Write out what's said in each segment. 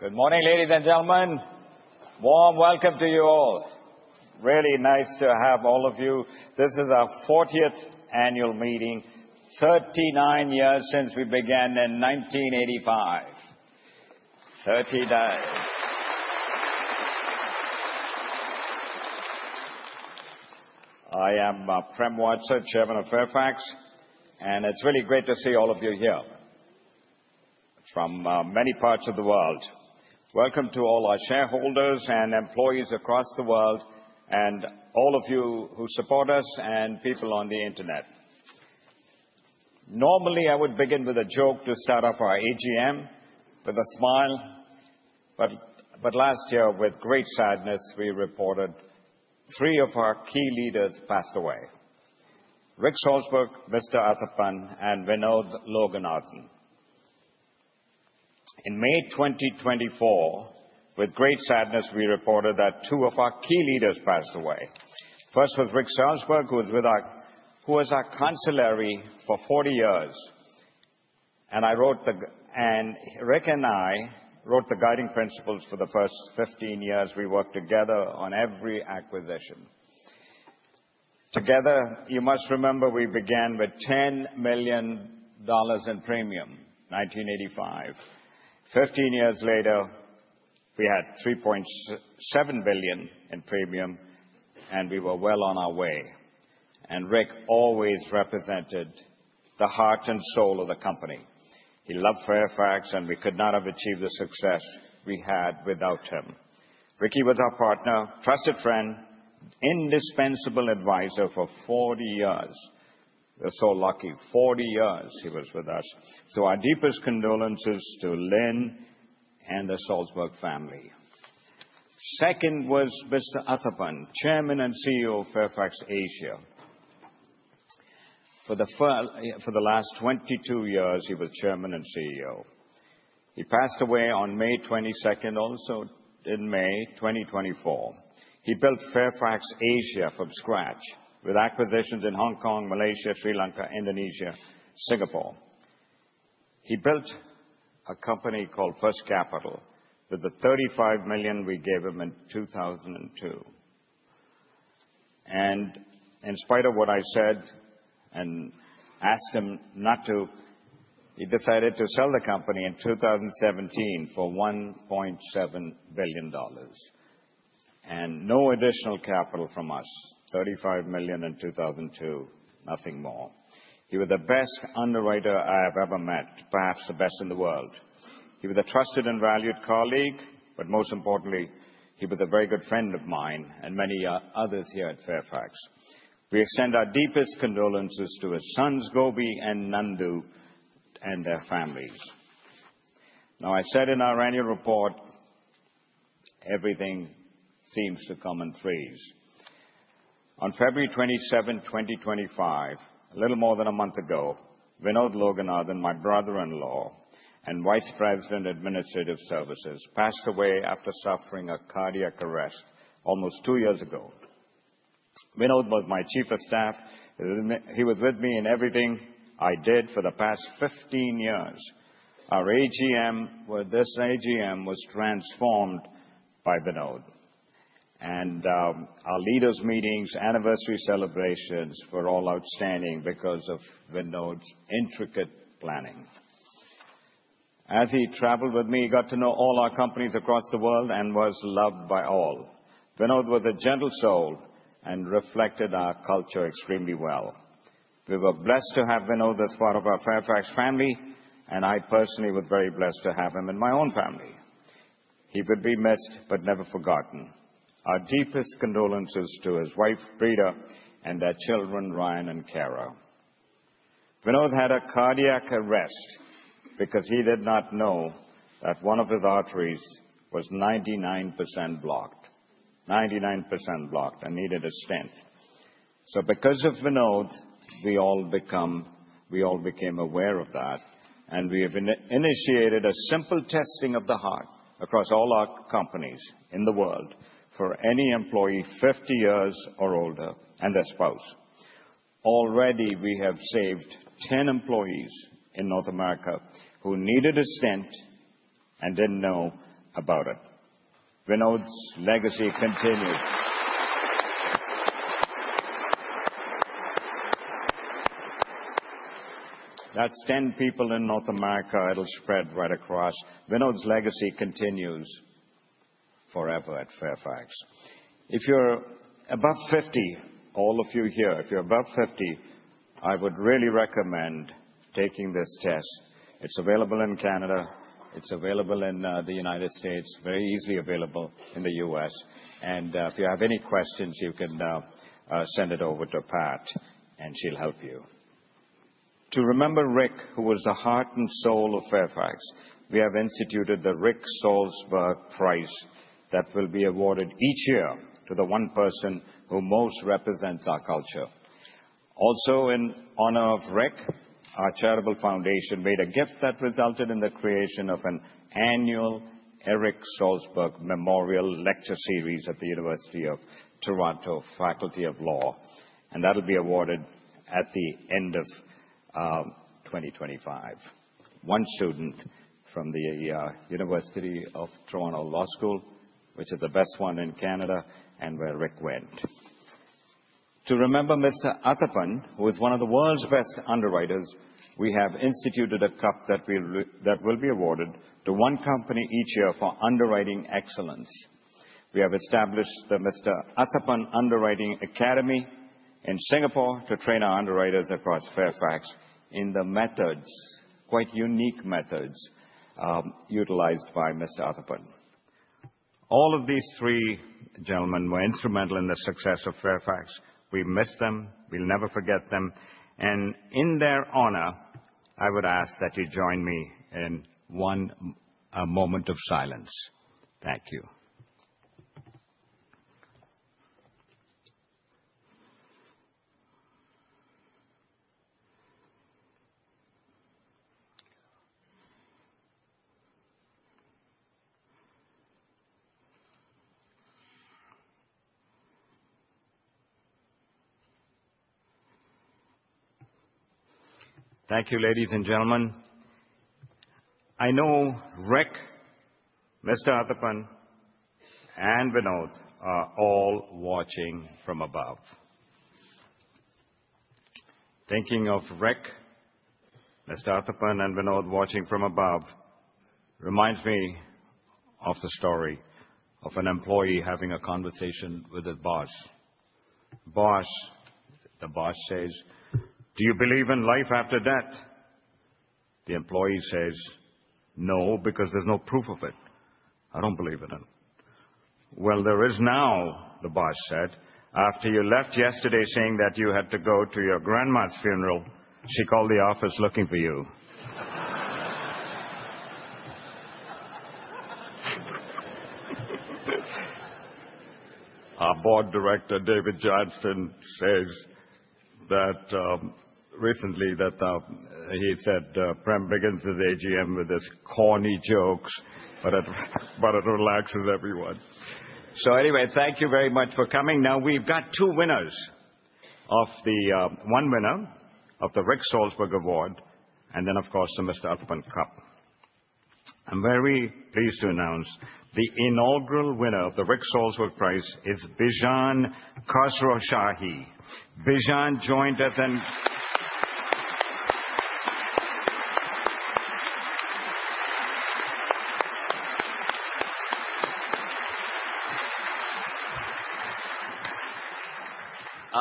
Good morning, ladies and gentlemen. Warm welcome to you all. Really nice to have all of you. This is our 40th annual meeting, 39 years since we began in 1985. Thirty days. I am Prem Watsa, Chairman of Fairfax, and it's really great to see all of you here from many parts of the world. Welcome to all our shareholders and employees across the world, and all of you who support us and people on the Internet. Normally, I would begin with a joke to start off our AGM with a smile, but last year, with great sadness, we reported three of our key leaders passed away: Rick Salsberg, Mr. Athappan, and Vinod Loganathan. In May 2024, with great sadness, we reported that two of our key leaders passed away. First was Rick Salsberg, who was our Counselor for 40 years, and Rick and I wrote the guiding principles for the first 15 years we worked together on every acquisition. Together, you must remember, we began with $10 million in premium in 1985. Fifteen years later, we had $3.7 billion in premium, and we were well on our way. And Rick always represented the heart and soul of the company. He loved Fairfax, and we could not have achieved the success we had without him. Ricky was our partner, trusted friend, indispensable advisor for 40 years. We were so lucky. 40 years he was with us. So our deepest condolences to Lynn and the Salsberg family. Second was Mr. Athappan, Chairman and CEO of Fairfax Asia. For the last 22 years, he was Chairman and CEO. He passed away on May 22nd, also in May 2024. He built Fairfax Asia from scratch with acquisitions in Hong Kong, Malaysia, Sri Lanka, Indonesia, and Singapore. He built a company called First Capital with the $35 million we gave him in 2002. And in spite of what I said and asked him not to, he decided to sell the company in 2017 for $1.7 billion and no additional capital from us. $35 million in 2002, nothing more. He was the best underwriter I have ever met, perhaps the best in the world. He was a trusted and valued colleague, but most importantly, he was a very good friend of mine and many others here at Fairfax. We extend our deepest condolences to his sons, Gobi, and Nandu, and their families. Now, I said in our annual report, everything seems to come in threes. On February 27, 2025, a little more than a month ago, Vinod Loganathan, my brother-in-law and Vice President, Administrative Services, passed away after suffering a cardiac arrest almost two years ago. Vinod was my chief of staff. He was with me in everything I did for the past 15 years. Our AGM, this AGM, was transformed by Vinod, and our leaders' meetings, anniversary celebrations, were all outstanding because of Vinod's intricate planning. As he traveled with me, he got to know all our companies across the world and was loved by all. Vinod was a gentle soul and reflected our culture extremely well. We were blessed to have Vinod as part of our Fairfax family, and I personally was very blessed to have him in my own family. He could be missed, but never forgotten. Our deepest condolences to his wife, Breda, and their children, Ryan and Cara. Vinod had a cardiac arrest because he did not know that one of his arteries was 99% blocked, 99% blocked, and needed a stent. So because of Vinod, we all became aware of that, and we have initiated a simple testing of the heart across all our companies in the world for any employee 50 years or older and their spouse. Already, we have saved 10 employees in North America who needed a stent and didn't know about it. Vinod's legacy continues. That's 10 people in North America. It'll spread right across. Vinod's legacy continues forever at Fairfax. If you're above 50, all of you here, if you're above 50, I would really recommend taking this test. It's available in Canada. It's available in the United States, very easily available in the U.S., and if you have any questions, you can send it over to Pat, and she'll help you. To remember Rick, who was the heart and soul of Fairfax, we have instituted the Rick Salsberg Prize that will be awarded each year to the one person who most represents our culture. Also, in honor of Rick, our charitable foundation made a gift that resulted in the creation of an annual Rick Salsberg Memorial Lecture Series at the University of Toronto Faculty of Law, and that'll be awarded at the end of 2025. One student from the University of Toronto Law School, which is the best one in Canada, and where Rick went. To remember Mr. Athappan, who is one of the world's best underwriters, we have instituted a cup that will be awarded to one company each year for underwriting excellence. We have established the Mr. Athappan Underwriting Academy in Singapore to train our underwriters across Fairfax in the methods, quite unique methods, utilized by Mr. Athappan. All of these three gentlemen were instrumental in the success of Fairfax. We miss them. We'll never forget them and in their honor, I would ask that you join me in one moment of silence. Thank you. Thank you, ladies and gentlemen. I know Rick, Mr. Athappan, and Vinod are all watching from above. Thinking of Rick, Mr. Athappan, and Vinod watching from above reminds me of the story of an employee having a conversation with his boss. Boss, the boss says, "Do you believe in life after death?" The employee says, "No, because there's no proof of it. I don't believe in it." "Well, there is now," the boss said. After you left yesterday saying that you had to go to your grandma's funeral, she called the office looking for you." Our Board Director, David Johnston, says recently that he said Prem begins his AGM with his corny jokes, but it relaxes everyone. So anyway, thank you very much for coming. Now, we've got two winners of the one winner of the Rick Salsberg award, and then, of course, the Mr. Athappan Cup. I'm very pleased to announce the inaugural winner of the Rick Salsberg Prize is Bijan Khosrowshahi. Bijan joined us and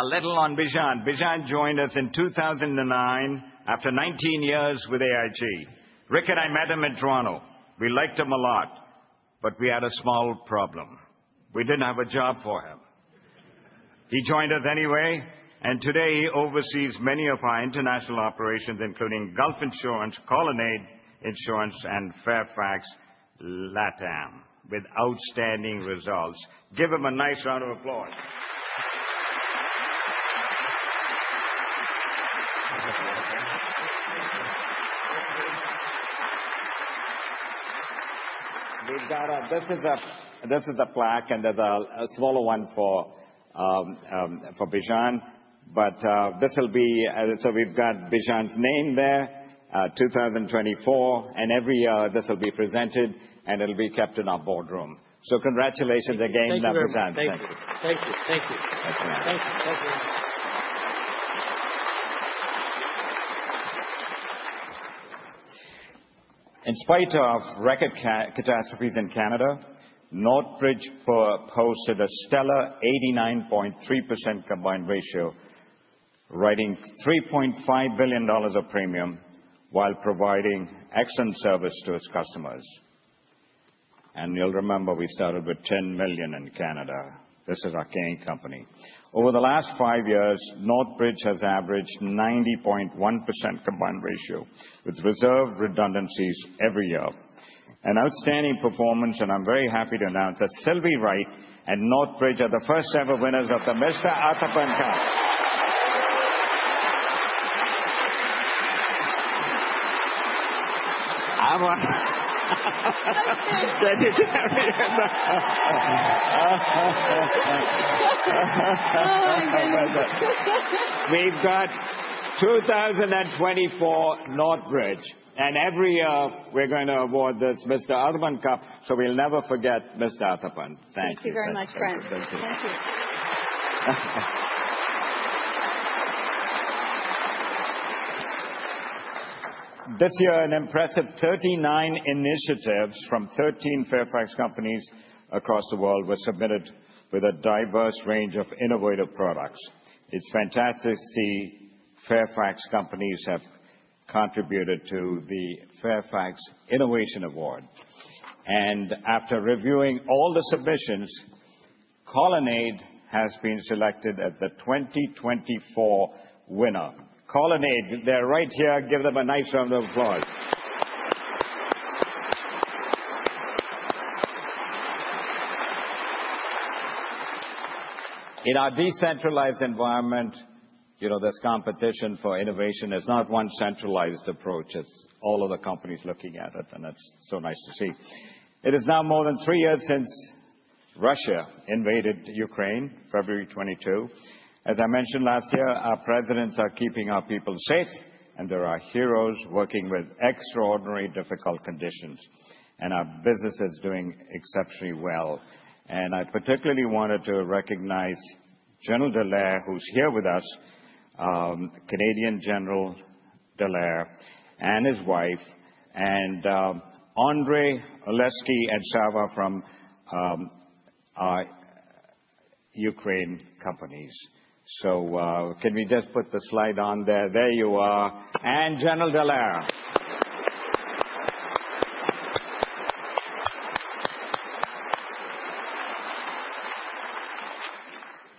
a little on Bijan. Bijan joined us in 2009 after 19 years with AIG. Rick and I met him in Toronto. We liked him a lot, but we had a small problem. We didn't have a job for him. He joined us anyway, and today he oversees many of our international operations, including Gulf Insurance, Colonnade Insurance, and Fairfax LATAM with outstanding results. Give him a nice round of applause. We've got a. This is a plaque, and there's a smaller one for Bijan. But this will be. So we've got Bijan's name there, 2024, and every year this will be presented, and it'll be kept in our boardroom. So congratulations again, Bijan. Thank you. Thank you. Thank you. In spite of record catastrophes in Canada, Northbridge posted a stellar 89.3% combined ratio, writing $3.5 billion of premium while providing excellent service to its customers, and you'll remember we started with $10 million in Canada. This is our king company. Over the last five years, Northbridge has averaged 90.1% combined ratio with reserve redundancies every year. An outstanding performance, and I'm very happy to announce that Silvy Wright and Northbridge are the first-ever winners of the Mr. Athappan Cup. We've got 2024 Northbridge, and every year we're going to award this Mr. Athappan Cup, so we'll never forget Mr. Athappan. Thank you. Thank you very much, Prem. Thank you. This year, an impressive 39 initiatives from 13 Fairfax companies across the world were submitted with a diverse range of innovative products. It's fantastic to see Fairfax companies have contributed to the Fairfax Innovation Award. And after reviewing all the submissions, Colonnade has been selected as the 2024 winner. Colonnade, they're right here. Give them a nice round of applause. In our decentralized environment, you know there's competition for innovation. It's not one centralized approach. It's all of the companies looking at it, and that's so nice to see. It is now more than three years since Russia invaded Ukraine, February 2022. As I mentioned last year, our presidents are keeping our people safe, and there are heroes working with extraordinarily difficult conditions, and our business is doing exceptionally well. I particularly wanted to recognize General Dallaire, who's here with us, Canadian General Dallaire, and his wife, and Andrey, Oleksiy, and Slava from Ukraine companies. So can we just put the slide on there? There you are. And General Dallaire.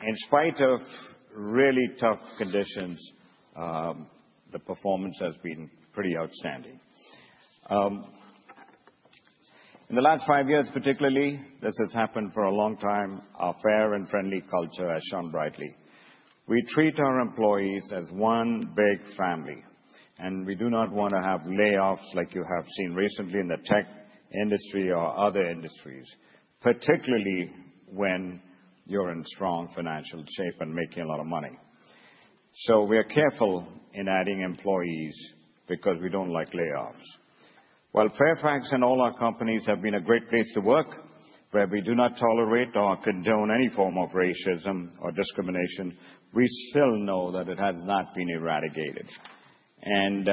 In spite of really tough conditions, the performance has been pretty outstanding. In the last five years, particularly, this has happened for a long time, our fair and friendly culture has shone brightly. We treat our employees as one big family, and we do not want to have layoffs like you have seen recently in the tech industry or other industries, particularly when you're in strong financial shape and making a lot of money. So we are careful in adding employees because we don't like layoffs. While Fairfax and all our companies have been a great place to work, where we do not tolerate or condone any form of racism or discrimination, we still know that it has not been eradicated, and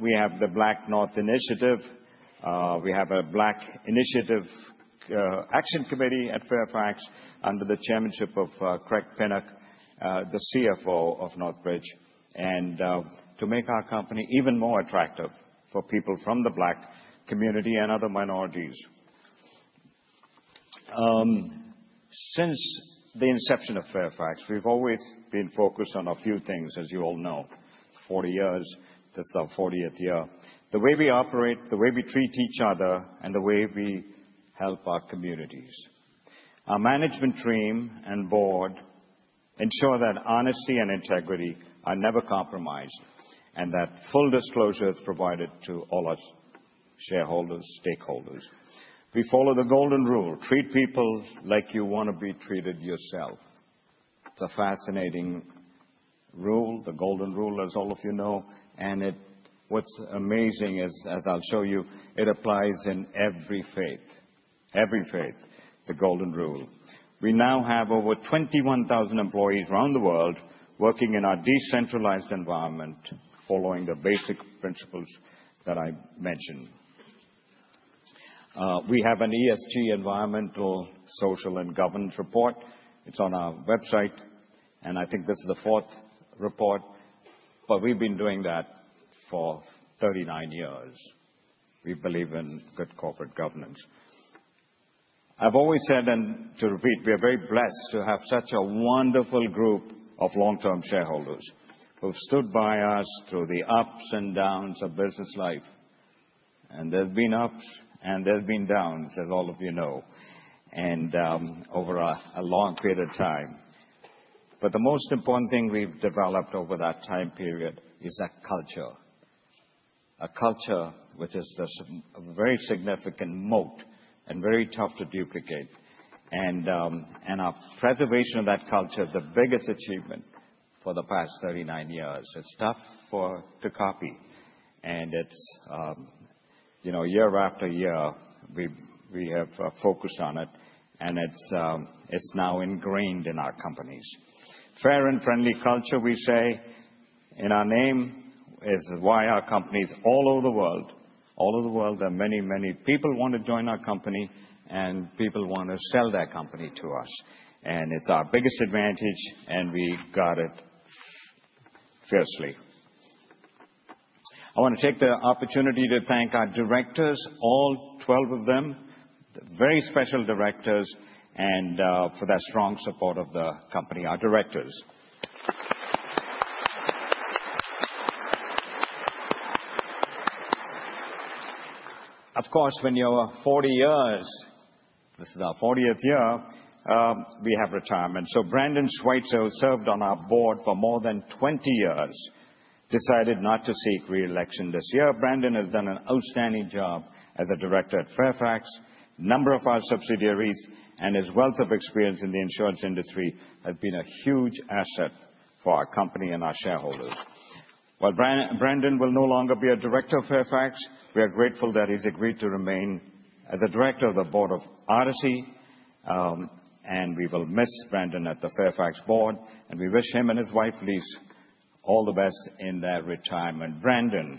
we have the BlackNorth Initiative. We have a Black Initiatives Action Committee at Fairfax under the chairmanship of Craig Pinnock, the CFO of Northbridge, to make our company even more attractive for people from the Black community and other minorities. Since the inception of Fairfax, we've always been focused on a few things, as you all know. 40 years. This is our 40th year. The way we operate, the way we treat each other, and the way we help our communities. Our management team and Board ensure that honesty and integrity are never compromised and that full disclosure is provided to all our shareholders, stakeholders. We follow the Golden Rule: treat people like you want to be treated yourself. It's a fascinating rule, the Golden Rule, as all of you know, and what's amazing is, as I'll show you, it applies in every faith, every faith, the Golden Rule. We now have over 21,000 employees around the world working in our decentralized environment following the basic principles that I mentioned. We have an ESG environmental, social, and governance report. It's on our website, and I think this is the fourth report, but we've been doing that for 39 years. We believe in good corporate governance. I've always said, and to repeat, we are very blessed to have such a wonderful group of long-term shareholders who've stood by us through the ups and downs of business life. And there have been ups, and there have been downs, as all of you know, and over a long period of time. But the most important thing we've developed over that time period is that culture, a culture which is a very significant moat and very tough to duplicate. And our preservation of that culture is the biggest achievement for the past 39 years. It's tough to copy, and it's, you know, year after year, we have focused on it, and it's now ingrained in our companies. Fair and friendly culture, we say in our name, is why our companies all over the world, all over the world, there are many, many people who want to join our company, and people want to sell their company to us. And it's our biggest advantage, and we got it fiercely. I want to take the opportunity to thank our directors, all 12 of them, very special directors, and for their strong support of the company, our directors. Of course, when you're 40 years, this is our 40th year, we have retirement. So Brandon Sweitzer, who served on our board for more than 20 years, decided not to seek reelection this year. Brandon has done an outstanding job as a Director at Fairfax. A number of our subsidiaries and his wealth of experience in the insurance industry have been a huge asset for our company and our shareholders. While Brandon will no longer be a director of Fairfax, we are grateful that he's agreed to remain as a director of the Board of Odyssey, and we will miss Brandon at the Fairfax Board, and we wish him and his wife, Lise, all the best in their retirement. Brandon.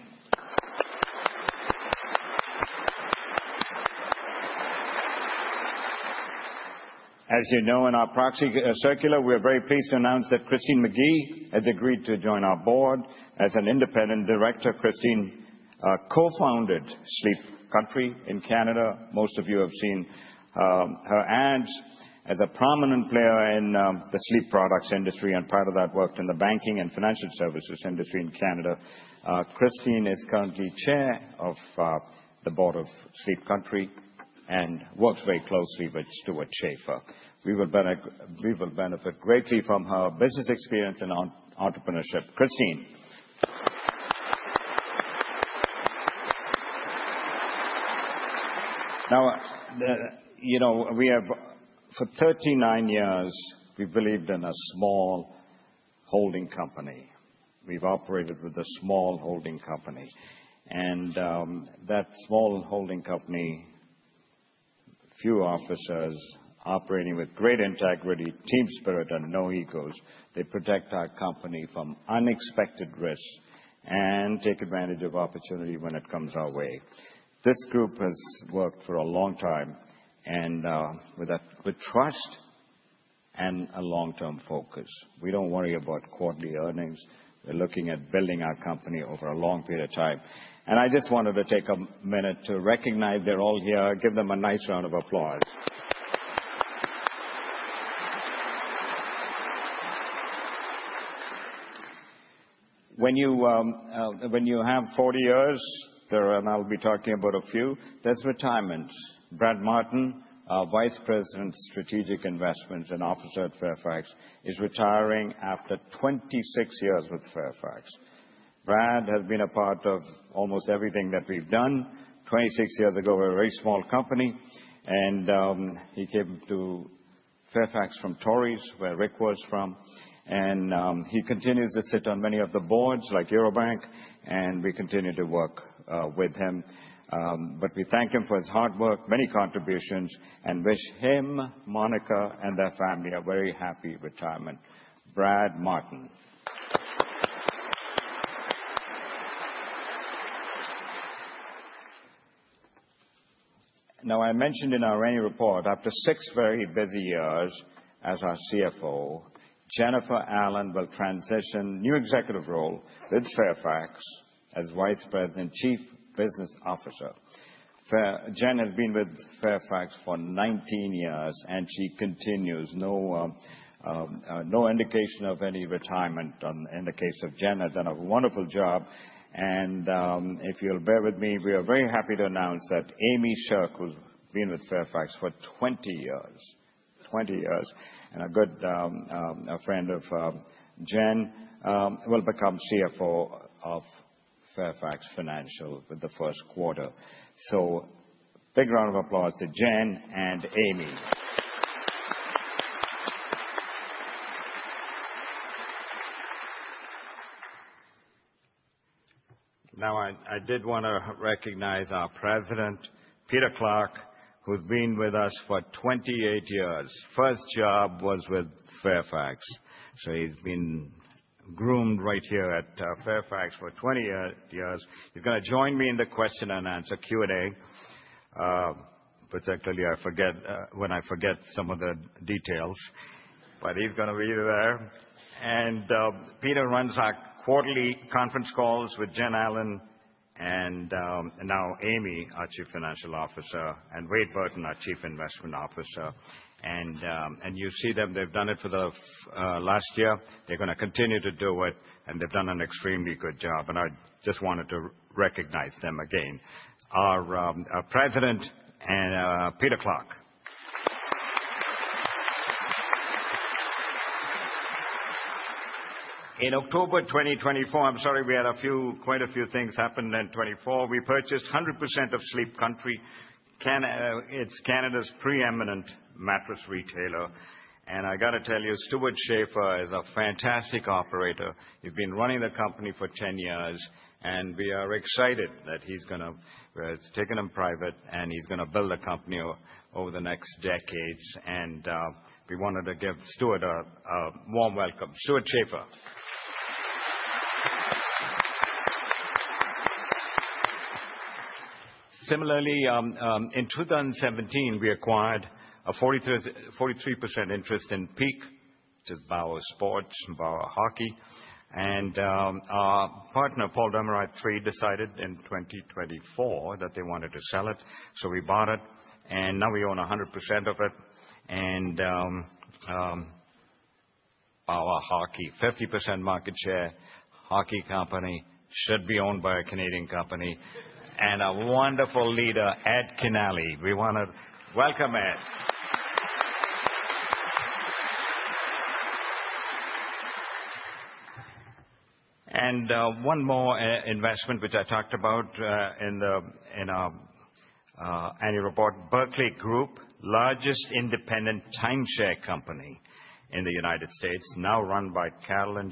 As you know, in our proxy circular, we are very pleased to announce that Christine Magee has agreed to join our board as an Independent Director. Christine co-founded Sleep Country in Canada. Most of you have seen her ads as a prominent player in the sleep products industry and part of that worked in the banking and financial services industry in Canada. Christine is currently Chair of the Board of Sleep Country and works very closely with Stewart Schaefer. We will benefit greatly from her business experience and entrepreneurship. Christine. Now, you know, we have for 39 years, we believed in a small holding company. We've operated with a small holding company, and that small holding company, few officers, operating with great integrity, team spirit, and no egos. They protect our company from unexpected risks and take advantage of opportunity when it comes our way. This group has worked for a long time and with trust and a long-term focus. We don't worry about quarterly earnings. We're looking at building our company over a long period of time, and I just wanted to take a minute to recognize they're all here. Give them a nice round of applause. When you have 40 years, and I'll be talking about a few, there's retirement. Brad Martin, Vice President, Strategic Investments, and Officer at Fairfax, is retiring after 26 years with Fairfax. Brad has been a part of almost everything that we've done. 26 years ago, we were a very small company, and he came to Fairfax from Torys, where Rick was from, and he continues to sit on many of the boards like Eurobank, and we continue to work with him. But we thank him for his hard work, many contributions, and wish him, Monica, and their family a very happy retirement. Brad Martin. Now, I mentioned in our annual report, after six very busy years as our CFO, Jennifer Allen will transition to a new executive role with Fairfax as Vice President, Chief Business Officer. Jen has been with Fairfax for 19 years, and she continues. No indication of any retirement in the case of Jen. Done a wonderful job. And if you'll bear with me, we are very happy to announce that Amy Sherk, who's been with Fairfax for 20 years, 20 years, and a good friend of Jen, will become CFO of Fairfax Financial with the first quarter. So big round of applause to Jen and Amy. Now, I did want to recognize our President, Peter Clarke, who's been with us for 28 years. First job was with Fairfax. So he's been groomed right here at Fairfax for 20 years. He's going to join me in the question and answer Q&A, particularly when I forget some of the details, but he's going to be there. And Peter runs our quarterly conference calls with Jen Allen and now Amy, our Chief Financial Officer, and Wade Burton, our Chief Investment Officer. And you see them. They've done it for the last year. They're going to continue to do it, and they've done an extremely good job. And I just wanted to recognize them again. Our President and Peter Clarke. In October 2024, I'm sorry, we had quite a few things happened in 2024. We purchased 100% of Sleep Country. It's Canada's preeminent mattress retailer. And I got to tell you, Stewart Schaefer is a fantastic operator. He's been running the company for 10 years, and we are excited that he's going to. We're taking him private, and he's going to build a company over the next decades. We wanted to give Stewart a warm welcome. Stewart Schaefer. Similarly, in 2017, we acquired a 43% interest in Peak, which is Bauer Sports and Bauer Hockey. Our partner, Paul Desmarais III, decided in 2024 that they wanted to sell it. So we bought it, and now we own 100% of it. Bauer Hockey, 50% market share, hockey company, should be owned by a Canadian company. A wonderful leader, Ed Kinnaly. We want to welcome Ed. One more investment, which I talked about in our annual report, Berkley Group, largest independent timeshare company in the United States, now run by Caroline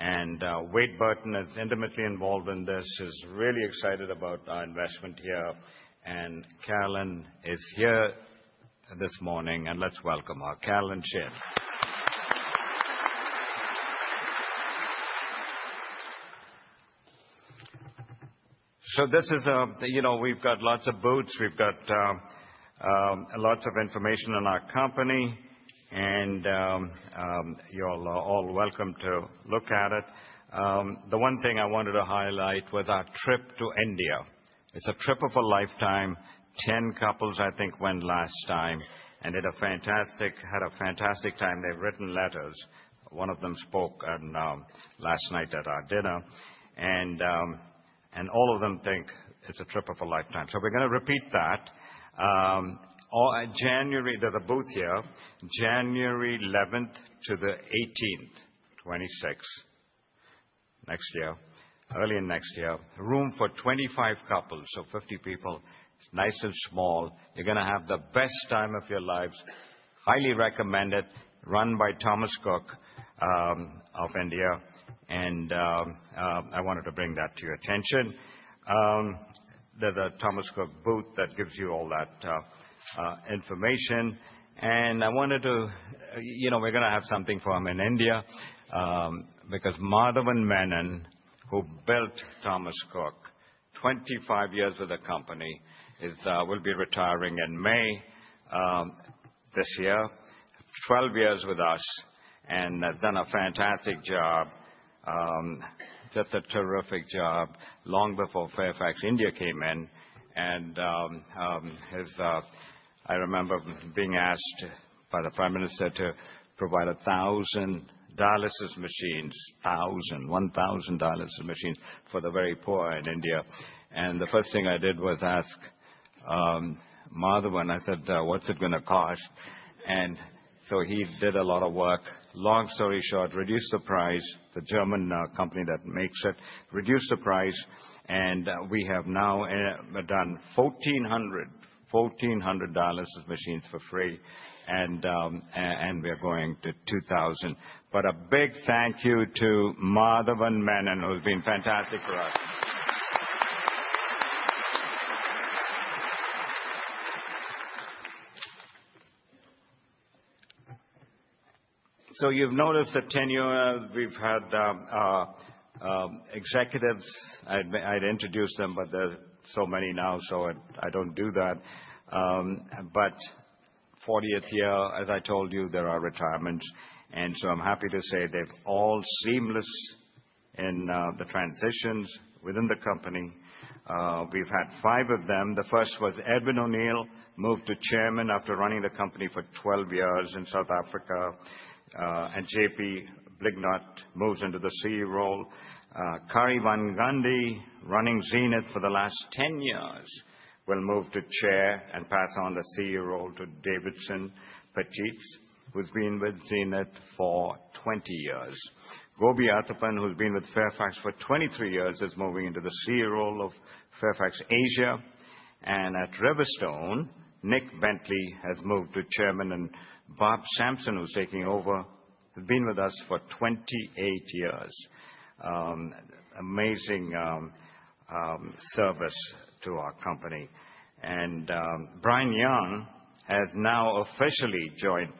Shin. Wade Burton is intimately involved in this, is really excited about our investment here. Caroline is here this morning, and let's welcome her. Caroline Shin. So this is, you know, we've got lots of booths. We've got lots of information on our company, and you're all welcome to look at it. The one thing I wanted to highlight was our trip to India. It's a trip of a lifetime. 10 couples, I think, went last time, and they had a fantastic time. They've written letters. One of them spoke last night at our dinner, and all of them think it's a trip of a lifetime. So we're going to repeat that. There's a booth here, January 11th to the 18th, 2026, early next year. Room for 25 couples, so 50 people. It's nice and small. You're going to have the best time of your lives. Highly recommend it. Run by Thomas Cook of India. And I wanted to bring that to your attention. There's a Thomas Cook booth that gives you all that information. And I wanted to, you know, we're going to have something for him in India because Madhavan Menon, who built Thomas Cook 25 years with the company, will be retiring in May this year, 12 years with us, and has done a fantastic job, just a terrific job, long before Fairfax India came in. And I remember being asked by the Prime Minister to provide a thousand dialysis machines, thousand, 1,000 dialysis machines for the very poor in India. And the first thing I did was ask Madhavan. I said, "What's it going to cost?" And so he did a lot of work. Long story short, reduced the price. The German company that makes it reduced the price. We have now done $1,400, $1,400 of machines for free, and we're going to $2,000. But a big thank you to Madhavan Menon, who's been fantastic for us. So you've noticed the 10 years, we've had executives. I'd introduce them, but there's so many now, so I don't do that. But 40th year, as I told you, there are retirements. And so I'm happy to say they've all seamless in the transitions within the company. We've had five of them. The first was Edwyn O'Neill, moved to Chairman after running the company for 12 years in South Africa. And JP Blignaut moves into the CEO role. Kari Van Gundy, running Zenith for the last 10 years, will move to Chair and pass on the CEO role to Davidson Pattiz, who's been with Zenith for 20 years. Gobi Athappan, who's been with Fairfax for 23 years, is moving into the CEO role of Fairfax Asia. And at RiverStone, Nick Bentley has moved to chairman, and Bob Sampson, who's taking over, has been with us for 28 years. Amazing service to our company. And Brian Young has now officially joined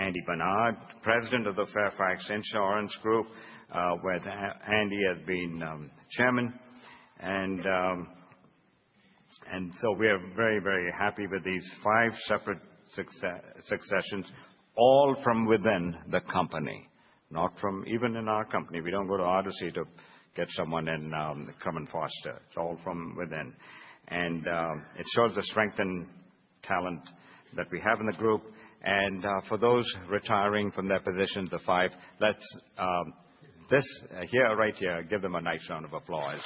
Andy Barnard, President of the Fairfax Insurance Group, where Andy has been chairman. And so we are very, very happy with these five separate successions, all from within the company, not from even in our company. We don't go to Odyssey to get someone in Crum & Forster. It's all from within. And it shows the strength and talent that we have in the group. And for those retiring from their positions, the five, let's, this year, right here, give them a nice round of applause.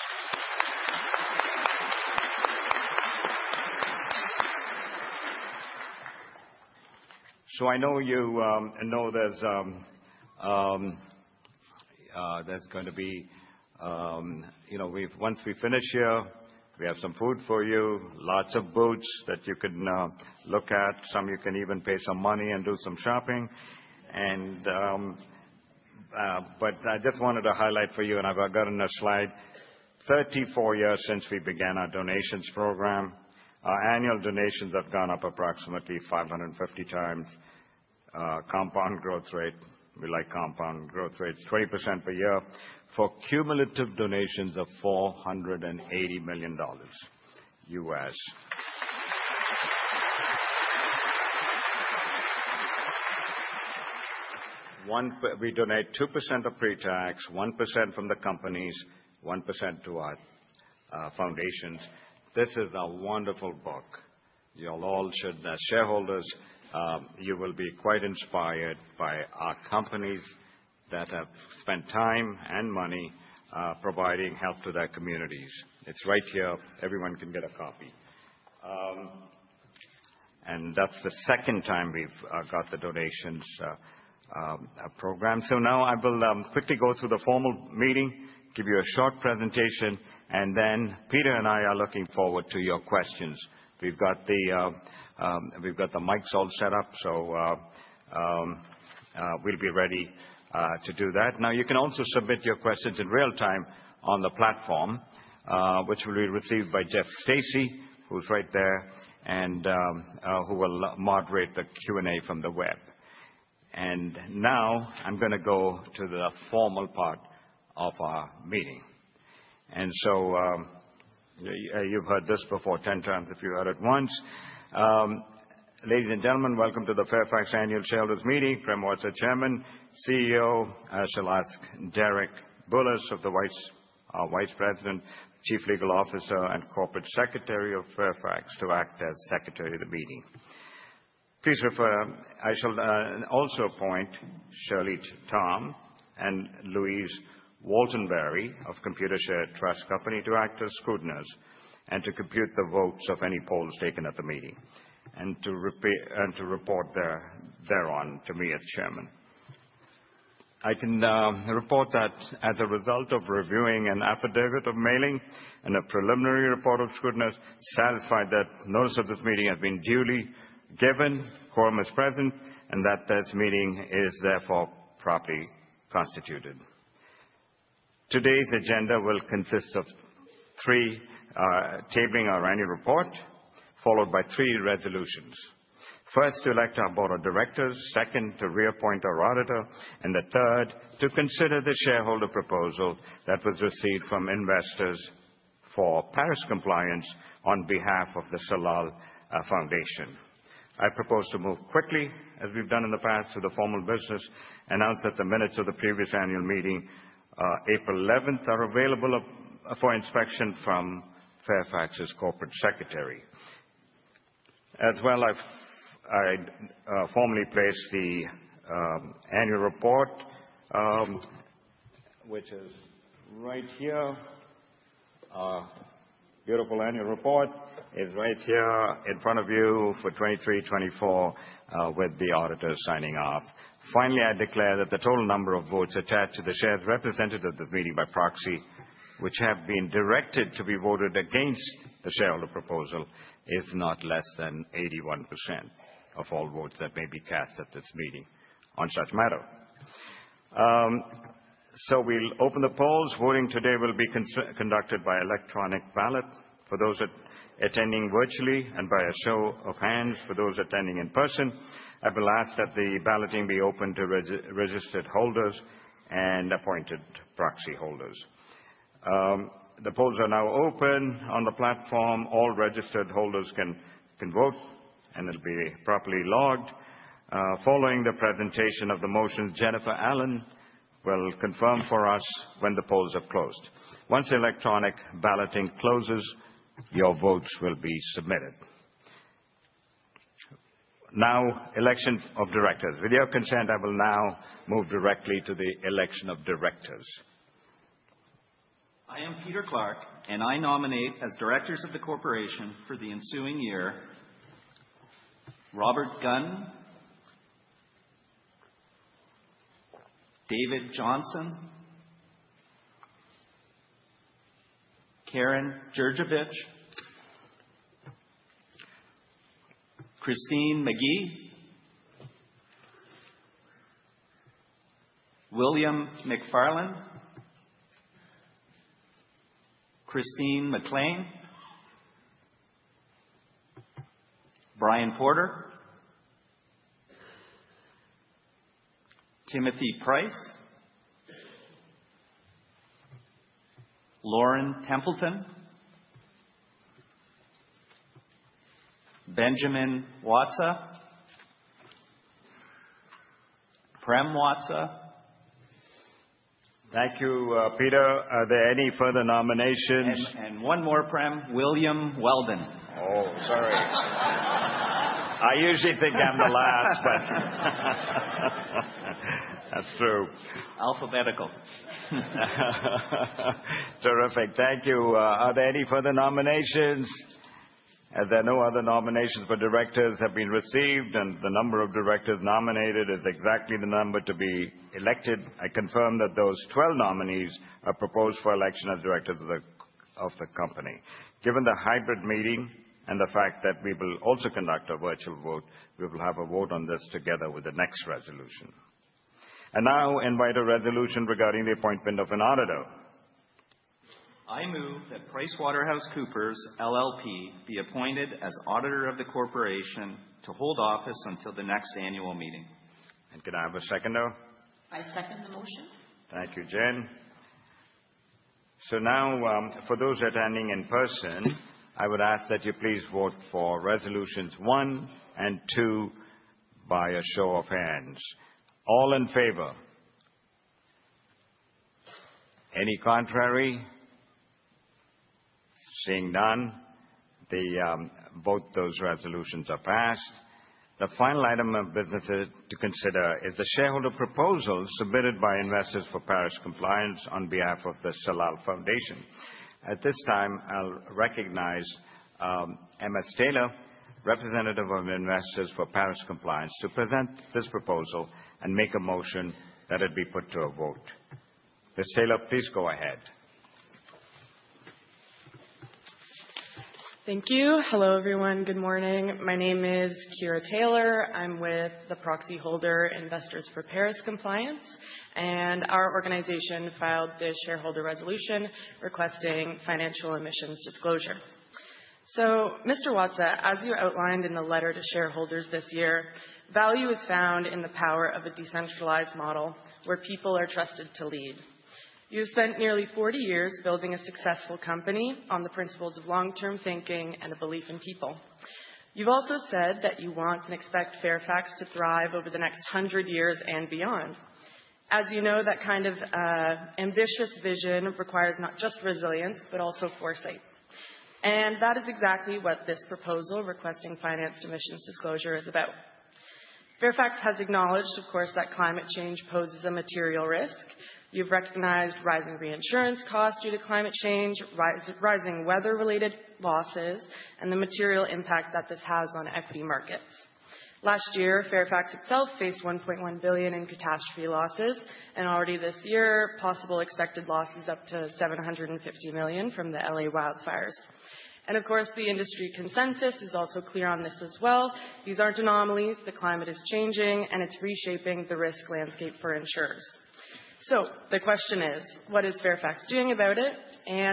So, I know you know there's going to be, you know, once we finish here, we have some food for you, lots of books that you can look at. Some you can even pay some money and do some shopping. But I just wanted to highlight for you, and I've gotten a slide: 34 years since we began our donations program. Our annual donations have gone up approximately 550 times. Compound growth rate—we like compound growth rates—20% per year for cumulative donations of $480 million. We donate 2% of pre-tax, 1% from the companies, 1% to our foundations. This is a wonderful book. You all should; shareholders, you will be quite inspired by our companies that have spent time and money providing help to their communities. It's right here. Everyone can get a copy, and that's the second time we've got the donations program. So now I will quickly go through the formal meeting, give you a short presentation, and then Peter and I are looking forward to your questions. We've got the mics all set up, so we'll be ready to do that. Now, you can also submit your questions in real time on the platform, which will be received by Jeff Stacey, who's right there, and who will moderate the Q&A from the web. And now I'm going to go to the formal part of our meeting. And so you've heard this before 10 times if you heard it once. Ladies and gentlemen, welcome to the Fairfax Annual Shareholders Meeting. Prem Watsa, Chairman, CEO, I shall ask Derek Bulas, Vice President, Chief Legal Officer and Corporate Secretary of Fairfax to act as Secretary of the Meeting. Please refer. I shall also appoint Shirley Tom and Louise Waltenbury of Computershare Trust Company of Canada to act as scrutineers and to compute the votes of any polls taken at the meeting and to report thereon to me as Chairman. I can report that as a result of reviewing an affidavit of mailing and a preliminary report of scrutineers, satisfied that notice of this meeting has been duly given, quorum is present, and that this meeting is therefore properly constituted. Today's agenda will consist of three: tabling our annual report, followed by three resolutions. First, to elect our Board of Directors. Second, to reappoint our auditor. And the third, to consider the shareholder proposal that was received from Investors for Paris Compliance on behalf of the Salal Foundation. I propose to move quickly, as we've done in the past, to the formal business, announce that the minutes of the previous annual meeting, April 11th, are available for inspection from Fairfax's Corporate Secretary. As well, I formally place the annual report, which is right here. Our beautiful annual report is right here in front of you for 2023-2024 with the auditor signing off. Finally, I declare that the total number of votes attached to the shares represented at this meeting by proxy, which have been directed to be voted against the shareholder proposal, is not less than 81% of all votes that may be cast at this meeting on such matter. So we'll open the polls. Voting today will be conducted by electronic ballot for those attending virtually and by a show of hands for those attending in person. I will ask that the balloting be open to registered holders and appointed proxy holders. The polls are now open on the platform. All registered holders can vote, and it'll be properly logged. Following the presentation of the motions, Jennifer Allen will confirm for us when the polls have closed. Once electronic balloting closes, your votes will be submitted. Now, election of directors. With your consent, I will now move directly to the election of directors. I am Peter Clarke, and I nominate as Directors of the corporation for the ensuing year, Robert Gunn, David Johnston, Karen Jurjevich, Christine Magee, William McFarland, Christine McLean, Brian Porter, Timothy Price, Lauren Templeton, Benjamin Watsa, Prem Watsa. Thank you, Peter. Are there any further nominations? And one more, Prem, William Weldon. Oh, sorry. I usually think I'm the last, but that's true. Alphabetical. Terrific. Thank you. Are there any further nominations? Are there no other nominations for directors that have been received? The number of directors nominated is exactly the number to be elected. I confirm that those 12 nominees are proposed for election as directors of the company. Given the hybrid meeting and the fact that we will also conduct a virtual vote, we will have a vote on this together with the next resolution. Now, invite a resolution regarding the appointment of an auditor. I move that PricewaterhouseCoopers LLP be appointed as auditor of the corporation to hold office until the next annual meeting. Can I have a seconder? I second the motion. Thank you, Jen. For those attending in person, I would ask that you please vote for resolutions one and two by a show of hands. All in favor? Any contrary? Seeing none, both those resolutions are passed. The final item of business to consider is the shareholder proposal submitted by Investors for Paris Compliance on behalf of The Salal Foundation. At this time, I'll recognize Ms. Taylor, representative of Investors for Paris Compliance, to present this proposal and make a motion that it be put to a vote. Ms. Taylor, please go ahead. Thank you. Hello, everyone. Good morning. My name is Kiera Taylor. I'm with the proxy holder, Investors for Paris Compliance, and our organization filed this shareholder resolution requesting financed emissions disclosure. So, Mr. Watsa, as you outlined in the letter to shareholders this year, value is found in the power of a decentralized model where people are trusted to lead. You've spent nearly 40 years building a successful company on the principles of long-term thinking and a belief in people. You've also said that you want and expect Fairfax to thrive over the next 100 years and beyond. As you know, that kind of ambitious vision requires not just resilience, but also foresight. And that is exactly what this proposal requesting financed emissions disclosure is about. Fairfax has acknowledged, of course, that climate change poses a material risk. You've recognized rising reinsurance costs due to climate change, rising weather-related losses, and the material impact that this has on equity markets. Last year, Fairfax itself faced $1.1 billion in catastrophe losses. And already this year, possible expected losses up to $750 million from the L.A. wildfires. And of course, the industry consensus is also clear on this as well. These aren't anomalies. The climate is changing, and it's reshaping the risk landscape for insurers. So the question is, what is Fairfax doing about it?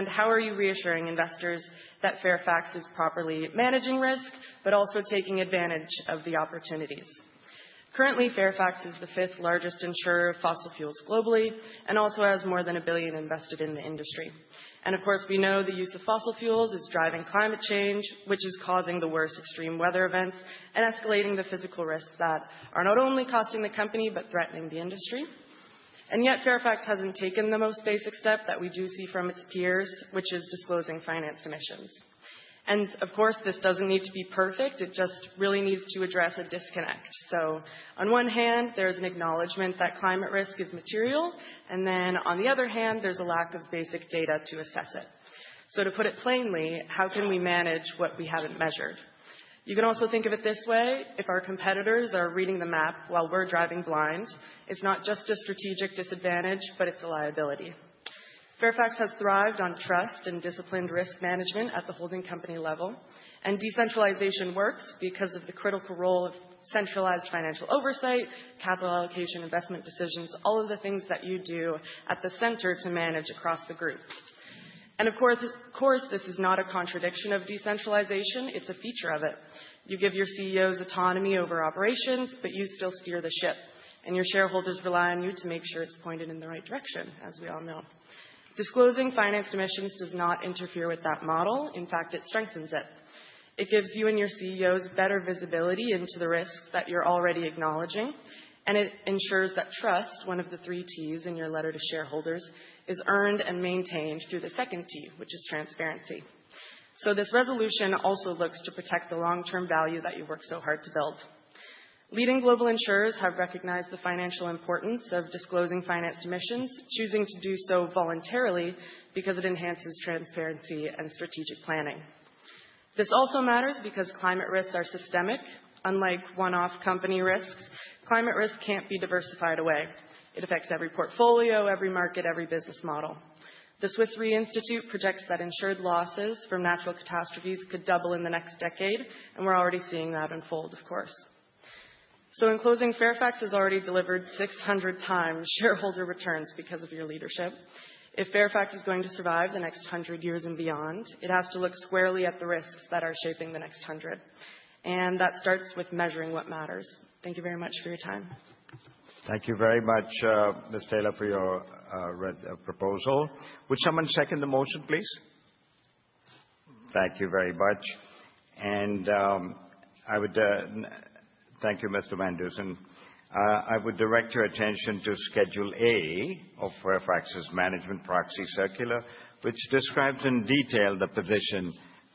How are you reassuring investors that Fairfax is properly managing risk, but also taking advantage of the opportunities? Currently, Fairfax is the fifth largest insurer of fossil fuels globally and also has more than $1 billion invested in the industry. Of course, we know the use of fossil fuels is driving climate change, which is causing the worst extreme weather events and escalating the physical risks that are not only costing the company, but threatening the industry. Yet, Fairfax hasn't taken the most basic step that we do see from its peers, which is disclosing financed emissions. Of course, this doesn't need to be perfect. It just really needs to address a disconnect. On one hand, there is an acknowledgment that climate risk is material. Then on the other hand, there's a lack of basic data to assess it. So to put it plainly, how can we manage what we haven't measured? You can also think of it this way. If our competitors are reading the map while we're driving blind, it's not just a strategic disadvantage, but it's a liability. Fairfax has thrived on trust and disciplined risk management at the holding company level. And decentralization works because of the critical role of centralized financial oversight, capital allocation, investment decisions, all of the things that you do at the center to manage across the group. And of course, this is not a contradiction of decentralization. It's a feature of it. You give your CEOs autonomy over operations, but you still steer the ship. And your shareholders rely on you to make sure it's pointed in the right direction, as we all know. Disclosing financed emissions does not interfere with that model. In fact, it strengthens it. It gives you and your CEOs better visibility into the risks that you're already acknowledging. And it ensures that trust, one of the three T's in your letter to shareholders, is earned and maintained through the second T, which is transparency. So this resolution also looks to protect the long-term value that you work so hard to build. Leading global insurers have recognized the financial importance of disclosing financed emissions, choosing to do so voluntarily because it enhances transparency and strategic planning. This also matters because climate risks are systemic. Unlike one-off company risks, climate risk can't be diversified away. It affects every portfolio, every market, every business model. The Swiss Re Institute projects that insured losses from natural catastrophes could double in the next decade. And we're already seeing that unfold, of course. So in closing, Fairfax has already delivered 600-time shareholder returns because of your leadership. If Fairfax is going to survive the next 100 years and beyond, it has to look squarely at the risks that are shaping the next 100. And that starts with measuring what matters. Thank you very much for your time. Thank you very much, Ms. Taylor, for your proposal. Would someone second the motion, please? Thank you very much. And I would thank you, Mr. Van Dusen. I would direct your attention to Schedule A of Fairfax's Management Proxy Circular, which describes in detail the position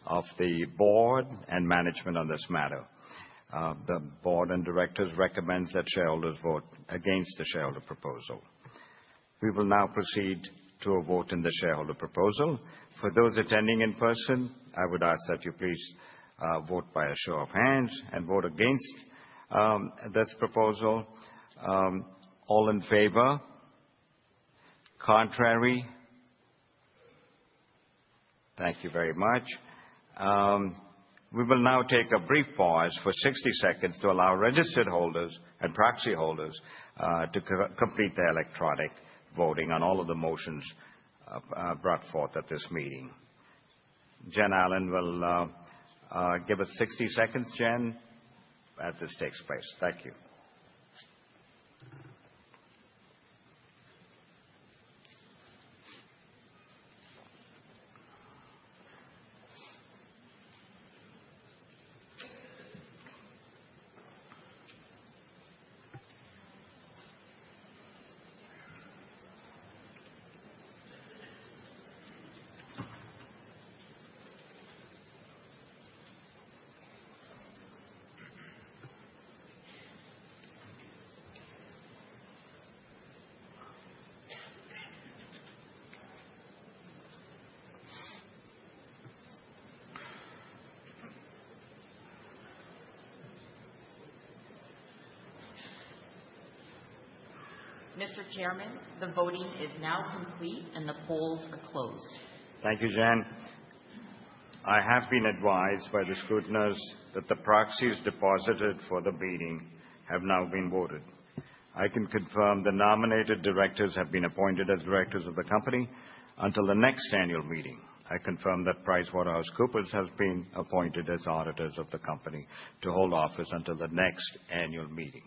of the board and management on this matter. The board and directors recommend that shareholders vote against the shareholder proposal. We will now proceed to a vote on the shareholder proposal. For those attending in person, I would ask that you please vote by a show of hands and vote against this proposal. All in favor? Contrary? Thank you very much. We will now take a brief pause for 60 seconds to allow registered holders and proxy holders to complete their electronic voting on all of the motions brought forth at this meeting. Jen Allen will give us 60 seconds, Jen, at this stage please. Thank you. Mr. Chairman, the voting is now complete and the polls are closed. Thank you, Jen. I have been advised by the scrutinizers that the proxies deposited for the meeting have now been voted. I can confirm the nominated directors have been appointed as Directors of the company until the next annual meeting. I confirm that PricewaterhouseCoopers has been appointed as auditors of the company to hold office until the next annual meeting.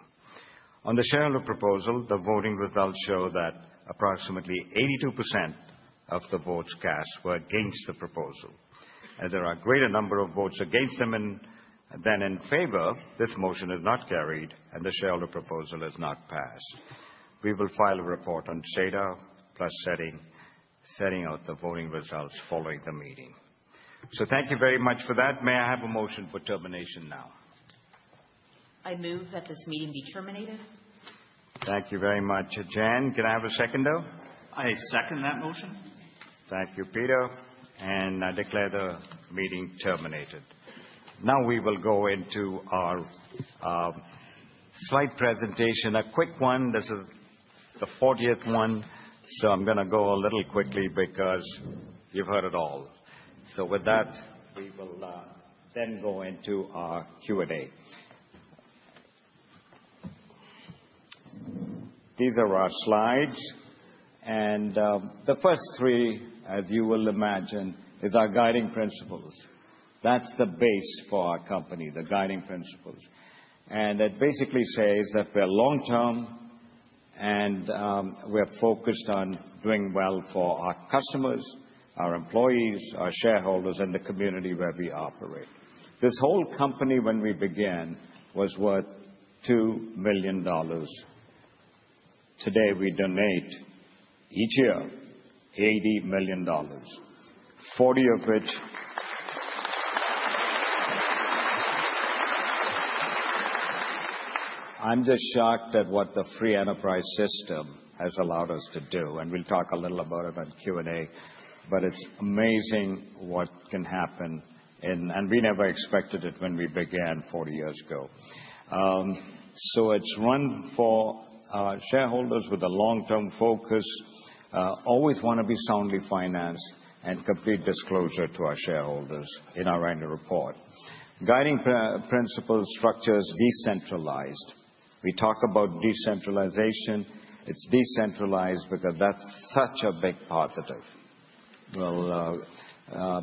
On the shareholder proposal, the voting results show that approximately 82% of the votes cast were against the proposal. And there are a greater number of votes against them than in favor. This motion is not carried, and the shareholder proposal is not passed. We will file a report on SEDAR+ setting out the voting results following the meeting. So thank you very much for that. May I have a motion for termination now? I move that this meeting be terminated. Thank you very much, Jen. Can I have a seconder? I second that motion. Thank you, Peter. And I declare the meeting terminated. Now we will go into our slide presentation, a quick one. This is the 40th one. So I'm going to go a little quickly because you've heard it all. So with that, we will then go into our Q&A. These are our slides. And the first three, as you will imagine, are our guiding principles. That's the base for our company, the guiding principles. It basically says that we're long-term and we're focused on doing well for our customers, our employees, our shareholders, and the community where we operate. This whole company, when we began, was worth $2 million. Today, we donate each year $80 million, $40 million of which I'm just shocked at what the free enterprise system has allowed us to do. We'll talk a little about it on Q&A. It's amazing what can happen. We never expected it when we began 40 years ago. It's run for shareholders with a long-term focus, always want to be soundly financed, and complete disclosure to our shareholders in our annual report. Guiding principle structure is decentralized. We talk about decentralization. It's decentralized because that's such a big positive. We'll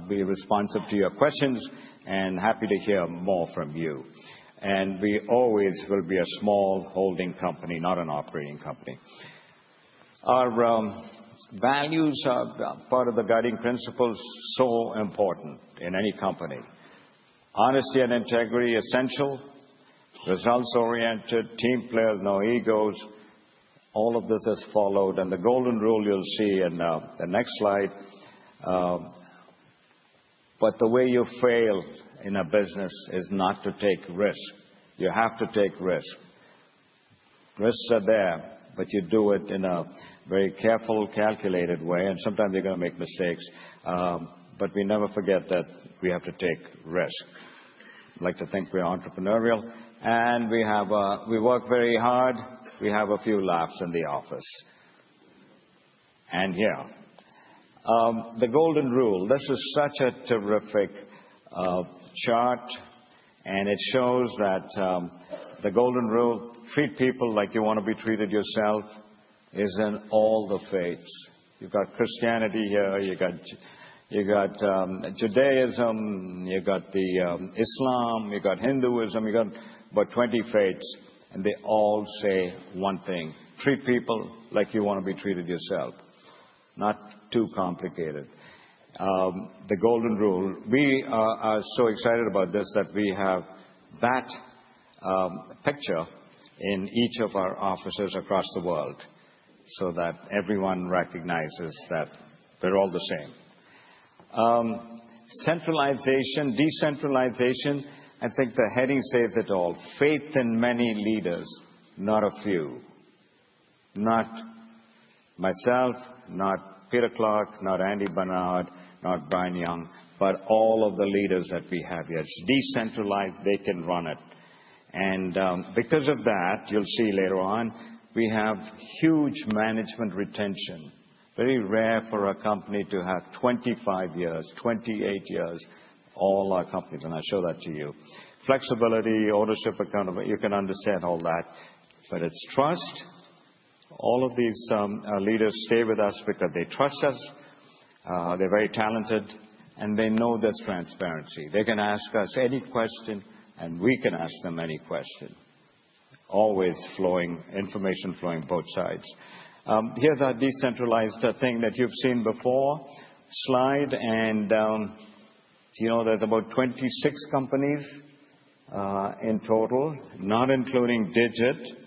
be responsive to your questions and happy to hear more from you. We always will be a small holding company, not an operating company. Our values are part of the guiding principles so important in any company. Honesty and integrity are essential. Results-oriented, team players, no egos. All of this has followed, and the Golden Rule you'll see in the next slide, but the way you fail in a business is not to take risk. You have to take risk. Risks are there, but you do it in a very careful, calculated way, and sometimes you're going to make mistakes, but we never forget that we have to take risk. I'd like to think we're entrepreneurial, and we work very hard. We have a few laughs in the office, and here, the Golden Rule. This is such a terrific chart, and it shows that the Golden Rule, treat people like you want to be treated yourself, is in all the faiths. You've got Christianity here. You've got Judaism. You've got the Islam. You've got Hinduism. You've got about 20 faiths, and they all say one thing. Treat people like you want to be treated yourself. Not too complicated. The golden rule. We are so excited about this that we have that picture in each of our offices across the world so that everyone recognizes that we're all the same. Centralization, decentralization. I think the heading says it all. Faith in many leaders, not a few. Not myself, not Peter Clarke, not Andy Barnard, not Brian Young, but all of the leaders that we have here. It's decentralized. They can run it, and because of that, you'll see later on, we have huge management retention. Very rare for a company to have 25 years, 28 years, all our companies, and I'll show that to you. Flexibility, ownership, accountability. You can understand all that. But it's trust. All of these leaders stay with us because they trust us. They're very talented. And they know there's transparency. They can ask us any question, and we can ask them any question. Always flowing information, flowing both sides. Here's our decentralized thing that you've seen before. Slide. And you know there's about 26 companies in total, not including Digit,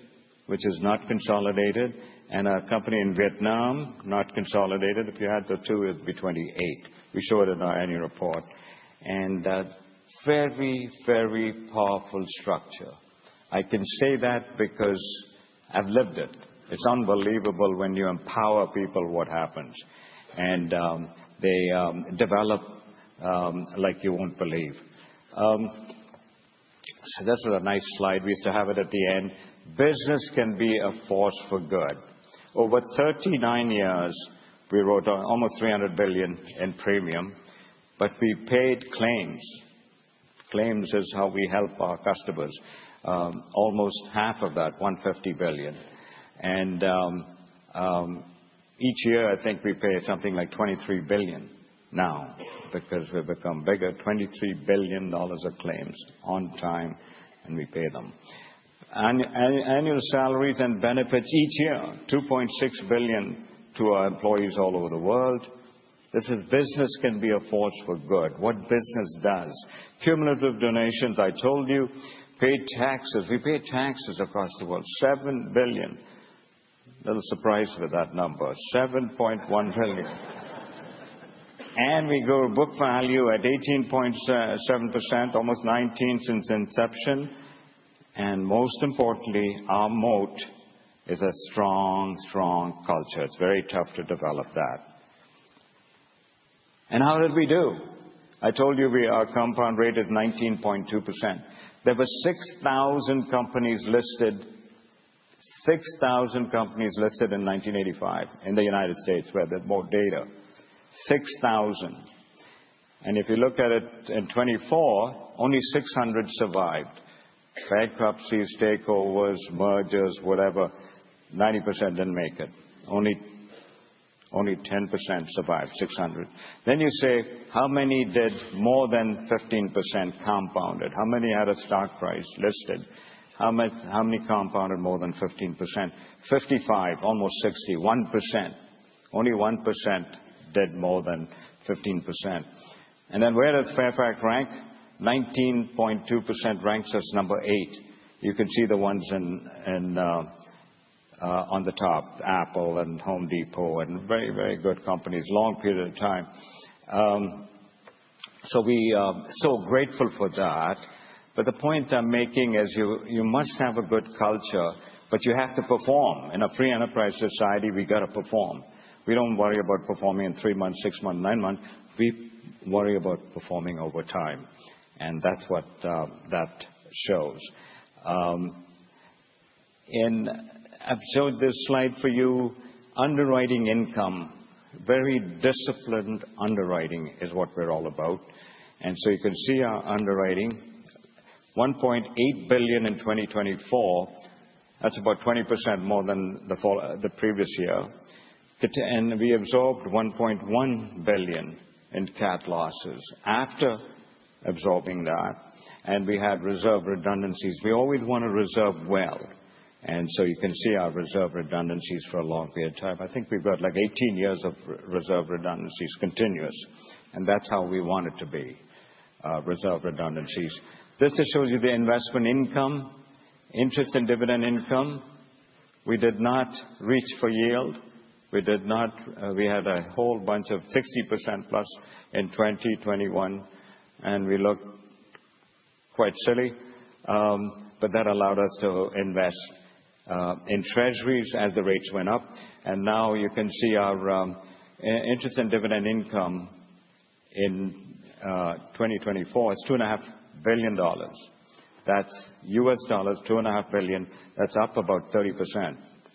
which is not consolidated, and a company in Vietnam, not consolidated. If you add the two, it'd be 28. We show it in our annual report. And very, very powerful structure. I can say that because I've lived it. It's unbelievable when you empower people, what happens. And they develop like you won't believe. So this is a nice slide. We used to have it at the end. Business can be a force for good. Over 39 years, we wrote almost $300 billion in premium. But we paid claims. Claims is how we help our customers. Almost half of that, $150 billion. And each year, I think we pay something like $23 billion now because we've become bigger. $23 billion of claims on time, and we pay them. Annual salaries and benefits each year, $2.6 billion to our employees all over the world. This is business can be a force for good. What business does? Cumulative donations, I told you. Paid taxes. We pay taxes across the world. $7 billion. A little surprised with that number. $7.1 billion. And we grow book value at 18.7%, almost 19% since inception. And most importantly, our moat is a strong, strong culture. It's very tough to develop that. And how did we do? I told you we are compound rated 19.2%. There were 6,000 companies listed: 6,000 companies listed in 1985 in the United States where there's more data, 6,000. And if you look at it in 2024, only 600 survived: bankruptcies, takeovers, mergers, whatever. 90% didn't make it. Only 10% survived, 600. Then you say, how many did more than 15% compounded? How many had a stock price listed? How many compounded more than 15%? 55, almost 60. 1%. Only 1% did more than 15%, and then where does Fairfax rank? 19.2% ranks us number eight. You can see the ones on the top: Apple and Home Depot and very, very good companies. Long period of time, so we're so grateful for that, but the point I'm making is you must have a good culture, but you have to perform. In a free enterprise society, we've got to perform. We don't worry about performing in three months, six months, nine months. We worry about performing over time. And that's what that shows. And I've showed this slide for you. Underwriting income, very disciplined underwriting is what we're all about. And so you can see our underwriting. $1.8 billion in 2024. That's about 20% more than the previous year. And we absorbed $1.1 billion in cat losses after absorbing that. And we had reserve redundancies. We always want to reserve well. And so you can see our reserve redundancies for a long period of time. I think we've got like 18 years of reserve redundancies continuous. And that's how we want it to be, reserve redundancies. This just shows you the investment income, interest and dividend income. We did not reach for yield. We had a whole bunch of 60+% in 2021. And we looked quite silly. But that allowed us to invest in treasuries as the rates went up. And now you can see our interest and dividend income in 2024 is $2.5 billion. That's U.S. dollars, $2.5 billion. That's up about 30%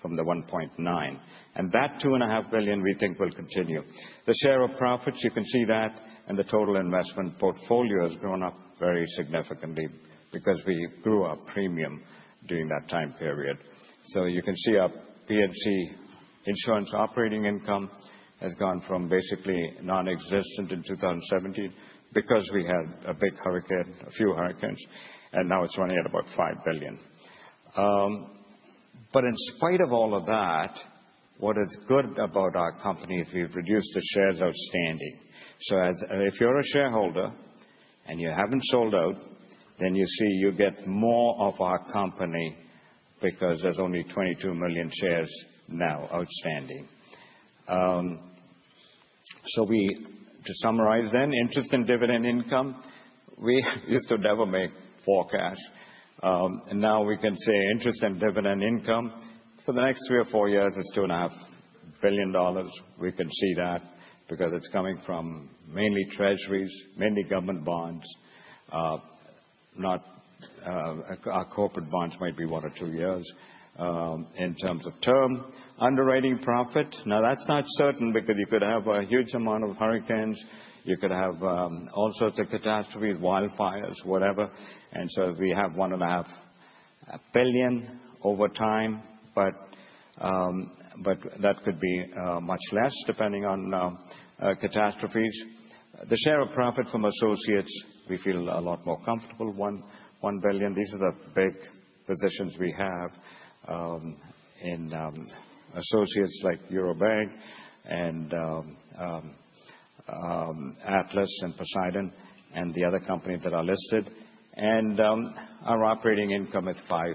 from the $1.9 billion. And that $2.5 billion, we think, will continue. The share of profits, you can see that. And the total investment portfolio has grown up very significantly because we grew our premium during that time period. So you can see our P&C insurance operating income has gone from basically nonexistent in 2017 because we had a big hurricane, a few hurricanes. And now it's running at about $5 billion. But in spite of all of that, what is good about our companies, we've reduced the shares outstanding. So if you're a shareholder and you haven't sold out, then you see you get more of our company because there's only 22 million shares now outstanding. So to summarize then, interest and dividend income, we used to never make forecasts. And now we can say interest and dividend income for the next three or four years is $2.5 billion. We can see that because it's coming from mainly treasuries, mainly government bonds. Our corporate bonds might be one or two years in terms of term. Underwriting profit. Now, that's not certain because you could have a huge amount of hurricanes. You could have all sorts of catastrophes, wildfires, whatever. And so we have $1.5 billion over time. But that could be much less depending on catastrophes. The share of profit from associates, we feel a lot more comfortable. $1 billion. These are the big positions we have in associates like Eurobank and Atlas and Poseidon and the other companies that are listed. Our operating income is $5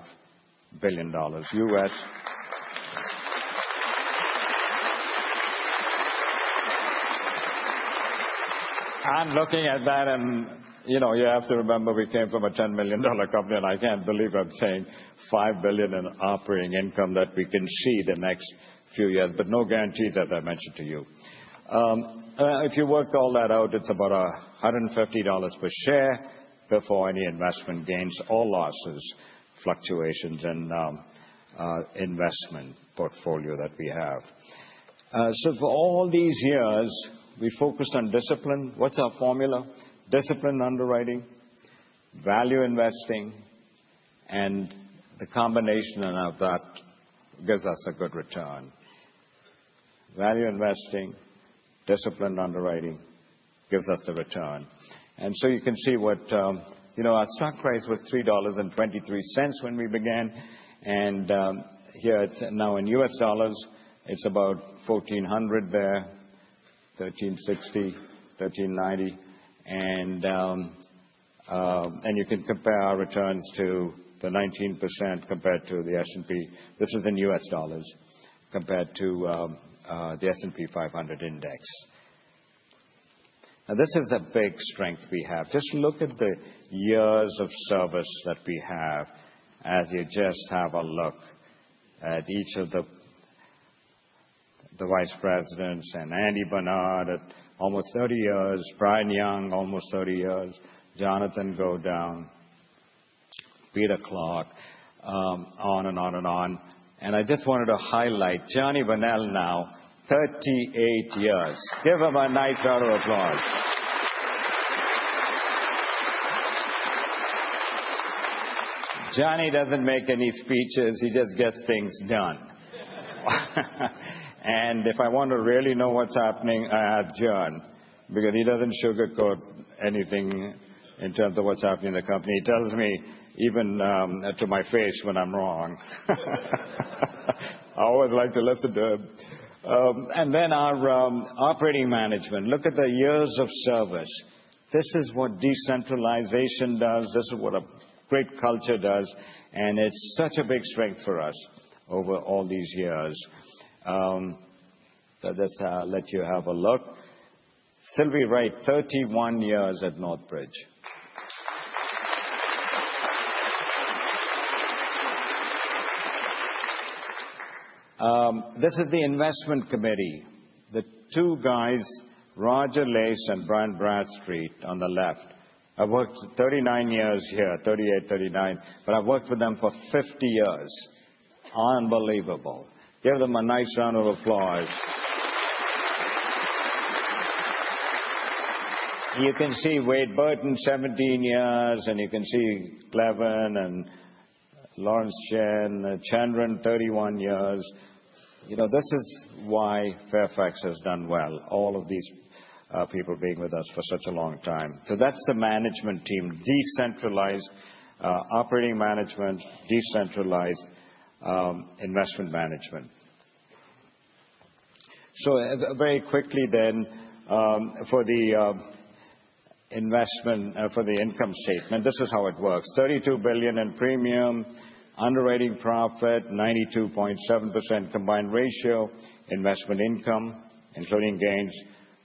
billion. You, I'm looking at that and you have to remember we came from a $10 million company. I can't believe I'm saying $5 billion in operating income that we can see the next few years. But no guarantees as I mentioned to you. If you work all that out, it's about $150 per share before any investment gains or losses, fluctuations in investment portfolio that we have. So for all these years, we focused on discipline. What's our formula? Disciplined underwriting, value investing, and the combination of that gives us a good return. Value investing, disciplined underwriting gives us the return. So you can see our stock price was $3.23 when we began. And here it's now in U.S. dollars. It's about $1,400 there, $1,360, $1,390. And you can compare our returns to the 19% compared to the S&P. This is in U.S. dollars compared to the S&P 500 index. Now, this is a big strength we have. Just look at the years of service that we have as you just have a look at each of the vice presidents and Andy Barnard at almost 30 years, Brian Young almost 30 years, Jonathan Godown, Peter Clarke, on and on and on. And I just wanted to highlight John Varnell now, 38 years. Give him a nice applause. John doesn't make any speeches. He just gets things done. And if I want to really know what's happening, I ask John because he doesn't sugarcoat anything in terms of what's happening in the company. He tells me even to my face when I'm wrong. I always like to listen to him and then our operating management. Look at the years of service. This is what decentralization does. This is what a great culture does and it's such a big strength for us over all these years. So just let you have a look. Silvy Wright, 31 years at Northbridge. This is the investment committee. The two guys, Roger Lace and Brian Bradstreet on the left, I worked 39 years here, 38, 39. But I've worked with them for 50 years. Unbelievable. Give them a nice round of applause. You can see Wade Burton, 17 years. And you can see Kleven and Lawrence Chin, Chandran, 31 years. This is why Fairfax has done well, all of these people being with us for such a long time. So that's the management team, decentralized operating management, decentralized investment management. Very quickly then, for the investment, for the income statement, this is how it works. $32 billion in premium, underwriting profit, 92.7% combined ratio, investment income, including gains,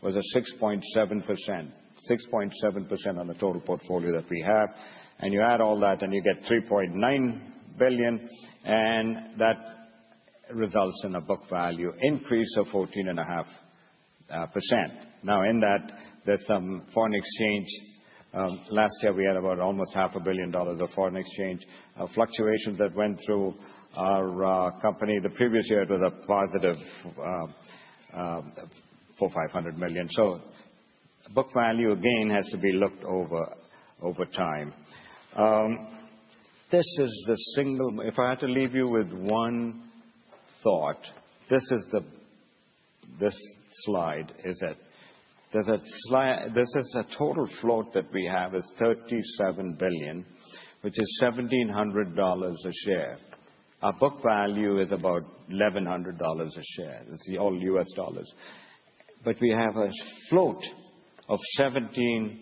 was 6.7%, 6.7% on the total portfolio that we have. And you add all that and you get $3.9 billion. And that results in a book value increase of 14.5%. Now, in that, there's some foreign exchange. Last year, we had about almost $500 million of foreign exchange fluctuations that went through our company. The previous year, it was a positive $400 million-$500 million. So book value, again, has to be looked over time. This is the single. If I had to leave you with one thought, this is the slide. This is a total float that we have is $37 billion, which is $1,700 a share. Our book value is about $1,100 a share. It's all U.S. dollars. But we have a float of $1,700,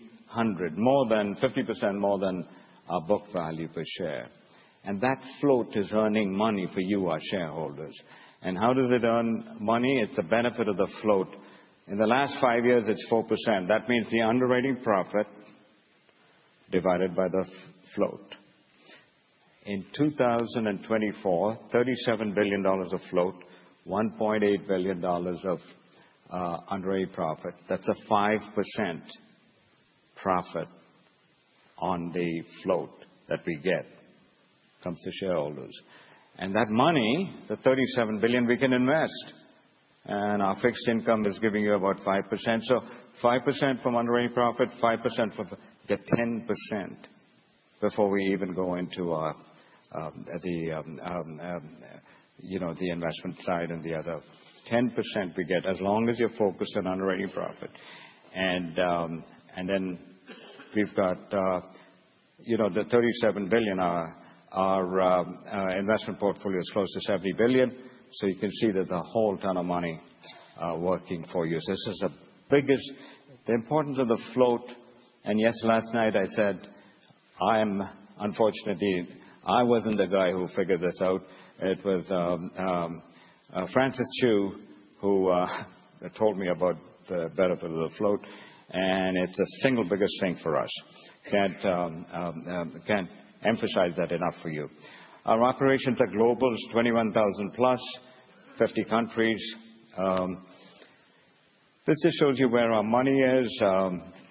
more than 50% more than our book value per share. And that float is earning money for you, our shareholders. And how does it earn money? It's the benefit of the float. In the last five years, it's 4%. That means the underwriting profit divided by the float. In 2024, $37 billion of float, $1.8 billion of underwriting profit. That's a 5% profit on the float that we get comes to shareholders. And that money, the $37 billion, we can invest. And our fixed income is giving you about 5%. So 5% from underwriting profit, 5% from you get 10% before we even go into the investment side and the other 10% we get as long as you're focused on underwriting profit. And then we've got the $37 billion. Our investment portfolio is close to $70 billion. You can see there's a whole ton of money working for you. This is the importance of the float. And yes, last night I said, unfortunately, I wasn't the guy who figured this out. It was Francis Chou who told me about the benefit of the float. And it's the single biggest thing for us. Can't emphasize that enough for you. Our operations are global, 21,000 plus, 50 countries. This just shows you where our money is.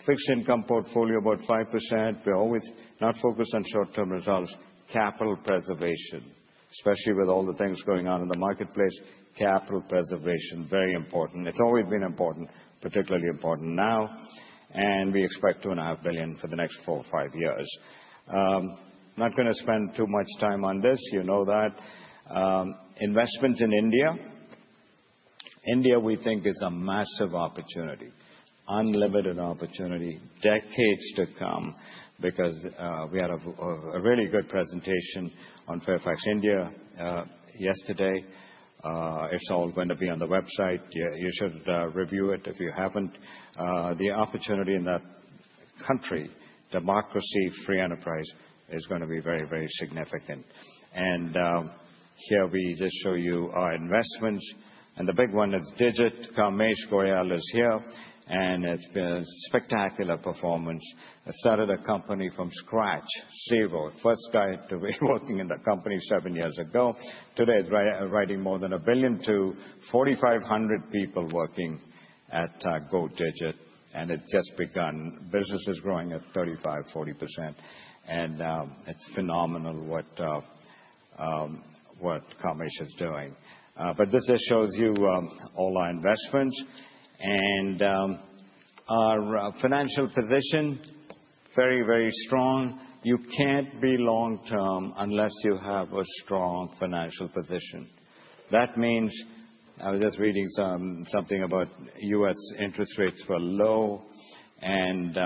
Fixed income portfolio, about 5%. We're always not focused on short-term results. Capital preservation, especially with all the things going on in the marketplace. Capital preservation, very important. It's always been important, particularly important now. And we expect $2.5 billion for the next four or five years. I'm not going to spend too much time on this. You know that. Investments in India. India, we think, is a massive opportunity, unlimited opportunity, decades to come because we had a really good presentation on Fairfax India yesterday. It's all going to be on the website. You should review it if you haven't. The opportunity in that country, democracy, free enterprise is going to be very, very significant. And here we just show you our investments. And the big one is Digit. Kamesh Goyal is here. And it's been a spectacular performance. It started a company from scratch, CEO, first guy to be working in the company seven years ago. Today, it's writing more than $1 billion, 4,500 people working at Go Digit. And it's just begun. Business is growing at 35%-40%. And it's phenomenal what Kamesh is doing. But this just shows you all our investments. And our financial position, very, very strong. You can't be long-term unless you have a strong financial position. That means I was just reading something about U.S. interest rates were low. And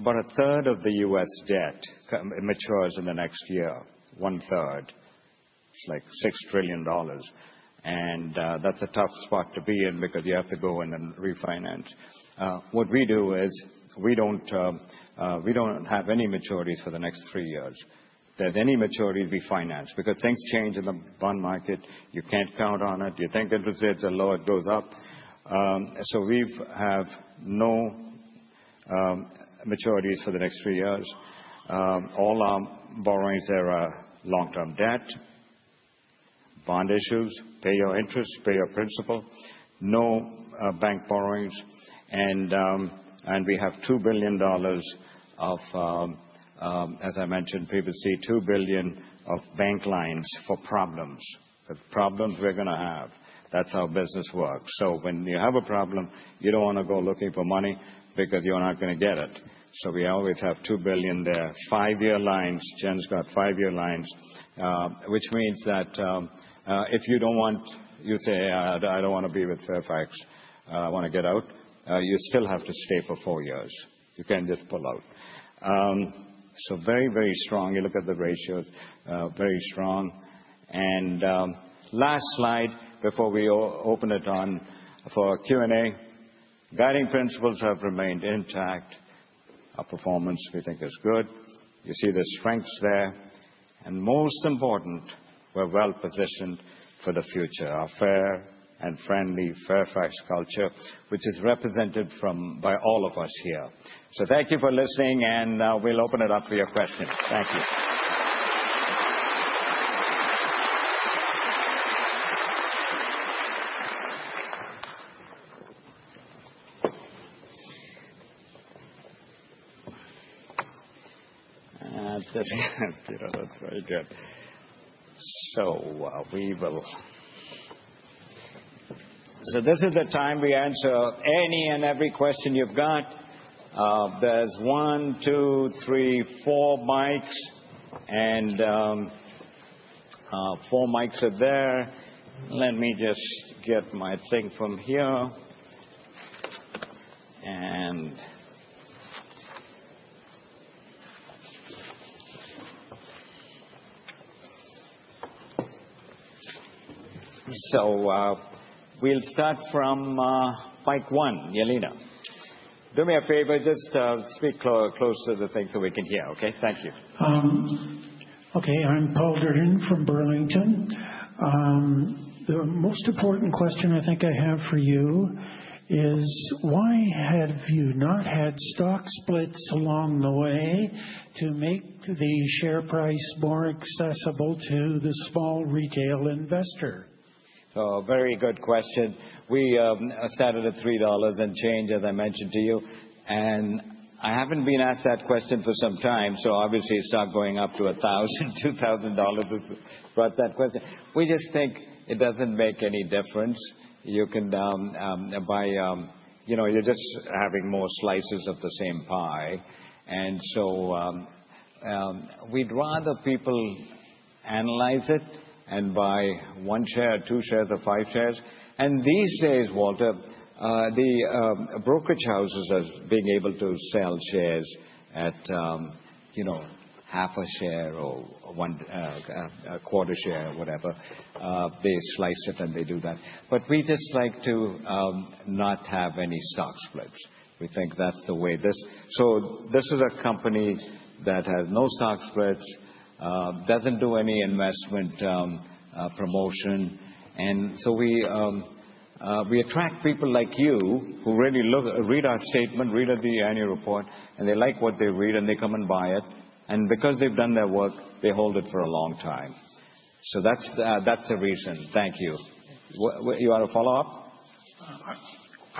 about a third of the U.S. debt matures in the next year, 1/3. It's like $6 trillion. And that's a tough spot to be in because you have to go in and refinance. What we do is we don't have any maturities for the next three years. If there's any maturities, we finance because things change in the bond market. You can't count on it. You think interest rates are low, it goes up. So we have no maturities for the next three years. All our borrowings, there are long-term debt, bond issues, pay your interest, pay your principal, no bank borrowings. And we have $2 billion of, as I mentioned previously, $2 billion of bank lines for problems. If problems we're going to have, that's how business works. So when you have a problem, you don't want to go looking for money because you're not going to get it. So we always have $2 billion there. Five-year lines. Jen's got five-year lines, which means that if you don't want, you say, "I don't want to be with Fairfax. I want to get out." You still have to stay for four years. You can't just pull out. So very, very strong. You look at the ratios, very strong. And last slide before we open it up for Q&A. Guiding principles have remained intact. Our performance, we think, is good. You see the strengths there. And most important, we're well positioned for the future. Our fair and friendly Fairfax culture, which is represented by all of us here. So thank you for listening. We'll open it up for your questions. Thank you. So this is the time we answer any and every question you've got. There's one, two, three, four mics. And four mics are there. Let me just get my thing from here. And so we'll start from mic one, Yelena. Do me a favor, just speak closer to the thing so we can hear, okay? Thank you. Okay. I'm Paul Durden from Burlington. The most important question I think I have for you is, why have you not had stock splits along the way to make the share price more accessible to the small retail investor? Very good question. We started at $3 and change, as I mentioned to you. And I haven't been asked that question for some time. So obviously, it's not going up to $1,000, $2,000, brought that question. We just think it doesn't make any difference. You can buy. You're just having more slices of the same pie. And so we'd rather people analyze it and buy one share, two shares, or five shares. And these days, Walter, the brokerage houses are being able to sell shares at half a share or a quarter share or whatever. They slice it and they do that. But we just like to not have any stock splits. We think that's the way this. So this is a company that has no stock splits, doesn't do any investment promotion. And so we attract people like you who really read our statement, read the annual report. And they like what they read and they come and buy it. And because they've done their work, they hold it for a long time. So that's the reason. Thank you. You want to follow up?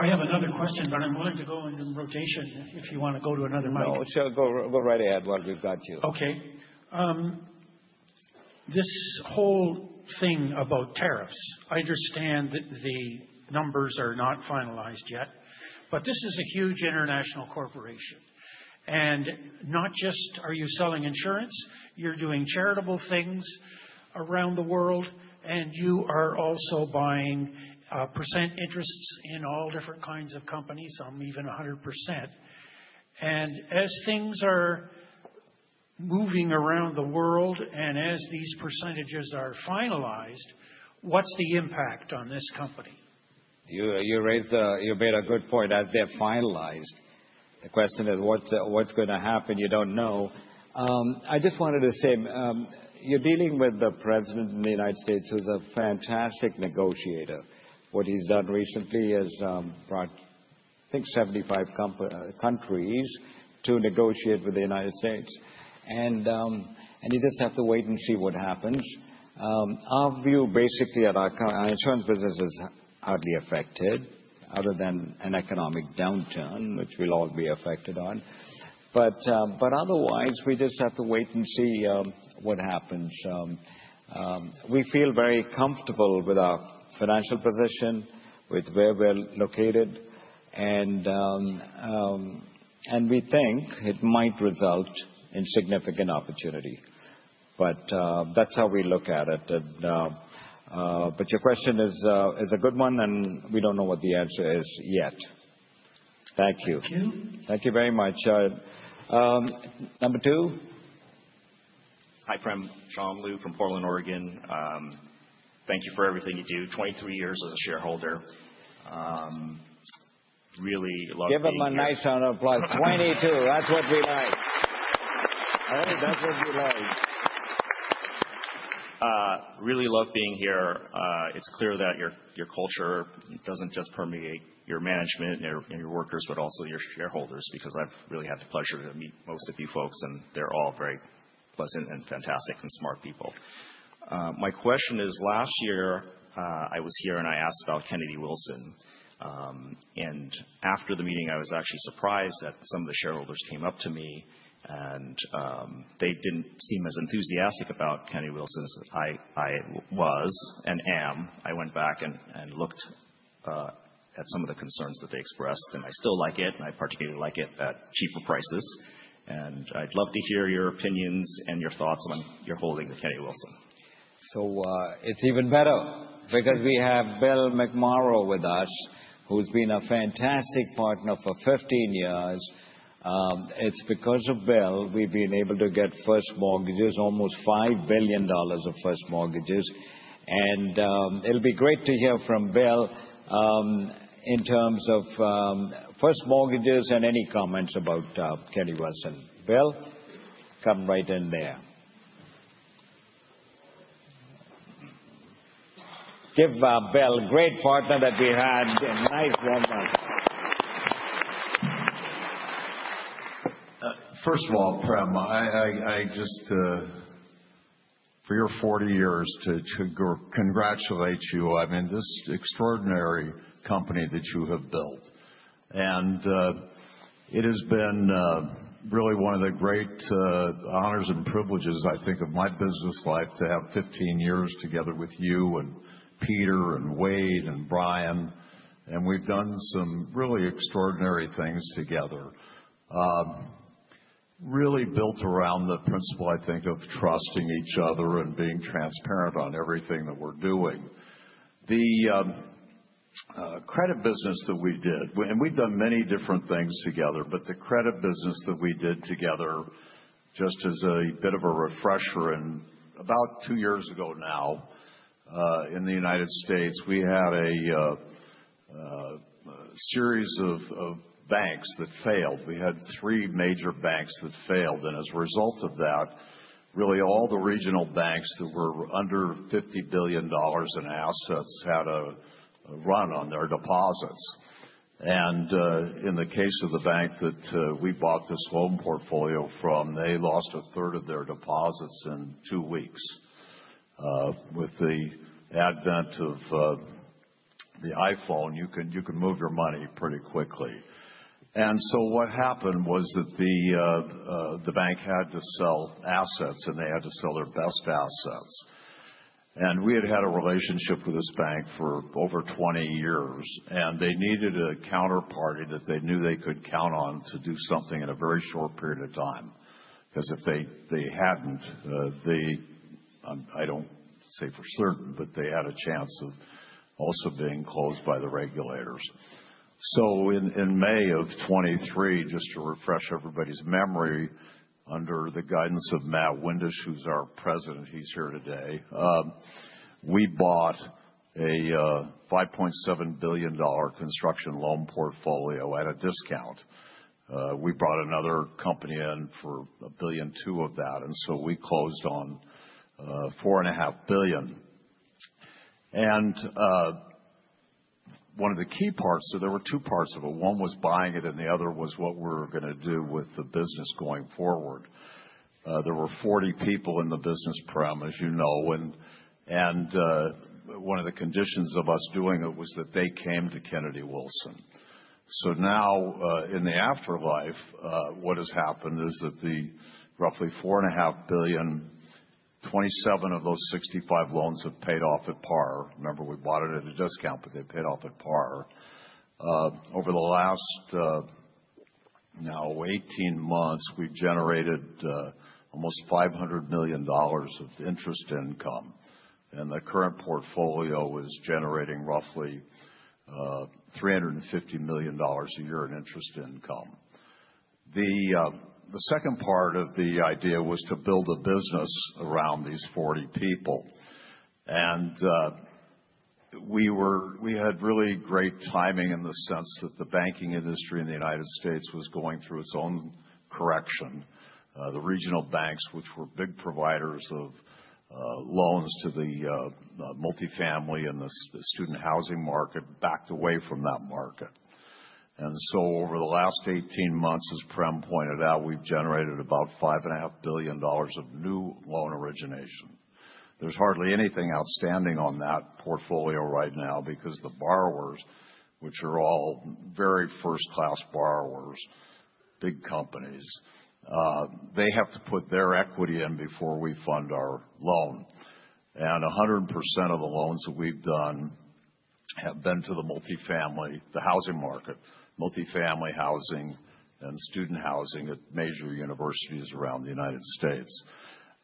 I have another question, but I'm willing to go in rotation if you want to go to another mic. No, go right ahead while we've got you. Okay. This whole thing about tariffs, I understand that the numbers are not finalized yet. But this is a huge international corporation. And not just are you selling insurance, you're doing charitable things around the world. And you are also buying % interests in all different kinds of companies, some even 100%. And as things are moving around the world and as these percentages are finalized, what's the impact on this company? You made a good point. As they're finalized, the question is, what's going to happen? You don't know. I just wanted to say, you're dealing with the President in the United States, who's a fantastic negotiator. What he's done recently has brought, I think, 75 countries to negotiate with the United States. And you just have to wait and see what happens. Our view basically at our insurance business is hardly affected other than an economic downturn, which we'll all be affected on. But otherwise, we just have to wait and see what happens. We feel very comfortable with our financial position, with where we're located. And we think it might result in significant opportunity. But that's how we look at it. But your question is a good one. And we don't know what the answer is yet. Thank you. Thank you. Thank you very much. Number two. Hi, Prem. John Liu from Portland, Oregon. Thank you for everything you do. 23 years as a shareholder. Really love being here. Give him a nice round of applause. 22. That's what we like. All right. That's what we like. Really love being here. It's clear that your culture doesn't just permeate your management and your workers, but also your shareholders because I've really had the pleasure to meet most of you folks, and they're all very pleasant and fantastic and smart people. My question is, last year, I was here and I asked about Kennedy Wilson. And after the meeting, I was actually surprised that some of the shareholders came up to me, and they didn't seem as enthusiastic about Kennedy Wilson as I was and am. I went back and looked at some of the concerns that they expressed, and I still like it, and I particularly like it at cheaper prices, and I'd love to hear your opinions and your thoughts on your holding of Kennedy Wilson. It's even better because we have Bill McMorrow with us, who's been a fantastic partner for 15 years. It's because of Bill we've been able to get first mortgages, almost $5 billion of first mortgages. It'll be great to hear from Bill in terms of first mortgages and any comments about Kennedy Wilson. Bill, come right in there. Give Bill, great partner that we had, a nice warm up. First of all, Prem, I just, for your 40 years, to congratulate you on this extraordinary company that you have built. And it has been really one of the great honors and privileges, I think, of my business life to have 15 years together with you and Peter and Wade and Brian. And we've done some really extraordinary things together, really built around the principle, I think, of trusting each other and being transparent on everything that we're doing. The credit business that we did, and we've done many different things together, but the credit business that we did together, just as a bit of a refresher in about two years ago now in the United States, we had a series of banks that failed. We had three major banks that failed. As a result of that, really all the regional banks that were under $50 billion in assets had a run on their deposits. In the case of the bank that we bought this loan portfolio from, they lost a third of their deposits in two weeks. With the advent of the iPhone, you can move your money pretty quickly. What happened was that the bank had to sell assets and they had to sell their best assets. We had had a relationship with this bank for over 20 years. They needed a counterparty that they knew they could count on to do something in a very short period of time. Because if they hadn't, I don't say for certain, but they had a chance of also being closed by the regulators. In May 2023, just to refresh everybody's memory, under the guidance of Matt Windisch, who's our President, he's here today, we bought a $5.7 billion construction loan portfolio at a discount. We brought another company in for $1.2 billion of that. We closed on $4.5 billion. One of the key parts, so there were two parts of it. One was buying it and the other was what we're going to do with the business going forward. There were 40 people in the business, Prem, as you know. One of the conditions of us doing it was that they came to Kennedy Wilson. Now in the afterlife, what has happened is that the roughly $4.5 billion, 27 of those 65 loans have paid off at par. Remember, we bought it at a discount, but they paid off at par. Over the last now 18 months, we've generated almost $500 million of interest income, and the current portfolio is generating roughly $350 million a year in interest income. The second part of the idea was to build a business around these 40 people, and we had really great timing in the sense that the banking industry in the United States was going through its own correction. The regional banks, which were big providers of loans to the multifamily and the student housing market, backed away from that market, and so over the last 18 months, as Prem pointed out, we've generated about $5.5 billion of new loan origination. There's hardly anything outstanding on that portfolio right now because the borrowers, which are all very first-class borrowers, big companies, they have to put their equity in before we fund our loan. And 100% of the loans that we've done have been to the multifamily, the housing market, multifamily housing, and student housing at major universities around the United States.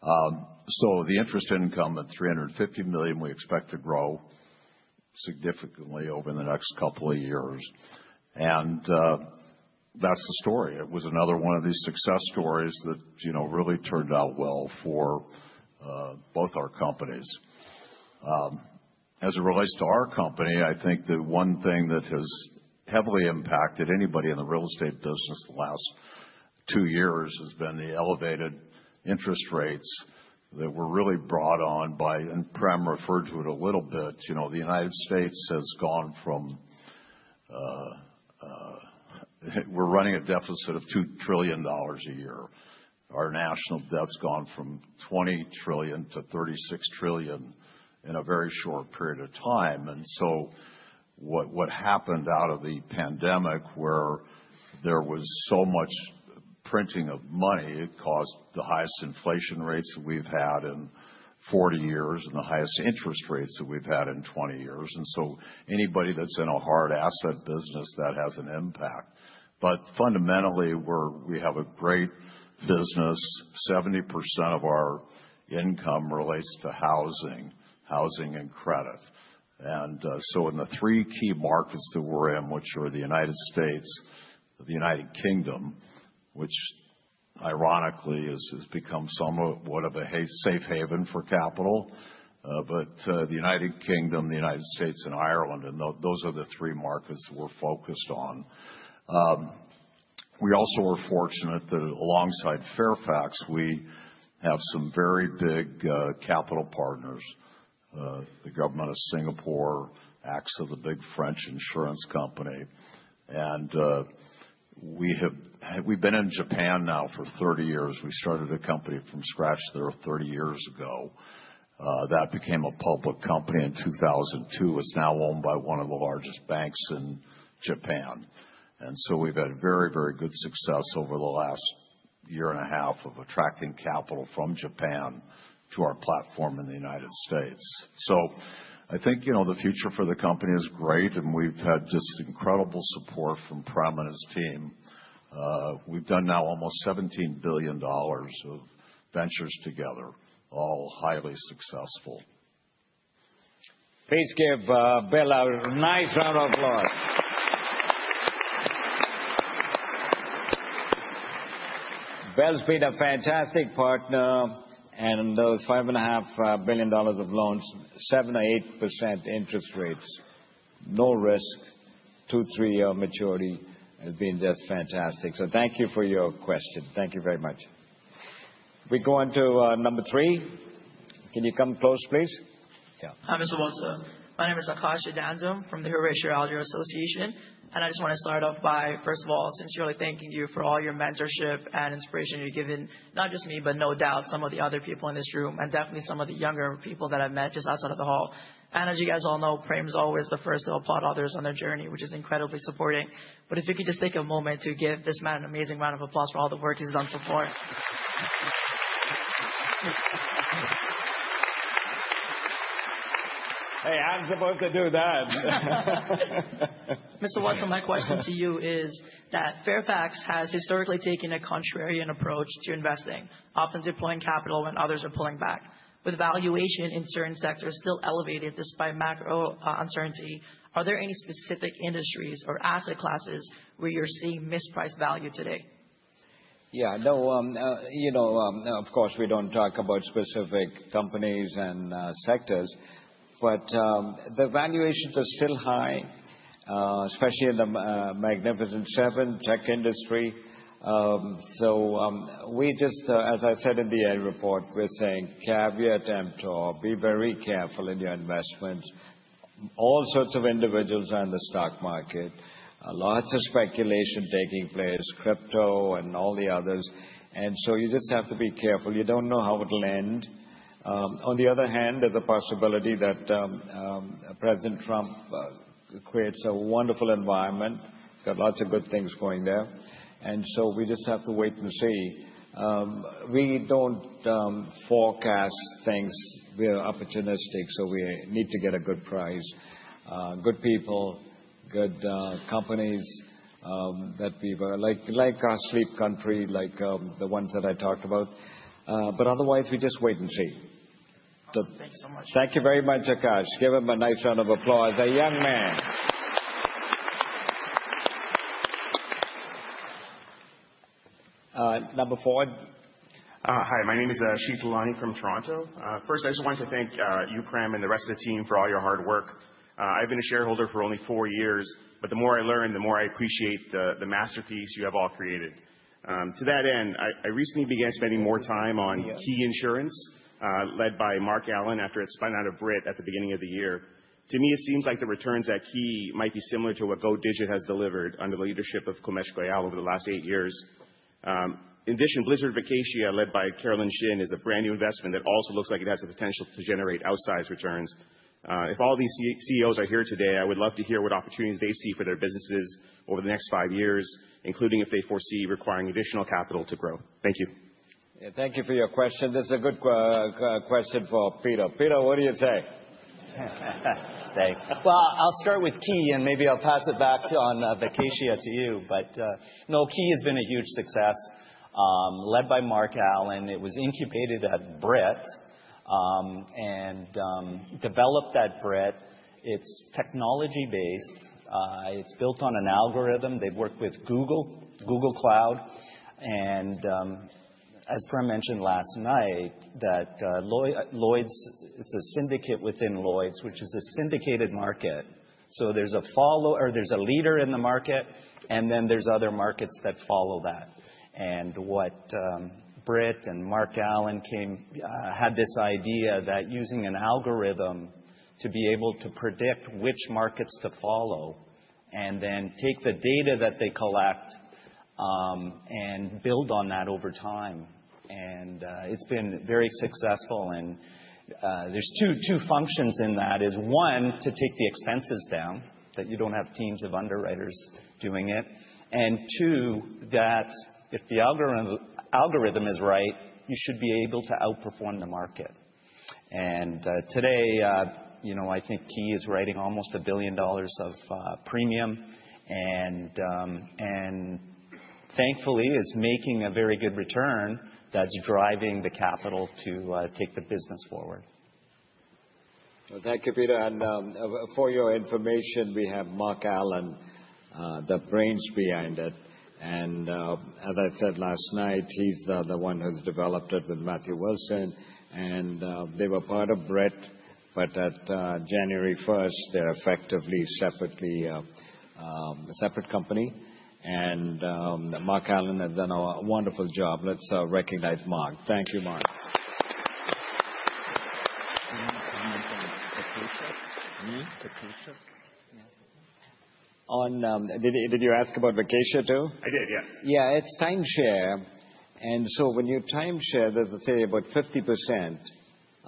So the interest income at $350 million, we expect to grow significantly over the next couple of years. And that's the story. It was another one of these success stories that really turned out well for both our companies. As it relates to our company, I think the one thing that has heavily impacted anybody in the real estate business the last two years has been the elevated interest rates that were really brought on by, and Prem referred to it a little bit, the United States has gone from we're running a deficit of $2 trillion a year. Our national debt's gone from $20 trillion-$36 trillion in a very short period of time. What happened out of the pandemic, where there was so much printing of money, it caused the highest inflation rates that we've had in 40 years and the highest interest rates that we've had in 20 years. Anybody that's in a hard asset business, that has an impact. But fundamentally, we have a great business. 70% of our income relates to housing, housing and credit. In the three key markets that we're in, which are the United States, the United Kingdom, which ironically has become somewhat of a safe haven for capital, but the United Kingdom, the United States, and Ireland, and those are the three markets that we're focused on. We also are fortunate that alongside Fairfax, we have some very big capital partners, the Government of Singapore, AXA, the big French insurance company. We've been in Japan now for 30 years. We started a company from scratch there 30 years ago. That became a public company in 2002. It's now owned by one of the largest banks in Japan. And so we've had very, very good success over the last year and a half of attracting capital from Japan to our platform in the United States. So I think the future for the company is great. And we've had just incredible support from Prem and his team. We've done now almost $17 billion of ventures together, all highly successful. Please give Bill a nice round of applause. Bill's been a fantastic partner. And those $5.5 billion of loans, 7% or 8% interest rates, no risk, two- to three-year maturity has been just fantastic. So thank you for your question. Thank you very much. We go on to number three. Can you come close, please? Yeah. Hi, Mr. Watsa. My name is Akash Uddandam from the Horatio Alger Association. And I just want to start off by, first of all, sincerely thanking you for all your mentorship and inspiration you've given, not just me, but no doubt, some of the other people in this room, and definitely some of the younger people that I've met just outside of the hall. And as you guys all know, Prem is always the first to applaud others on their journey, which is incredibly supporting. But if you could just take a moment to give this man an amazing round of applause for all the work he's done so far. Hey, I'm supposed to do that. Mr. Watsa, my question to you is that Fairfax has historically taken a contrarian approach to investing, often deploying capital when others are pulling back. With valuation in certain sectors still elevated despite macro uncertainty, are there any specific industries or asset classes where you're seeing mispriced value today? Yeah. No, of course, we don't talk about specific companies and sectors. But the valuations are still high, especially in the Magnificent Seven, tech industry. So we just, as I said in the annual report, we're saying caveat emptor, be very careful in your investments. All sorts of individuals are in the stock market. Lots of speculation taking place, crypto and all the others. And so you just have to be careful. You don't know how it'll end. On the other hand, there's a possibility that President Trump creates a wonderful environment. He's got lots of good things going there. And so we just have to wait and see. We don't forecast things. We're opportunistic. So we need to get a good price, good people, good companies that we like, like our Sleep Country, like the ones that I talked about. But otherwise, we just wait and see. Thank you so much. Thank you very much, Akash. Give him a nice round of applause. A young man. Number four. Hi. My name is Seth Alani from Toronto. First, I just wanted to thank you, Prem, and the rest of the team for all your hard work. I've been a shareholder for only four years, but the more I learn, the more I appreciate the masterpiece you have all created. To that end, I recently began spending more time on Ki Insurance, led by Mark Allan after it spun out of Brit at the beginning of the year. To me, it seems like the returns at Ki might be similar to what Go Digit has delivered under the leadership of Kamesh Goyal over the last eight years. In addition, Blizzard Vacatia, led by Caroline Shin, is a brand new investment that also looks like it has the potential to generate outsized returns. If all these CEOs are here today, I would love to hear what opportunities they see for their businesses over the next five years, including if they foresee requiring additional capital to grow. Thank you. Yeah, thank you for your question. That's a good question for Peter. Peter, what do you say? Thanks. Well, I'll start with Ki, and maybe I'll pass it back on Vacatia to you. But no, Ki has been a huge success, led by Mark Allan. It was incubated at Brit and developed at Brit. It's technology-based. It's built on an algorithm. They've worked with Google, Google Cloud. And as Prem mentioned last night, that Lloyd's, it's a syndicate within Lloyd's, which is a syndicated market. So there's a follower, there's a leader in the market, and then there's other markets that follow that. And what Brit and Mark Allan had this idea that using an algorithm to be able to predict which markets to follow and then take the data that they collect and build on that over time. And it's been very successful. And there's two functions in that. One, to take the expenses down, that you don't have teams of underwriters doing it. Two, that if the algorithm is right, you should be able to outperform the market. Today, I think Ki is writing almost $1 billion of premium. Thankfully, it's making a very good return that's driving the capital to take the business forward. Thank you, Peter. And for your information, we have Mark Allan, the brains behind it. And as I said last night, he's the one who's developed it with Matthew Wilson. And they were part of Brit. But at January 1st, they're effectively separately a separate company. And Mark Allan has done a wonderful job. Let's recognize Mark. Thank you, Mark. Did you ask about Vacatia too? I did, yeah. Yeah, it's timeshare, and so when you timeshare, there's, say, about 50%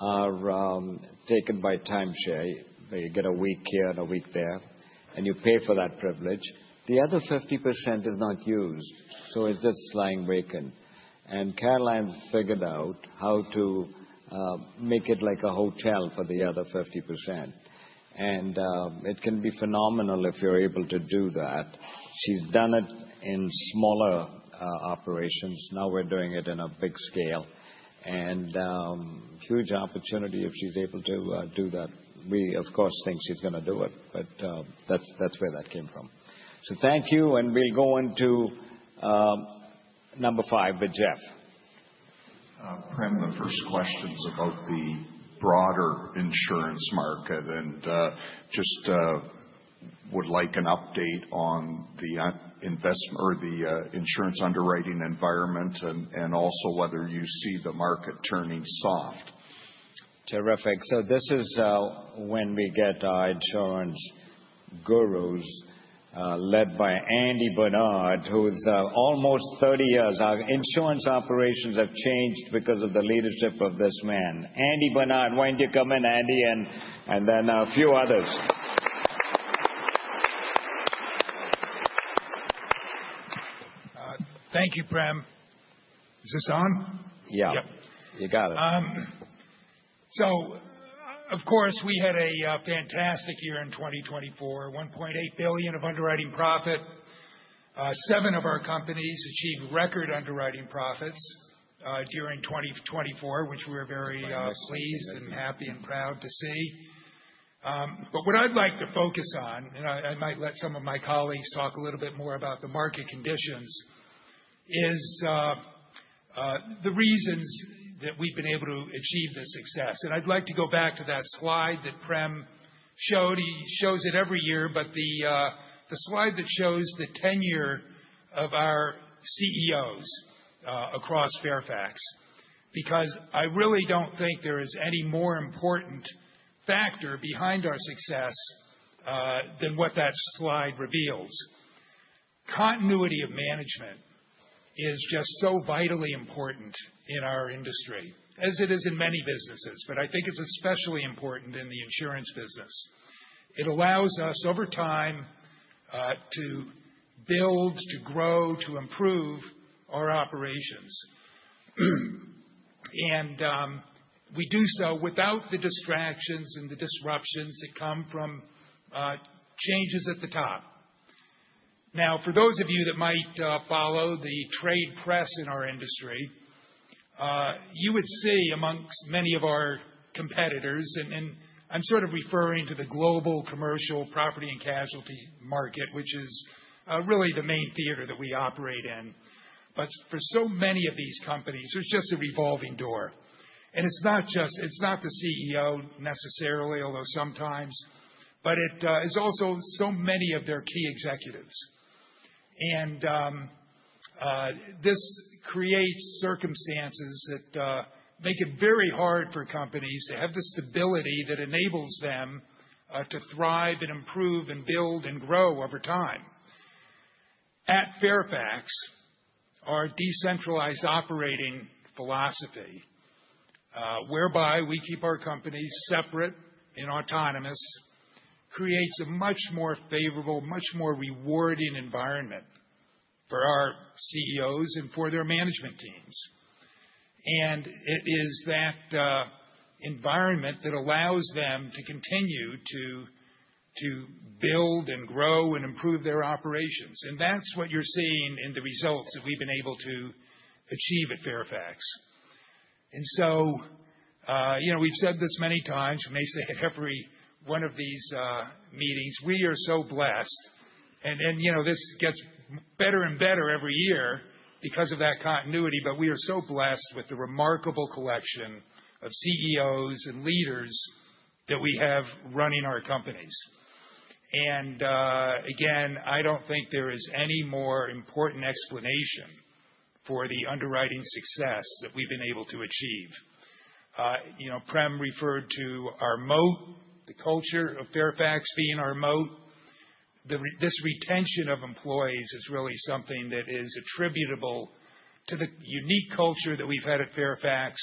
are taken by timeshare. You get a week here and a week there, and you pay for that privilege. The other 50% is not used, so it's just lying vacant, and Caroline figured out how to make it like a hotel for the other 50%. And it can be phenomenal if you're able to do that. She's done it in smaller operations. Now we're doing it in a big scale, and huge opportunity if she's able to do that. We, of course, think she's going to do it, but that's where that came from. So thank you, and we'll go on to number five with Jeff. Prem, the first question is about the broader insurance market, and just would like an update on the investment or the insurance underwriting environment and also whether you see the market turning soft. Terrific. So this is when we get our insurance gurus, led by Andy Barnard. Who's almost 30 years. Our insurance operations have changed because of the leadership of this man. Andy Barnard, why don't you come in, Andy? And then a few others. Thank you, Prem. Is this on? Yeah. You got it. Of course, we had a fantastic year in 2024, $1.8 billion of underwriting profit. Seven of our companies achieved record underwriting profits during 2024, which we were very pleased and happy and proud to see. But what I'd like to focus on, and I might let some of my colleagues talk a little bit more about the market conditions, is the reasons that we've been able to achieve this success. I'd like to go back to that slide that Prem showed. He shows it every year. But the slide that shows the tenure of our CEOs across Fairfax. Because I really don't think there is any more important factor behind our success than what that slide reveals. Continuity of management is just so vitally important in our industry, as it is in many businesses. But I think it's especially important in the insurance business. It allows us, over time, to build, to grow, to improve our operations. And we do so without the distractions and the disruptions that come from changes at the top. Now, for those of you that might follow the trade press in our industry, you would see amongst many of our competitors, and I'm sort of referring to the global commercial property and casualty market, which is really the main theater that we operate in. But for so many of these companies, there's just a revolving door. And it's not just the CEO necessarily, although sometimes, but it's also so many of their key executives. And this creates circumstances that make it very hard for companies to have the stability that enables them to thrive and improve and build and grow over time. At Fairfax, our decentralized operating philosophy, whereby we keep our companies separate and autonomous, creates a much more favorable, much more rewarding environment for our CEOs and for their management teams. And it is that environment that allows them to continue to build and grow and improve their operations. And that's what you're seeing in the results that we've been able to achieve at Fairfax. And so we've said this many times, we may say it every one of these meetings, we are so blessed. And this gets better and better every year because of that continuity. But we are so blessed with the remarkable collection of CEOs and leaders that we have running our companies. And again, I don't think there is any more important explanation for the underwriting success that we've been able to achieve. Prem referred to our moat, the culture of Fairfax being our moat. This retention of employees is really something that is attributable to the unique culture that we've had at Fairfax,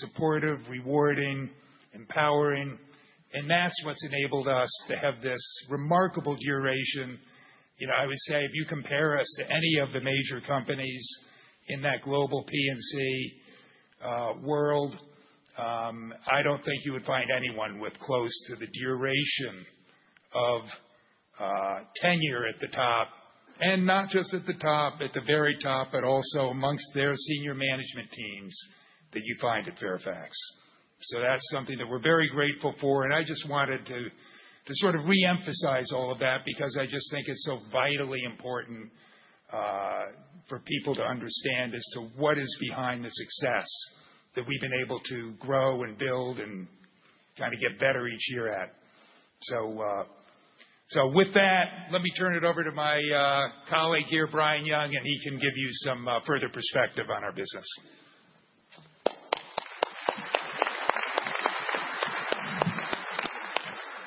supportive, rewarding, empowering, and that's what's enabled us to have this remarkable duration. I would say if you compare us to any of the major companies in that global P&C world, I don't think you would find anyone with close to the duration of tenure at the top, and not just at the top, at the very top, but also amongst their senior management teams that you find at Fairfax, so that's something that we're very grateful for, and I just wanted to sort of reemphasize all of that because I just think it's so vitally important for people to understand as to what is behind the success that we've been able to grow and build and kind of get better each year at. So with that, let me turn it over to my colleague here, Brian Young, and he can give you some further perspective on our business.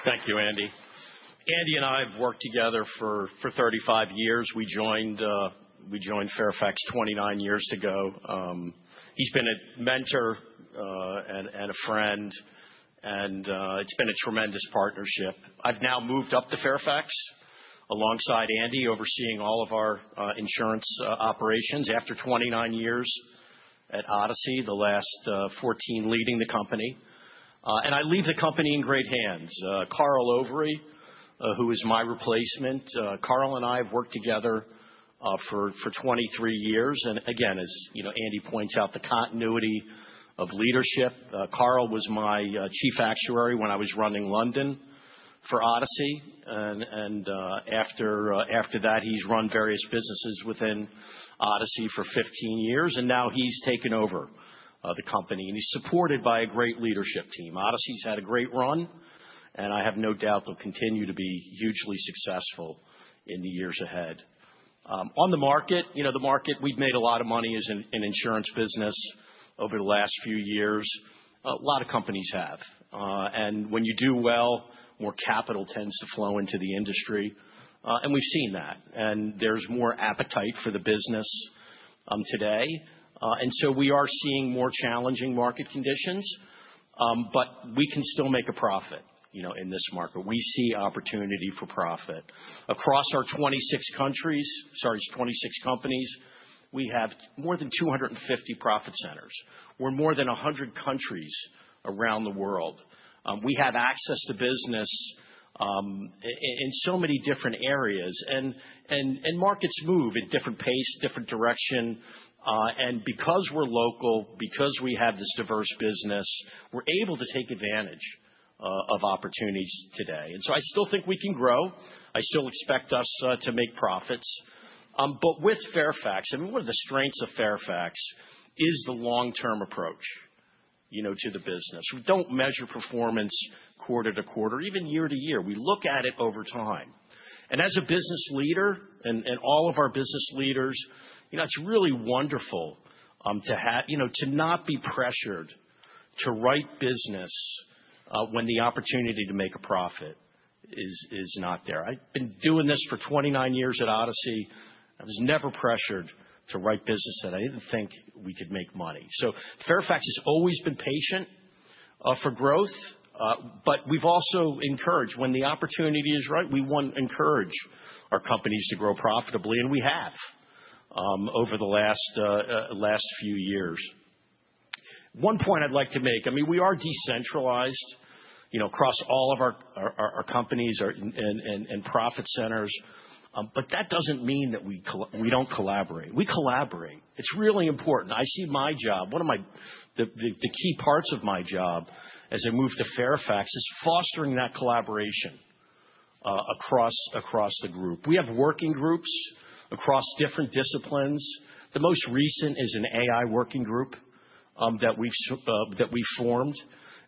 Thank you, Andy. Andy and I have worked together for 35 years. We joined Fairfax 29 years ago. He's been a mentor and a friend. And it's been a tremendous partnership. I've now moved up to Fairfax alongside Andy, overseeing all of our insurance operations after 29 years at Odyssey, the last 14 leading the company. And I leave the company in great hands. Carl Overy, who is my replacement, Carl and I have worked together for 23 years. And again, as Andy points out, the continuity of leadership. Carl was my chief actuary when I was running London for Odyssey. And after that, he's run various businesses within Odyssey for 15 years. And now he's taken over the company. And he's supported by a great leadership team. Odyssey's had a great run. And I have no doubt they'll continue to be hugely successful in the years ahead. On the market, we've made a lot of money as an insurance business over the last few years. A lot of companies have. When you do well, more capital tends to flow into the industry. We've seen that. There's more appetite for the business today. We are seeing more challenging market conditions. We can still make a profit in this market. We see opportunity for profit. Across our 26 countries, sorry, 26 companies, we have more than 250 profit centers. We're in more than 100 countries around the world. We have access to business in so many different areas. Markets move at different pace, different direction. Because we're local, because we have this diverse business, we're able to take advantage of opportunities today. I still think we can grow. I still expect us to make profits. But with Fairfax, I mean, one of the strengths of Fairfax is the long-term approach to the business. We don't measure performance quarter to quarter, even year to year. We look at it over time. And as a business leader and all of our business leaders, it's really wonderful to not be pressured to write business when the opportunity to make a profit is not there. I've been doing this for 29 years at Odyssey. I was never pressured to write business that I didn't think we could make money. So Fairfax has always been patient for growth. But we've also encouraged, when the opportunity is right, we want to encourage our companies to grow profitably. And we have over the last few years. One point I'd like to make, I mean, we are decentralized across all of our companies and profit centers. But that doesn't mean that we don't collaborate. We collaborate. It's really important. I see my job, one of the key parts of my job as I move to Fairfax is fostering that collaboration across the group. We have working groups across different disciplines. The most recent is an AI working group that we've formed.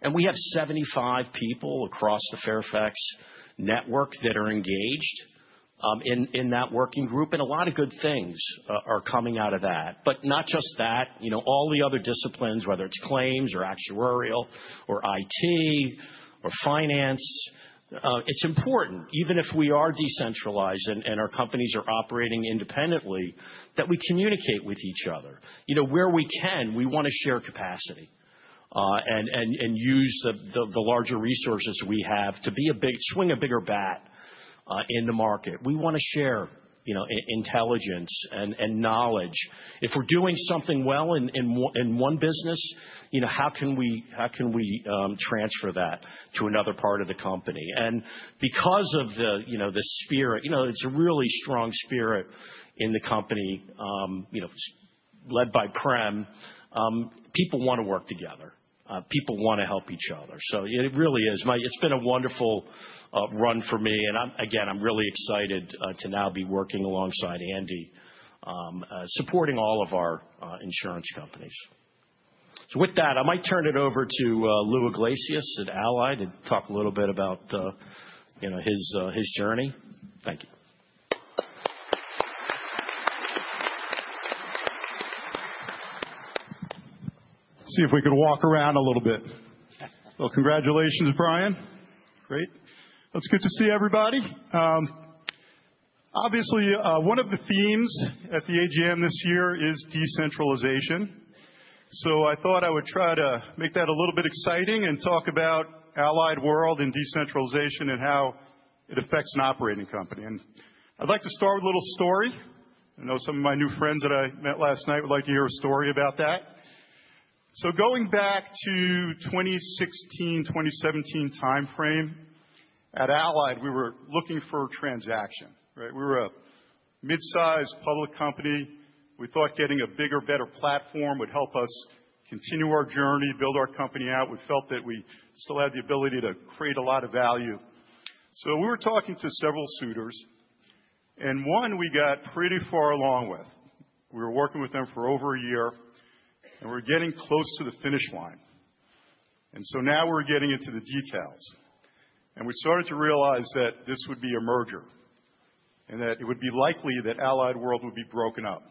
And we have 75 people across the Fairfax network that are engaged in that working group. And a lot of good things are coming out of that. But not just that. All the other disciplines, whether it's claims or actuarial or IT or finance, it's important, even if we are decentralized and our companies are operating independently, that we communicate with each other. Where we can, we want to share capacity and use the larger resources we have to swing a bigger bat in the market. We want to share intelligence and knowledge. If we're doing something well in one business, how can we transfer that to another part of the company? And because of the spirit, it's a really strong spirit in the company led by Prem. People want to work together. People want to help each other. So it really is. It's been a wonderful run for me. And again, I'm really excited to now be working alongside Andy, supporting all of our insurance companies. So with that, I might turn it over to Lou Iglesias at Allied to talk a little bit about his journey. Thank you. See if we can walk around a little bit. Congratulations, Brian. Great. That's good to see everybody. Obviously, one of the themes at the AGM this year is decentralization, so I thought I would try to make that a little bit exciting and talk about Allied World and decentralization and how it affects an operating company, and I'd like to start with a little story. I know some of my new friends that I met last night would like to hear a story about that, so going back to 2016, 2017 timeframe, at Allied, we were looking for a transaction. We were a mid-sized public company. We thought getting a bigger, better platform would help us continue our journey, build our company out. We felt that we still had the ability to create a lot of value, so we were talking to several suitors. And one we got pretty far along with. We were working with them for over a year. And we're getting close to the finish line. And so now we're getting into the details. And we started to realize that this would be a merger. And that it would be likely that Allied World would be broken up.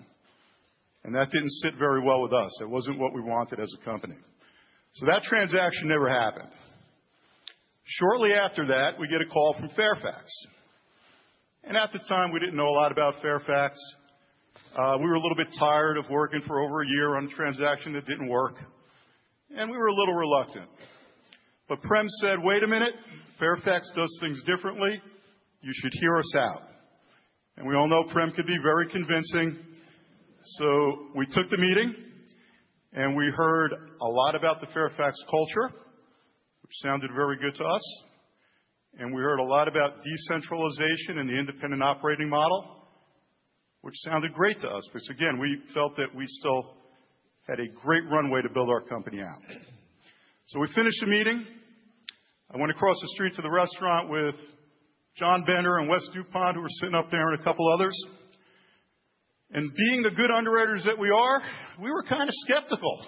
And that didn't sit very well with us. That wasn't what we wanted as a company. So that transaction never happened. Shortly after that, we get a call from Fairfax. And at the time, we didn't know a lot about Fairfax. We were a little bit tired of working for over a year on a transaction that didn't work. And we were a little reluctant. But Prem said, "Wait a minute. Fairfax does things differently. You should hear us out." And we all know Prem can be very convincing. So we took the meeting. And we heard a lot about the Fairfax culture, which sounded very good to us. And we heard a lot about decentralization and the independent operating model, which sounded great to us. Because again, we felt that we still had a great runway to build our company out. So we finished the meeting. I went across the street to the restaurant with John Bender and Wes Dupont, who were sitting up there, and a couple others. And being the good underwriters that we are, we were kind of skeptical.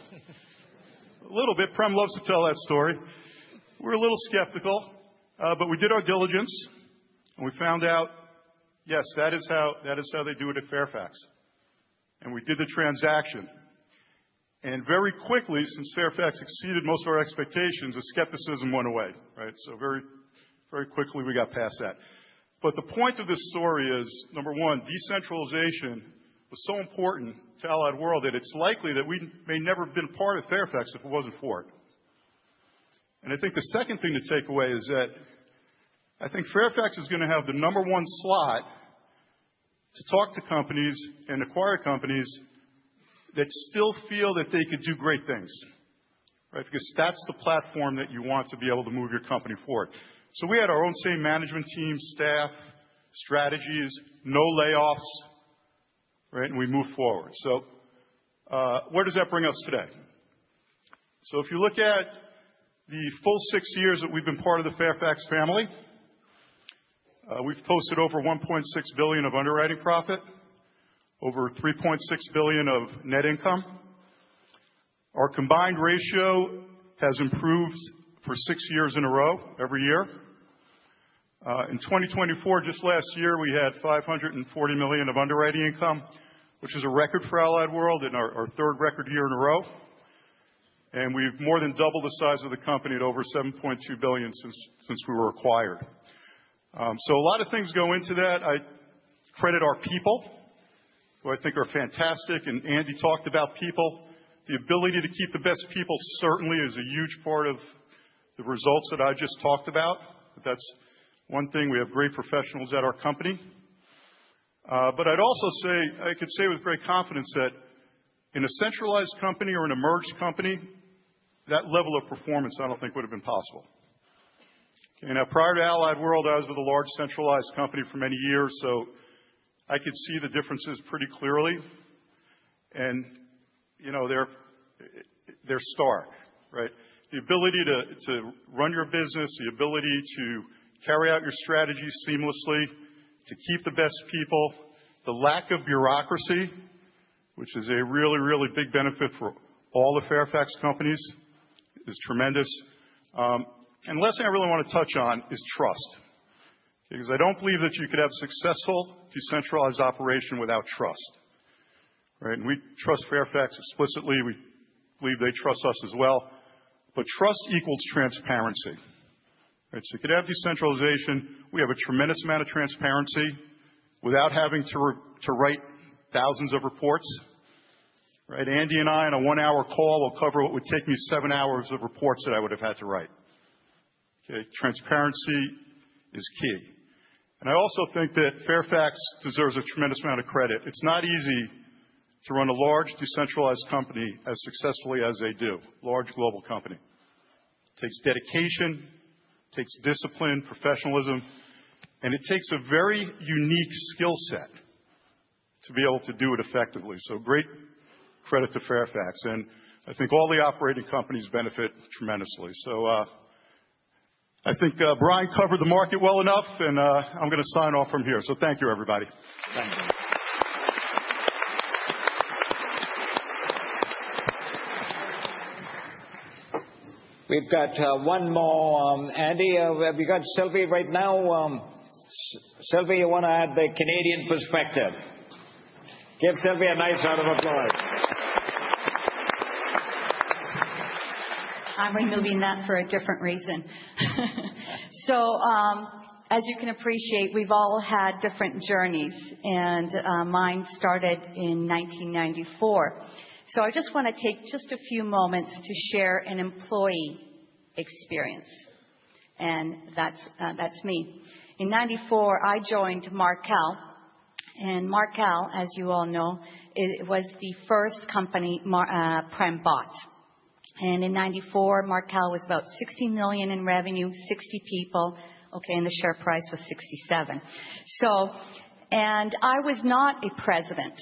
A little bit. Prem loves to tell that story. We're a little skeptical. But we did our diligence. And we found out, yes, that is how they do it at Fairfax. And we did the transaction. And very quickly, since Fairfax exceeded most of our expectations, the skepticism went away. Very quickly, we got past that. But the point of this story is, number one, decentralization was so important to Allied World that it's likely that we may never have been a part of Fairfax if it wasn't for it. I think the second thing to take away is that I think Fairfax is going to have the number one slot to talk to companies and acquire companies that still feel that they could do great things. Because that's the platform that you want to be able to move your company forward. We had our own same management team, staff, strategies, no layoffs. We moved forward. Where does that bring us today? If you look at the full six years that we've been part of the Fairfax family, we've posted over $1.6 billion of underwriting profit, over $3.6 billion of net income. Our combined ratio has improved for six years in a row, every year. In 2024, just last year, we had $540 million of underwriting income, which is a record for Allied World in our third record year in a row. And we've more than doubled the size of the company at over $7.2 billion since we were acquired. So a lot of things go into that. I credit our people, who I think are fantastic. And Andy talked about people. The ability to keep the best people certainly is a huge part of the results that I just talked about. That's one thing. We have great professionals at our company. But I'd also say, I could say with great confidence that in a centralized company or a merged company, that level of performance, I don't think would have been possible. Now, prior to Allied World, I was with a large centralized company for many years, so I could see the differences pretty clearly, and they're stark. The ability to run your business, the ability to carry out your strategy seamlessly, to keep the best people, the lack of bureaucracy, which is a really, really big benefit for all the Fairfax companies, is tremendous, and the last thing I really want to touch on is trust, because I don't believe that you could have a successful decentralized operation without trust, and we trust Fairfax explicitly. We believe they trust us as well, but trust equals transparency, so you could have decentralization. We have a tremendous amount of transparency without having to write thousands of reports. Andy and I, in a one-hour call, will cover what would take me seven hours of reports that I would have had to write. Transparency is key, and I also think that Fairfax deserves a tremendous amount of credit. It's not easy to run a large decentralized company as successfully as they do, a large global company. It takes dedication, it takes discipline, professionalism, and it takes a very unique skill set to be able to do it effectively, so great credit to Fairfax, and I think all the operating companies benefit tremendously, so I think Brian covered the market well enough, and I'm going to sign off from here, so thank you, everybody. We've got one more. Andy, have you got Silvy right now? Silvy, you want to add the Canadian perspective? Give Silvy a nice round of applause. I'm removing that for a different reason. So as you can appreciate, we've all had different journeys. And mine started in 1994. So I just want to take just a few moments to share an employee experience. And that's me. In 1994, I joined Markel. And Markel, as you all know, was the first company Prem bought. And in 1994, Markel was about $60 million in revenue, 60 people. And the share price was $67. And I was not a president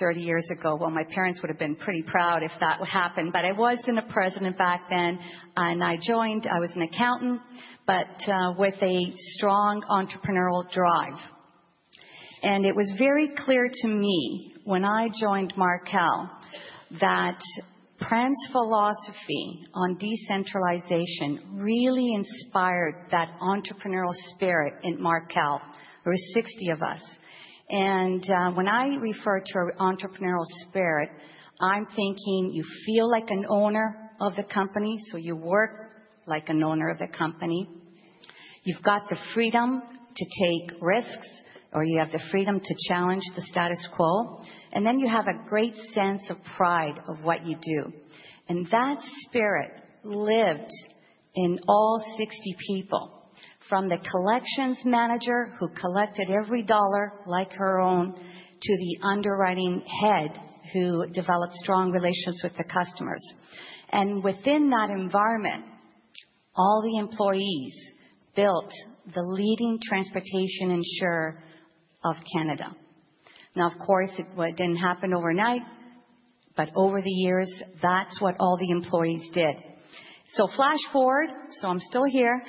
30 years ago. Well, my parents would have been pretty proud if that happened. But I wasn't a president back then. And I joined. I was an accountant, but with a strong entrepreneurial drive. And it was very clear to me when I joined Markel that Prem's philosophy on decentralization really inspired that entrepreneurial spirit in Markel. There were 60 of us. When I refer to entrepreneurial spirit, I'm thinking you feel like an owner of the company. So you work like an owner of the company. You've got the freedom to take risks, or you have the freedom to challenge the status quo. And then you have a great sense of pride of what you do. And that spirit lived in all 60 people, from the collections manager who collected every dollar like her own to the underwriting head who developed strong relations with the customers. And within that environment, all the employees built the leading transportation insurer of Canada. Now, of course, it didn't happen overnight. But over the years, that's what all the employees did. So flash forward. So I'm still here.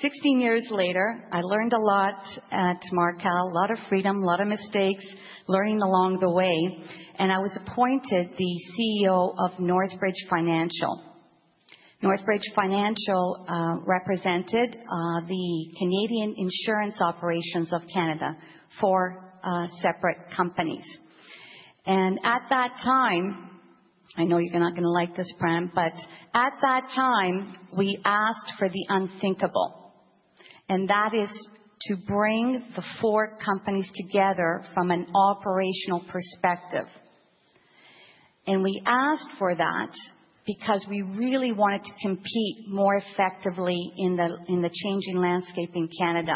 16 years later, I learned a lot at Markel, a lot of freedom, a lot of mistakes, learning along the way. I was appointed the CEO of Northbridge Financial. Northbridge Financial represented the Canadian insurance operations of Fairfax for separate companies. At that time, I know you're not going to like this, Prem, but at that time, we asked for the unthinkable. That is to bring the four companies together from an operational perspective. We asked for that because we really wanted to compete more effectively in the changing landscape in Canada.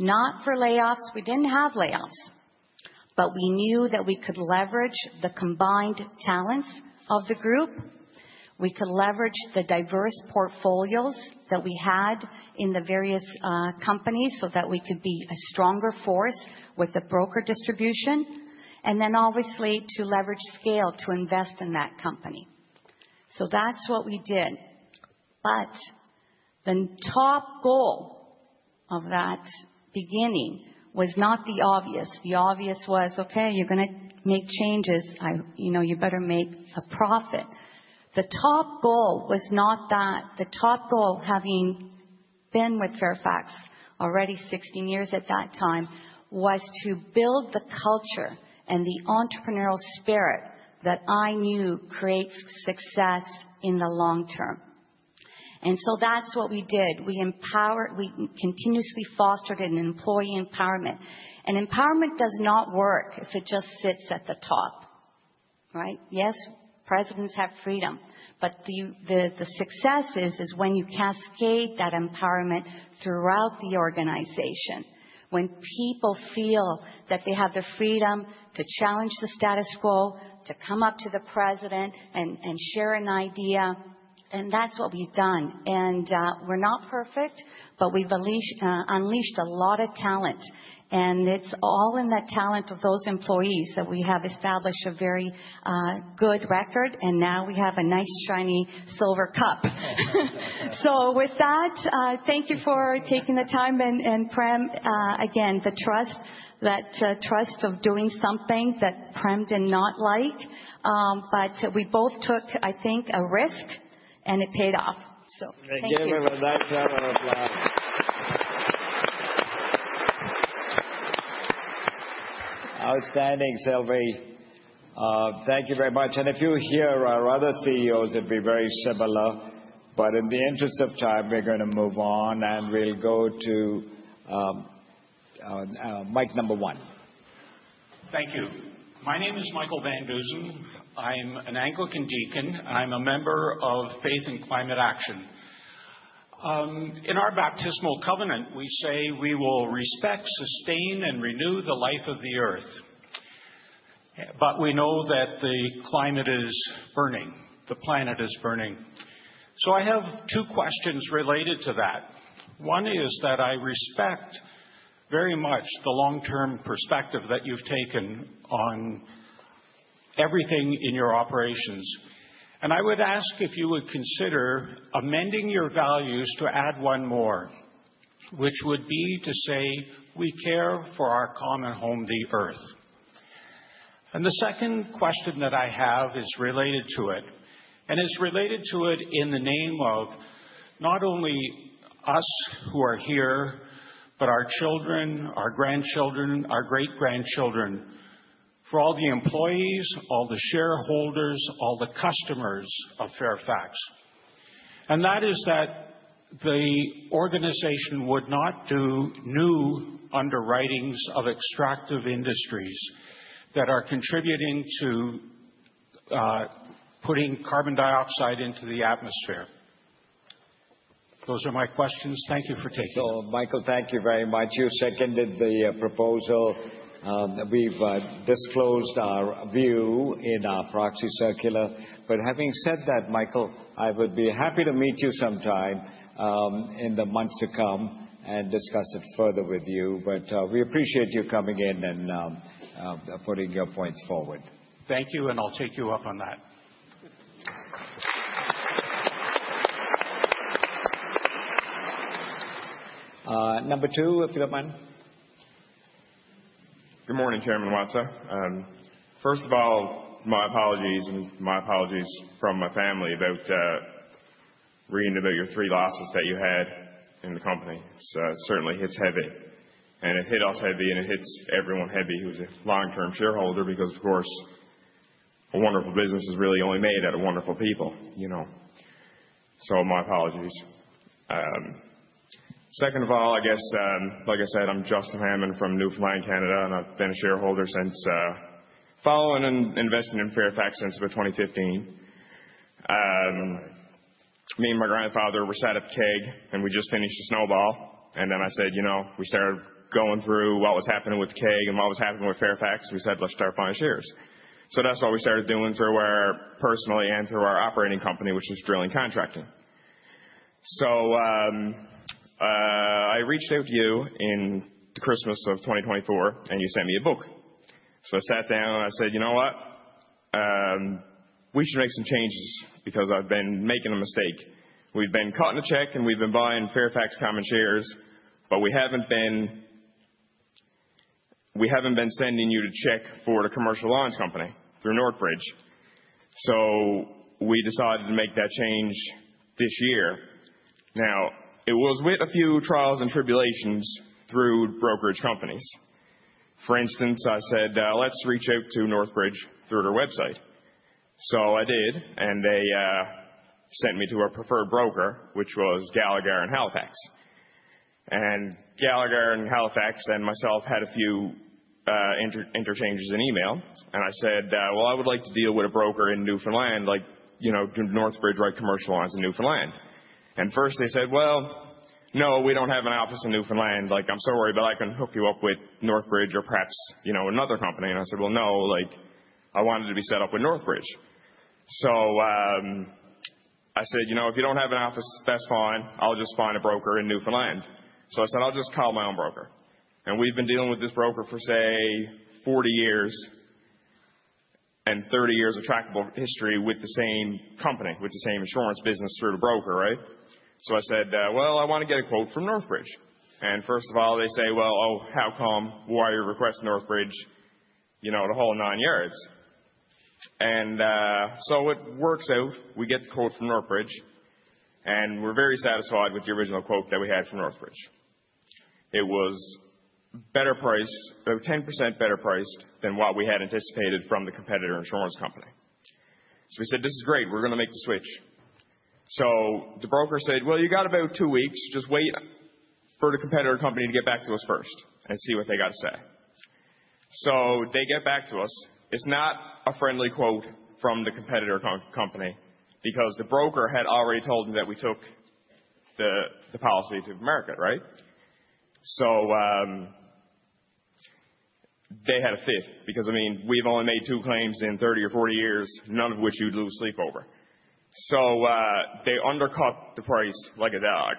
Not for layoffs. We didn't have layoffs. We knew that we could leverage the combined talents of the group. We could leverage the diverse portfolios that we had in the various companies so that we could be a stronger force with the broker distribution. Then, obviously, to leverage scale to invest in that company. So that's what we did. The top goal of that beginning was not the obvious. The obvious was, okay, you're going to make changes. You better make a profit. The top goal was not that. The top goal, having been with Fairfax already 16 years at that time, was to build the culture and the entrepreneurial spirit that I knew creates success in the long term. And so that's what we did. We continuously fostered employee empowerment. And empowerment does not work if it just sits at the top. Yes, presidents have freedom. But the success is when you cascade that empowerment throughout the organization. When people feel that they have the freedom to challenge the status quo, to come up to the President and share an idea. And that's what we've done. And we're not perfect. But we've unleashed a lot of talent. And it's all in the talent of those employees that we have established a very good record. And now we have a nice shiny silver cup. So with that, thank you for taking the time. And Prem, again, the trust, that trust of doing something that Prem did not like. But we both took, I think, a risk. And it paid off. Thank you. Give him a nice round of applause. Outstanding, Silvy. Thank you very much. And if you hear our other CEOs, it'd be very similar. But in the interest of time, we're going to move on. And we'll go to Mike number one. Thank you. My name is Michael Van Dusen. I'm an Anglican deacon. I'm a member of Faith and Climate Action. In our Baptismal Covenant, we say we will respect, sustain, and renew the life of the earth. But we know that the climate is burning. The planet is burning. So I have two questions related to that. One is that I respect very much the long-term perspective that you've taken on everything in your operations. And I would ask if you would consider amending your values to add one more, which would be to say we care for our common home, the earth. And the second question that I have is related to it. And it's related to it in the name of not only us who are here, but our children, our grandchildren, our great-grandchildren, for all the employees, all the shareholders, all the customers of Fairfax. And that is that the organization would not do new underwritings of extractive industries that are contributing to putting carbon dioxide into the atmosphere. Those are my questions. Thank you for taking them. So Michael, thank you very much. You seconded the proposal. We've disclosed our view in our proxy circular. But having said that, Michael, I would be happy to meet you sometime in the months to come and discuss it further with you. But we appreciate you coming in and putting your points forward. Thank you. And I'll take you up on that. Number two, if you don't mind. Good morning, Chairman Watsa. First of all, my apologies and my apologies from my family about reading about your three losses that you had in the company. Certainly, it's heavy, and it hit us heavy, and it hits everyone heavy who's a long-term shareholder because, of course, a wonderful business is really only made out of wonderful people. So my apologies. Second of all, I guess, like I said, I'm Justin Hammond from Newfoundland, Canada. I've been a shareholder since following and investing in Fairfax since about 2015. Me and my grandfather were set up Keg. We just finished a Snowball. Then I said, you know, we started going through what was happening with Keg and what was happening with Fairfax. We said, let's start buying shares. So that's what we started doing through our personally and through our operating company, which is drilling contracting. So I reached out to you in the Christmas of 2024, and you sent me a book. So I sat down, I said, you know what? We should make some changes because I've been making a mistake. We've been cutting a check, and we've been buying Fairfax common shares, but we haven't been sending you a check for the commercial lines company through Northbridge. So we decided to make that change this year. Now, it was with a few trials and tribulations through brokerage companies. For instance, I said, let's reach out to Northbridge through their website, so I did, and they sent me to a preferred broker, which was Gallagher in Halifax. And Gallagher in Halifax and myself had a few exchanges in email, and I said, well, I would like to deal with a broker in Newfoundland, like Northbridge writes commercial lines in Newfoundland. And first, they said, "Well, no, we don't have an office in Newfoundland. I'm sorry, but I can hook you up with Northbridge or perhaps another company." And I said, "Well, no. I wanted to be set up with Northbridge." So I said, "You know, if you don't have an office, that's fine. I'll just find a broker in Newfoundland." So I said, "I'll just call my own broker." And we've been dealing with this broker for, say, 40 years and 30 years of trackable history with the same company, with the same insurance business through the broker, right? So I said, "Well, I want to get a quote from Northbridge." And first of all, they say, "Well, oh, how come? Why are you requesting Northbridge? You know, the whole nine yards." And so it works out. We get the quote from Northbridge. We're very satisfied with the original quote that we had from Northbridge. It was better priced, about 10% better priced than what we had anticipated from the competitor insurance company. So we said, this is great. We're going to make the switch. So the broker said, well, you got about two weeks. Just wait for the competitor company to get back to us first and see what they got to say. So they get back to us. It's not a friendly quote from the competitor company because the broker had already told them that we took the policy to market, right? So they had a fit because, I mean, we've only made two claims in 30 or 40 years, none of which you'd lose sleep over. So they undercut the price like a dog.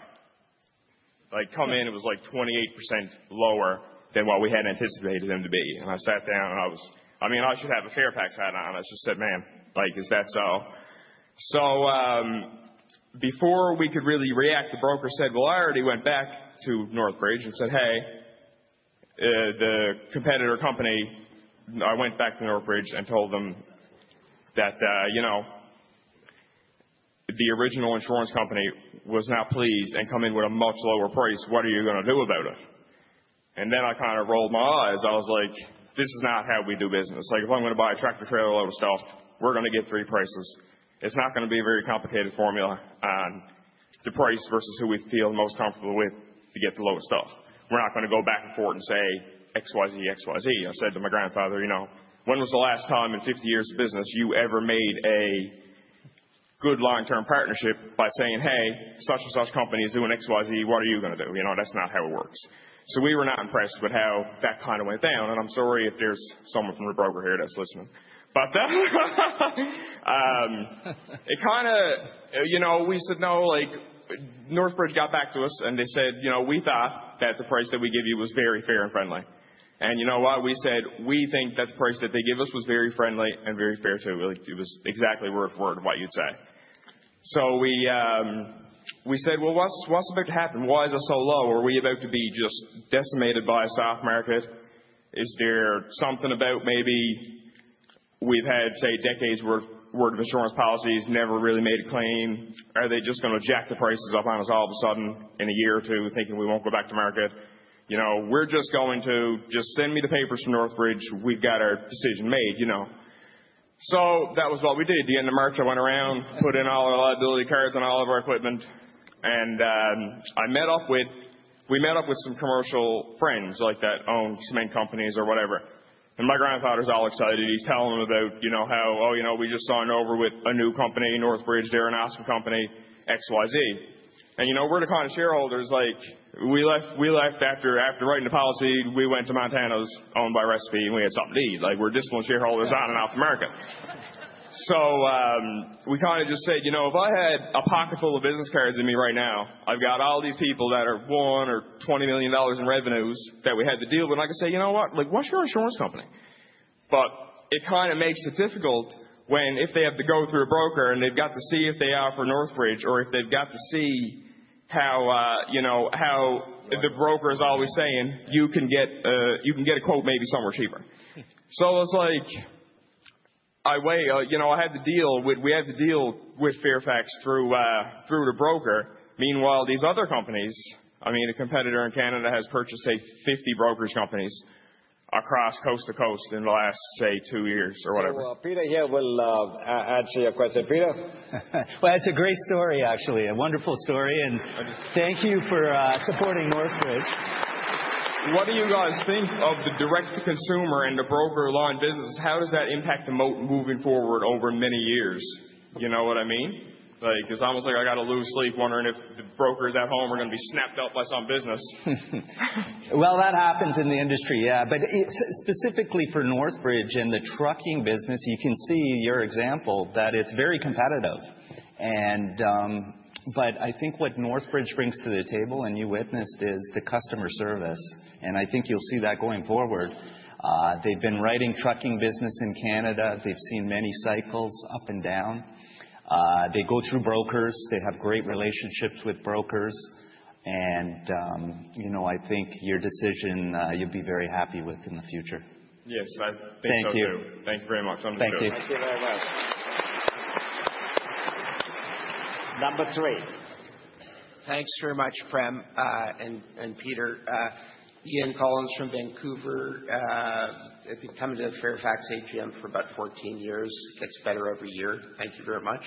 Come in, it was like 28% lower than what we had anticipated them to be. I sat down. I mean, I should have a Fairfax hat on. I just said, man, is that so? Before we could really react, the broker said, well, I already went back to Northbridge and said, hey, the competitor company, I went back to Northbridge and told them that the original insurance company was not pleased and coming with a much lower price. What are you going to do about it? Then I kind of rolled my eyes. I was like, this is not how we do business. If I'm going to buy a tractor-trailer load of stuff, we're going to get three prices. It's not going to be a very complicated formula on the price versus who we feel most comfortable with to get the lowest stuff. We're not going to go back and forth and say XYZ, XYZ. I said to my grandfather, you know, when was the last time in 50 years of business you ever made a good long-term partnership by saying, hey, such and such company is doing XYZ. What are you going to do? You know, that's not how it works. So we were not impressed with how that kind of went down. And I'm sorry if there's someone from the broker here that's listening. But it kind of, you know, we said, no, Northbridge got back to us. And they said, you know, we thought that the price that we give you was very fair and friendly. And you know what? We said, we think that the price that they give us was very friendly and very fair too. It was exactly worth what you'd say. So we said, well, what's about to happen? Why is it so low? Are we about to be just decimated by a soft market? Is there something about maybe we've had, say, decades' worth of insurance policies never really made a claim? Are they just going to jack the prices up on us all of a sudden in a year or two thinking we won't go back to market? You know, we're just going to send me the papers from Northbridge. We've got our decision made. You know, so that was what we did. The end of March, I went around, put in all our liability cards and all of our equipment, and we met up with some commercial friends like that own some companies or whatever, and my grandfather's all excited. He's telling them about, you know, how, oh, you know, we just signed over with a new company, Northbridge; they're an awesome company, XYZ. You know, we're the kind of shareholders like we left after writing the policy, we went to Montana's owned by Recipe and we had something to eat. Like we're disciplined shareholders out and out of America. We kind of just said, you know, if I had a pocket full of business cards in me right now, I've got all these people that are one or $20 million in revenues that we had to deal with. And I could say, you know what? Like, what's your insurance company? But it kind of makes it difficult when if they have to go through a broker and they've got to see if they offer Northbridge or if they've got to see how, you know, how. The broker is always saying, you can get a quote maybe somewhere cheaper. It's like, you know, I had to deal with, we had to deal with Fairfax through the broker. Meanwhile, these other companies, I mean, a competitor in Canada has purchased, say, 50 brokerage companies across coast to coast in the last, say, two years or whatever. Peter here will answer your question. Peter. That's a great story, actually. A wonderful story. Thank you for supporting Northbridge. What do you guys think of the direct-to-consumer and the broker loan business? How does that impact the moat moving forward over many years? You know what I mean? Like, it's almost like I got to lose sleep wondering if the brokers at home are going to be snapped up by some business. That happens in the industry, yeah. But specifically for Northbridge and the trucking business, you can see your example that it's very competitive. But I think what Northbridge brings to the table, and you witnessed, is the customer service. And I think you'll see that going forward. They've been writing trucking business in Canada. They've seen many cycles up and down. They go through brokers. They have great relationships with brokers. And you know, I think your decision, you'll be very happy with in the future. Yes. Thank you. Thank you very much. I'm enjoying it. Thank you. Number three. Thanks very much, Prem and Peter. Ian Collins from Vancouver. I've been coming to the Fairfax AGM for about 14 years. It gets better every year. Thank you very much.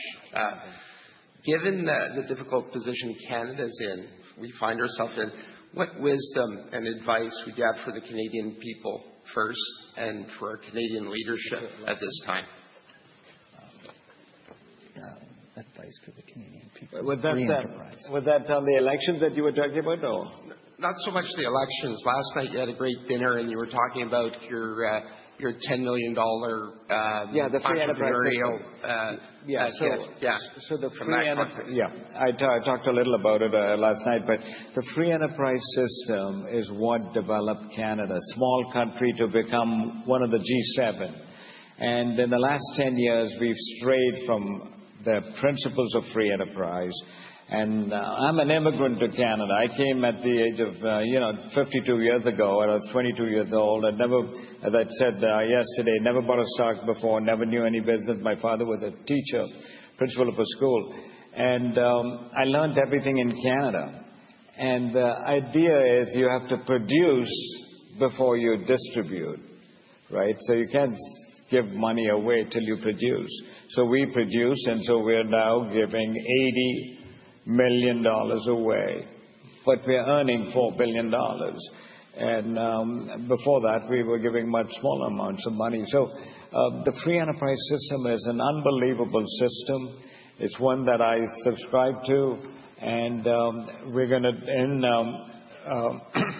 Given the difficult position Canada is in, we find ourselves in, what wisdom and advice would you have for the Canadian people first and for Canadian leadership at this time? Advice for the Canadian people. Would that tell the elections that you were talking about, or? Not so much the elections. Last night, you had a great dinner, and you were talking about your $10 million. Yeah, the free enterprise. Yeah. Yeah. I talked a little about it last night. But the free enterprise system is what developed Canada, a small country to become one of the G7. And in the last 10 years, we've strayed from the principles of free enterprise. And I'm an immigrant to Canada. I came at the age of, you know, 52 years ago. I was 22 years old. I never, as I said yesterday, never bought a stock before, never knew any business. My father was a teacher, principal of a school. And I learned everything in Canada. And the idea is you have to produce before you distribute, right? So you can't give money away until you produce. So we produce. And so we're now giving $80 million away. But we're earning $4 billion. And before that, we were giving much smaller amounts of money. So the free enterprise system is an unbelievable system. It's one that I subscribe to, and we're going to, in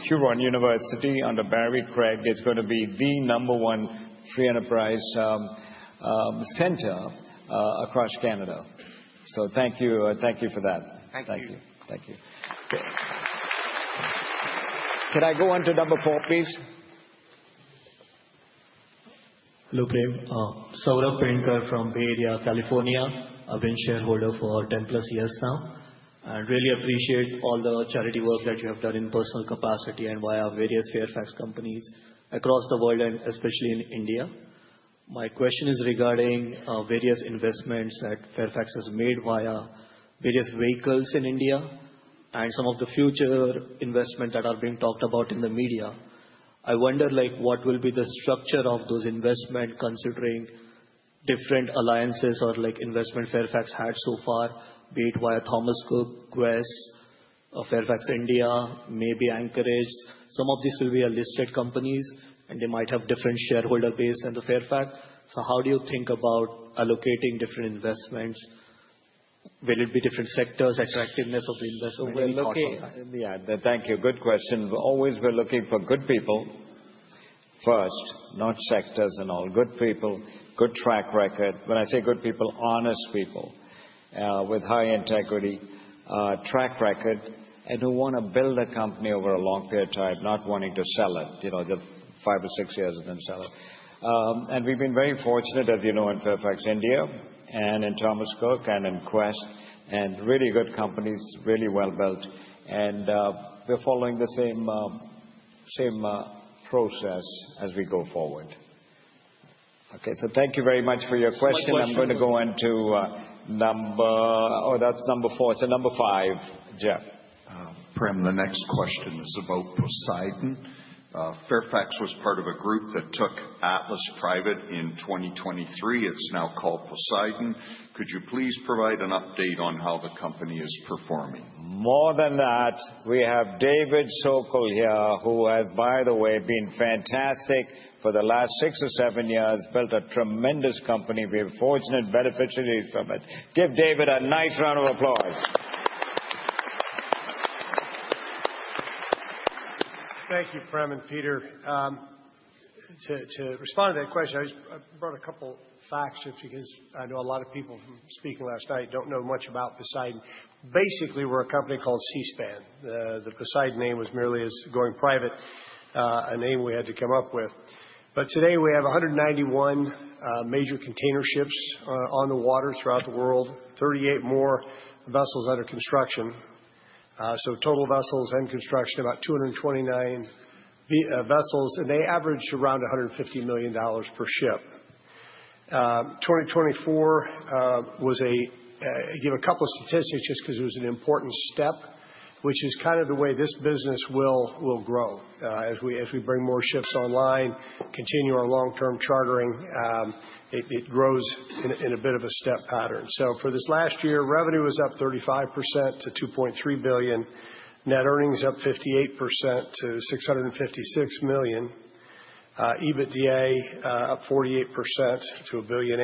Huron University under Barry Craig, make it the number one free enterprise center across Canada. So thank you. Thank you for that. Thank you. Thank you. Can I go on to number four, please? Hello, Prem. Saurabh Panikar from Bay Area, California. I've been a shareholder for 10+ years now. I really appreciate all the charity work that you have done in personal capacity and via various Fairfax companies across the world and especially in India. My question is regarding various investments that Fairfax has made via various vehicles in India and some of the future investment that are being talked about in the media. I wonder, like, what will be the structure of those investments considering different alliances or, like, investment Fairfax had so far, be it via Thomas Cook, Quess, Fairfax India, maybe Anchorage. Some of these will be listed companies. And they might have different shareholder base than the Fairfax. So how do you think about allocating different investments? Will it be different sectors, attractiveness of the investment? Yeah. Thank you. Good question. Always we're looking for good people first, not sectors and all. Good people, good track record. When I say good people, honest people with high integrity, track record, and who want to build a company over a long period of time, not wanting to sell it, you know, the five or six years and then sell it. And we've been very fortunate, as you know, in Fairfax India and in Thomas Cook and in Quess, and really good companies, really well built. And we're following the same process as we go forward. Okay. So thank you very much for your question. I'm going to go on to number, oh, that's number four. It's a number five, Jeff. Prem, the next question is about Poseidon. Fairfax was part of a group that took Atlas private in 2023. It's now called Poseidon. Could you please provide an update on how the company is performing? More than that, we have David Sokol here, who has, by the way, been fantastic for the last six or seven years, built a tremendous company. We're fortunate beneficiaries from it. Give David a nice round of applause. Thank you, Prem and Peter. To respond to that question, I brought a couple of facts just because I know a lot of people speaking last night don't know much about Poseidon. Basically, we're a company called Seaspan. The Poseidon name was merely going private, a name we had to come up with. But today, we have 191 major container ships on the water throughout the world, 38 more vessels under construction. So total vessels and construction, about 229 vessels. And they average around $150 million per ship. 2024 was a, I give a couple of statistics just because it was an important step, which is kind of the way this business will grow as we bring more ships online, continue our long-term chartering. It grows in a bit of a step pattern. So for this last year, revenue was up 35% to $2.3 billion. Net earnings up 58% to $656 million. EBITDA up 48% to $1.8 billion.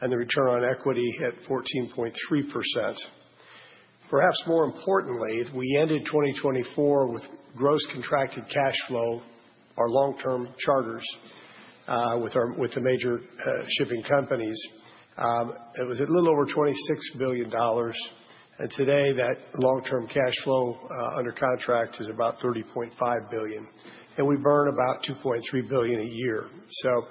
And the return on equity at 14.3%. Perhaps more importantly, we ended 2024 with gross contracted cash flow, our long-term charters with the major shipping companies. It was a little over $26 billion. And today, that long-term cash flow under contract is about $30.5 billion. And we burn about $2.3 billion a year. So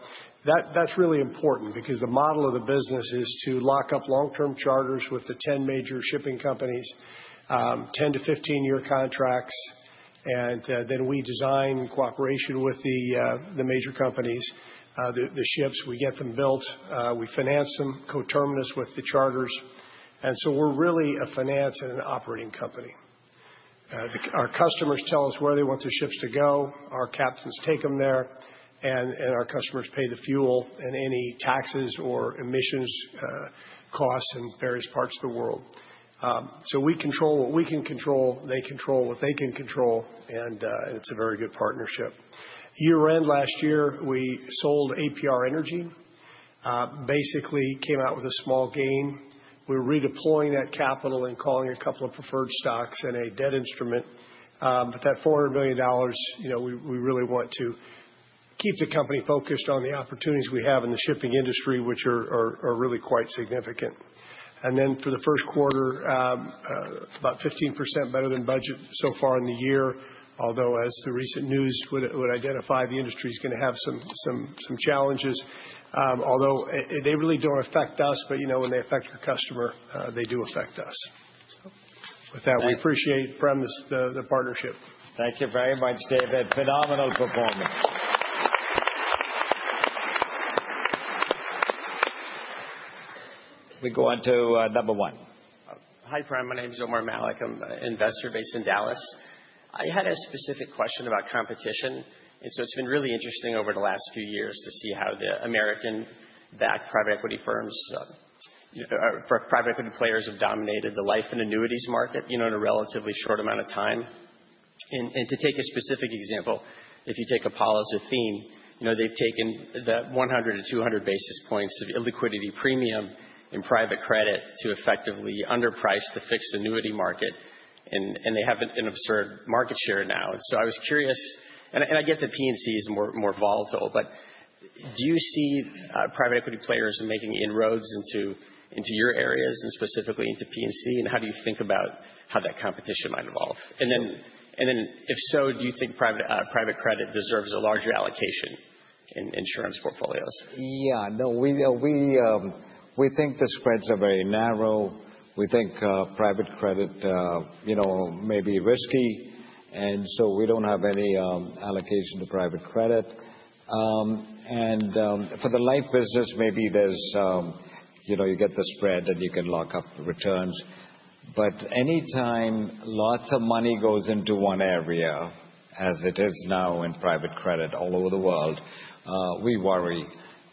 that's really important because the model of the business is to lock up long-term charters with the 10 major shipping companies, 10 to 15-year contracts. And then we design in cooperation with the major companies, the ships. We get them built. We finance them, coterminous with the charters. And so we're really a finance and an operating company. Our customers tell us where they want their ships to go. Our captains take them there. Our customers pay the fuel and any taxes or emissions costs in various parts of the world. So we control what we can control. They control what they can control. And it's a very good partnership. Year-end last year, we sold APR Energy. Basically came out with a small gain. We're redeploying that capital and calling a couple of preferred stocks and a debt instrument. But that $400 million, you know, we really want to keep the company focused on the opportunities we have in the shipping industry, which are really quite significant. And then for the first quarter, about 15% better than budget so far in the year. Although, as the recent news would identify, the industry is going to have some challenges. Although they really don't affect us, but you know, when they affect your customer, they do affect us. With that, we appreciate the partnership, Prem. Thank you very much, David. Phenomenal performance. We go on to number one. Hi, Prem. My name is Omar Malik. I'm an investor based in Dallas. I had a specific question about competition. And so it's been really interesting over the last few years to see how the American-backed private equity firms, private equity players have dominated the life and annuities market, you know, in a relatively short amount of time. And to take a specific example, if you take Apollo Athene, you know, they've taken the 100-200 basis points of illiquidity premium in private credit to effectively underprice the fixed annuity market. And they have an absurd market share now. And so I was curious, and I get that P&C is more volatile, but do you see private equity players making inroads into your areas and specifically into P&C? And how do you think about how that competition might evolve? And then if so, do you think private credit deserves a larger allocation in insurance portfolios? Yeah. No, we think the spreads are very narrow. We think private credit, you know, may be risky. And so we don't have any allocation to private credit. And for the life business, maybe there's, you know, you get the spread and you can lock up returns. But anytime lots of money goes into one area, as it is now in private credit all over the world, we worry.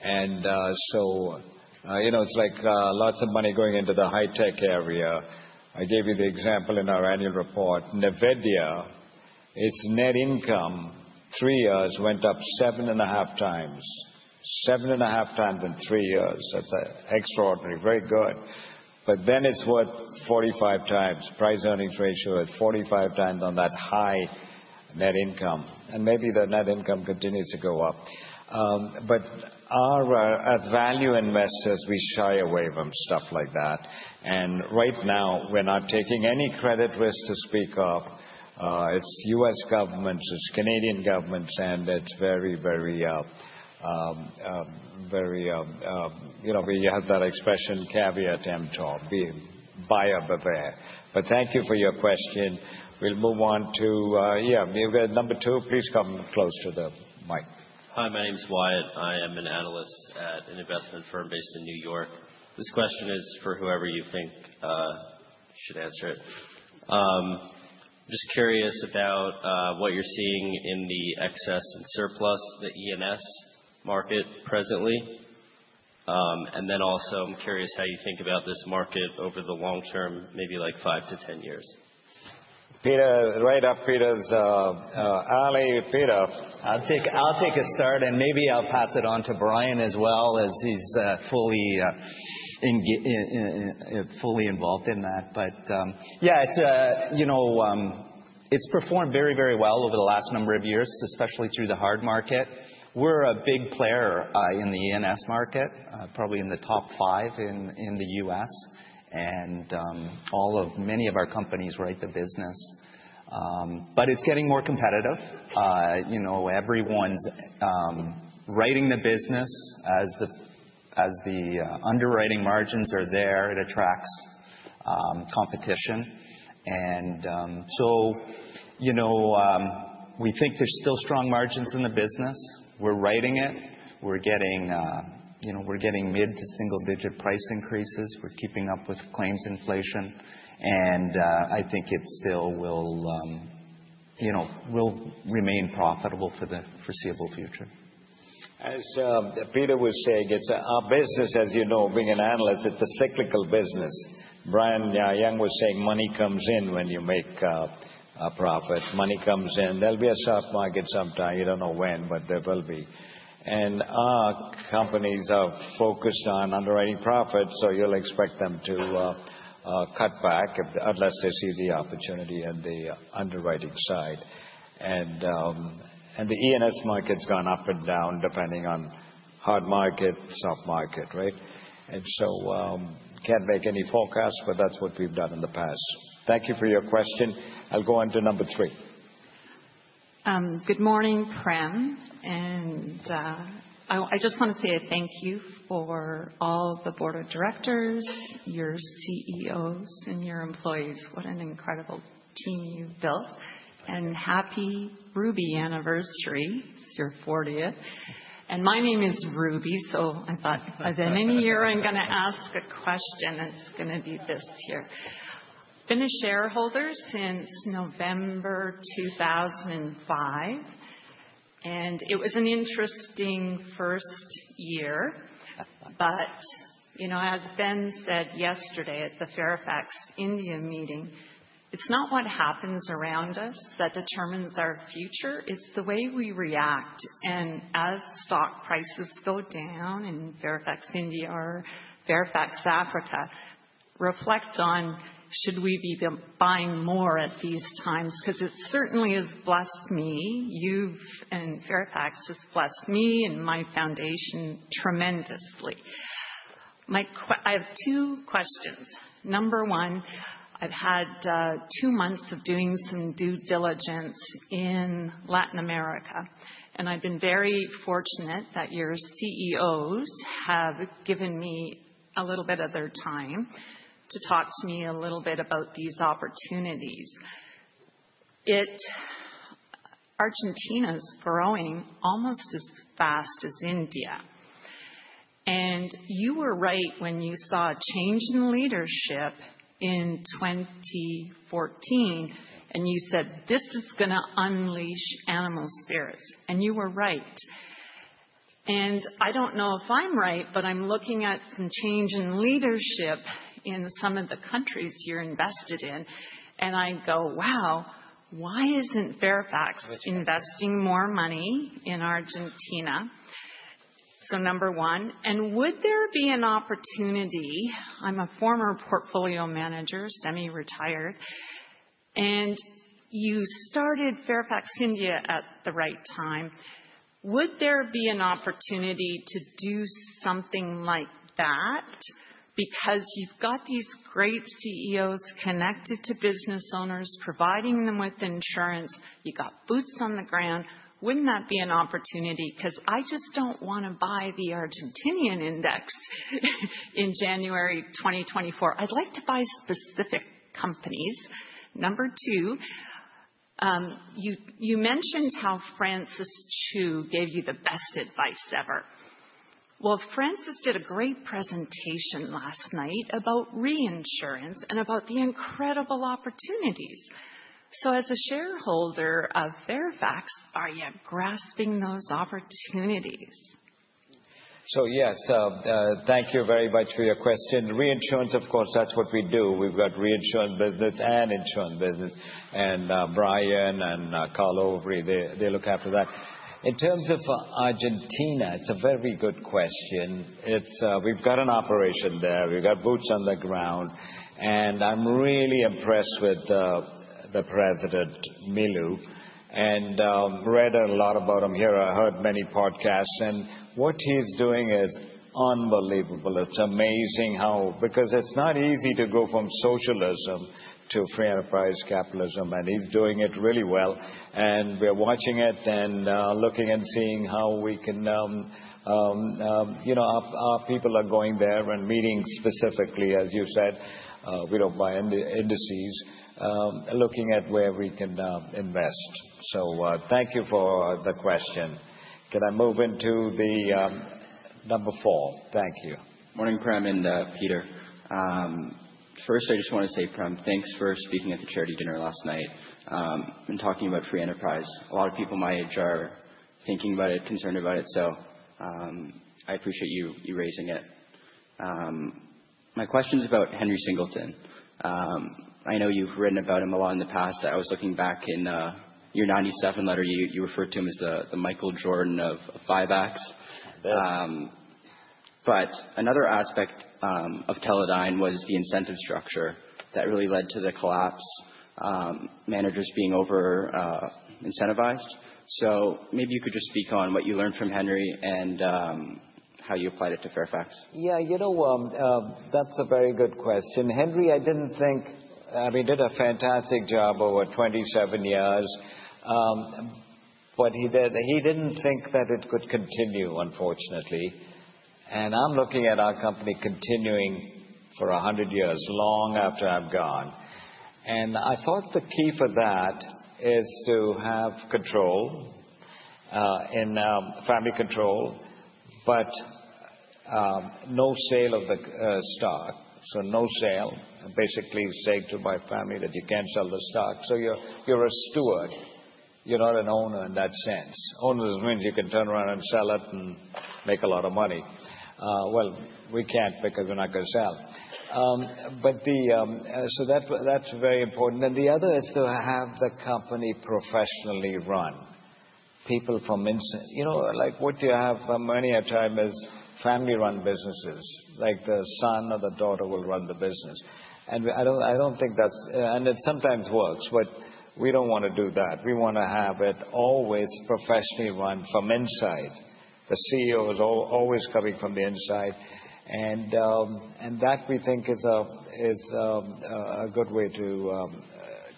And so, you know, it's like lots of money going into the high-tech area. I gave you the example in our annual report. NVIDIA, its net income three years went up seven and a half times, seven and a half times in three years. That's extraordinary, very good. But then it's worth 45 times, price-earnings ratio at 45x on that high net income. And maybe the net income continues to go up. But our value investors, we shy away from stuff like that. And right now, we're not taking any credit risk to speak of. It's U.S. governments, it's Canadian governments. And it's very, very, very, you know, we have that expression, caveat emptor, be a buyer beware. But thank you for your question. We'll move on to, yeah, maybe number two, please come close to the mic. Hi, my name's Wyatt. I am an analyst at an investment firm based in New York. This question is for whoever you think should answer it. I'm just curious about what you're seeing in the Excess and Surplus, the E&S market presently, and then also, I'm curious how you think about this market over the long term, maybe like five to 10 years. Peter, right up. Peter's early, Peter. I'll take a start. And maybe I'll pass it on to Brian as well, as he's fully involved in that. But yeah, it's, you know, it's performed very, very well over the last number of years, especially through the hard market. We're a big player in the E&S market, probably in the top five in the U.S. And many of our companies write the business. But it's getting more competitive. You know, everyone's writing the business. As the underwriting margins are there, it attracts competition. And so, you know, we think there's still strong margins in the business. We're writing it. We're getting, you know, we're getting mid- to single-digit price increases. We're keeping up with claims inflation. And I think it still will, you know, will remain profitable for the foreseeable future. As Peter was saying, it's our business, as you know, being an analyst, it's a cyclical business. Brian Young was saying money comes in when you make a profit. Money comes in. There'll be a soft market sometime. You don't know when, but there will be. And our companies are focused on underwriting profits. So you'll expect them to cut back unless they see the opportunity on the underwriting side. And the E&S market's gone up and down depending on hard market, soft market, right? And so can't make any forecasts, but that's what we've done in the past. Thank you for your question. I'll go on to number three. Good morning, Prem. And I just want to say thank you for all the board of directors, your CEOs, and your employees. What an incredible team you've built. And happy Ruby anniversary. It's your 40th. And my name is Ruby. So I thought by then in a year, I'm going to ask a question. It's going to be this year. Been a shareholder since November 2005. And it was an interesting first year. But, you know, as Ben said yesterday at the Fairfax India meeting, it's not what happens around us that determines our future. It's the way we react. And as stock prices go down in Fairfax India or Fairfax Africa, reflect on should we be buying more at these times? Because it certainly has blessed me. You've and Fairfax has blessed me and my foundation tremendously. I have two questions. Number one, I've had two months of doing some due diligence in Latin America. And I've been very fortunate that your CEOs have given me a little bit of their time to talk to me a little bit about these opportunities. Argentina's growing almost as fast as India. And you were right when you saw a change in leadership in 2014. And you said, "this is going to unleash animal spirits." And you were right. And I don't know if I'm right, but I'm looking at some change in leadership in some of the countries you're invested in. And I go, "wow, why isn't Fairfax investing more money in Argentina?" So number one. And would there be an opportunity? I'm a former portfolio manager, semi-retired. And you started Fairfax India at the right time. Would there be an opportunity to do something like that? Because you've got these great CEOs connected to business owners, providing them with insurance. You got boots on the ground. Wouldn't that be an opportunity? Because I just don't want to buy the Argentinian index in January 2024. I'd like to buy specific companies. Number two, you mentioned how Francis Chou gave you the best advice ever, well, Francis did a great presentation last night about reinsurance and about the incredible opportunities, so as a shareholder of Fairfax, are you grasping those opportunities? So yes, thank you very much for your question. Reinsurance, of course, that's what we do. We've got reinsurance business and insurance business. And Brian and Carl Overy, they look after that. In terms of Argentina, it's a very good question. We've got an operation there. We've got boots on the ground. And I'm really impressed with the President, Milei. And read a lot about him here. I heard many podcasts. And what he's doing is unbelievable. It's amazing how, because it's not easy to go from socialism to free enterprise capitalism. And he's doing it really well. And we're watching it and looking and seeing how we can, you know, our people are going there and meeting specifically, as you said, we don't buy indices, looking at where we can invest. So thank you for the question. Can I move into the number four? Thank you. Morning, Prem and Peter. First, I just want to say, Prem, thanks for speaking at the charity dinner last night and talking about free enterprise. A lot of people my age are thinking about it, concerned about it. So I appreciate you raising it. My question is about Henry Singleton. I know you've written about him a lot in the past. I was looking back in your 1997 letter, you referred to him as the Michael Jordan of Fairfax. But another aspect of Teledyne was the incentive structure that really led to the collapse, managers being over-incentivized. So maybe you could just speak on what you learned from Henry and how you applied it to Fairfax. Yeah, you know, that's a very good question. Henry, I didn't think, I mean, he did a fantastic job over 27 years, but he didn't think that it could continue, unfortunately, and I'm looking at our company continuing for 100 years, long after I'm gone, and I thought the key for that is to have control and family control, but no sale of the stock, so no sale, basically saying to my family that you can't sell the stock, so you're a steward. You're not an owner in that sense. Owner means you can turn around and sell it and make a lot of money, well we can't because we're not going to sell, but so that's very important, and the other is to have the company professionally run. People from, you know, like what you have many a time is family-run businesses. Like the son or the daughter will run the business. And I don't think that's, and it sometimes works, but we don't want to do that. We want to have it always professionally run from inside. The CEO is always coming from the inside. And that we think is a good way to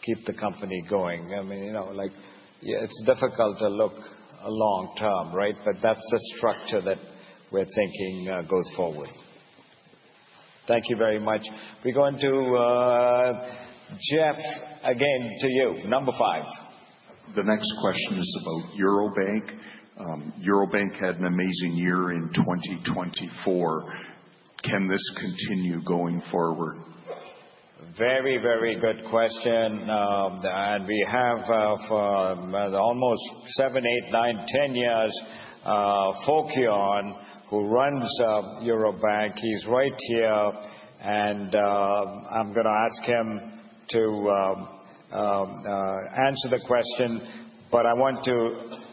keep the company going. I mean, you know, like it's difficult to look long term, right? But that's the structure that we're thinking goes forward. Thank you very much. We go into Jeff, again to you, number five. The next question is about Eurobank. Eurobank had an amazing year in 2024. Can this continue going forward? Very, very good question. And we have for almost seven, eight, nine, ten years Fokion, who runs Eurobank. He's right here. And I'm going to ask him to answer the question. But I want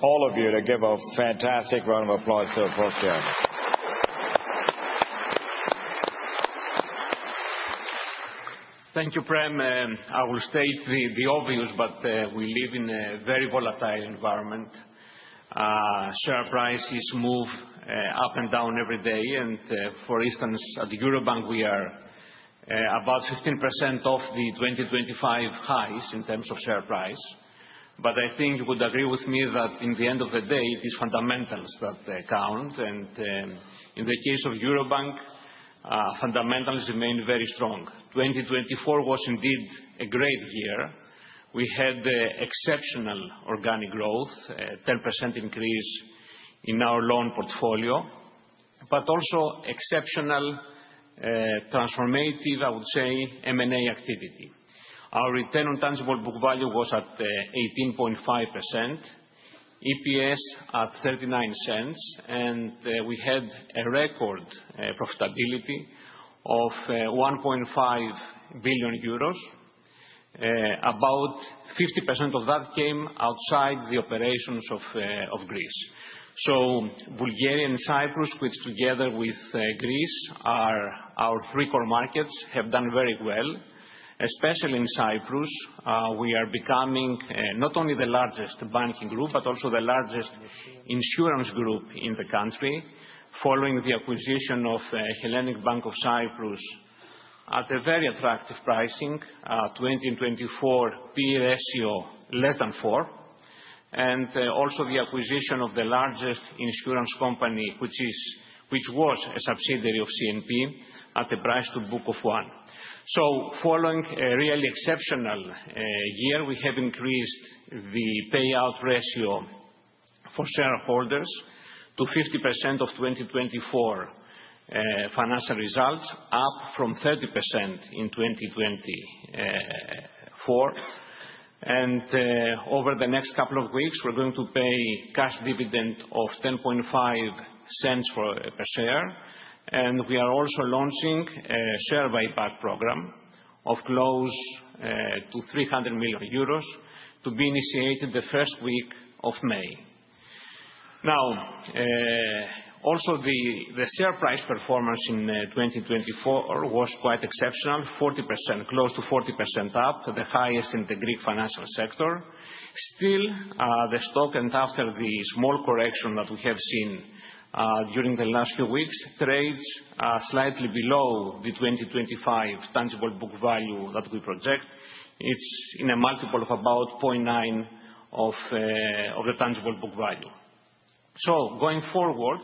all of you to give a fantastic round of applause to Fokion. Thank you, Prem. I will state the obvious, but we live in a very volatile environment. Share prices move up and down every day, and for instance, at the Eurobank, we are about 15% off the 2025 highs in terms of share price, but I think you would agree with me that in the end of the day, it is fundamentals that count. And in the case of Eurobank, fundamentals remain very strong. 2024 was indeed a great year. We had exceptional organic growth, a 10% increase in our loan portfolio, but also exceptional transformative, I would say, M&A activity. Our return on tangible book value was at 18.5%, EPS at 0.39, and we had a record profitability of 1.5 billion euros. About 50% of that came outside the operations of Greece. So Bulgaria and Cyprus, which together with Greece, are our three core markets, have done very well. Especially in Cyprus, we are becoming not only the largest banking group, but also the largest insurance group in the country, following the acquisition of Hellenic Bank of Cyprus at a very attractive pricing, 2024 P/E ratio less than four, and also the acquisition of the largest insurance company, which was a subsidiary of CNP, at a price to book of one, so following a really exceptional year, we have increased the payout ratio for shareholders to 50% of 2024 financial results, up from 30% in 2024, and over the next couple of weeks, we're going to pay cash dividend of 0.105 per share, and we are also launching a share buyback program of close to 300 million euros to be initiated the first week of May. Now, also the share price performance in 2024 was quite exceptional, 40%, close to 40% up, the highest in the Greek financial sector. Still, the stock, and after the small correction that we have seen during the last few weeks, trades slightly below the 2025 tangible book value that we project. It's in a multiple of about 0.9 of the tangible book value. So going forward,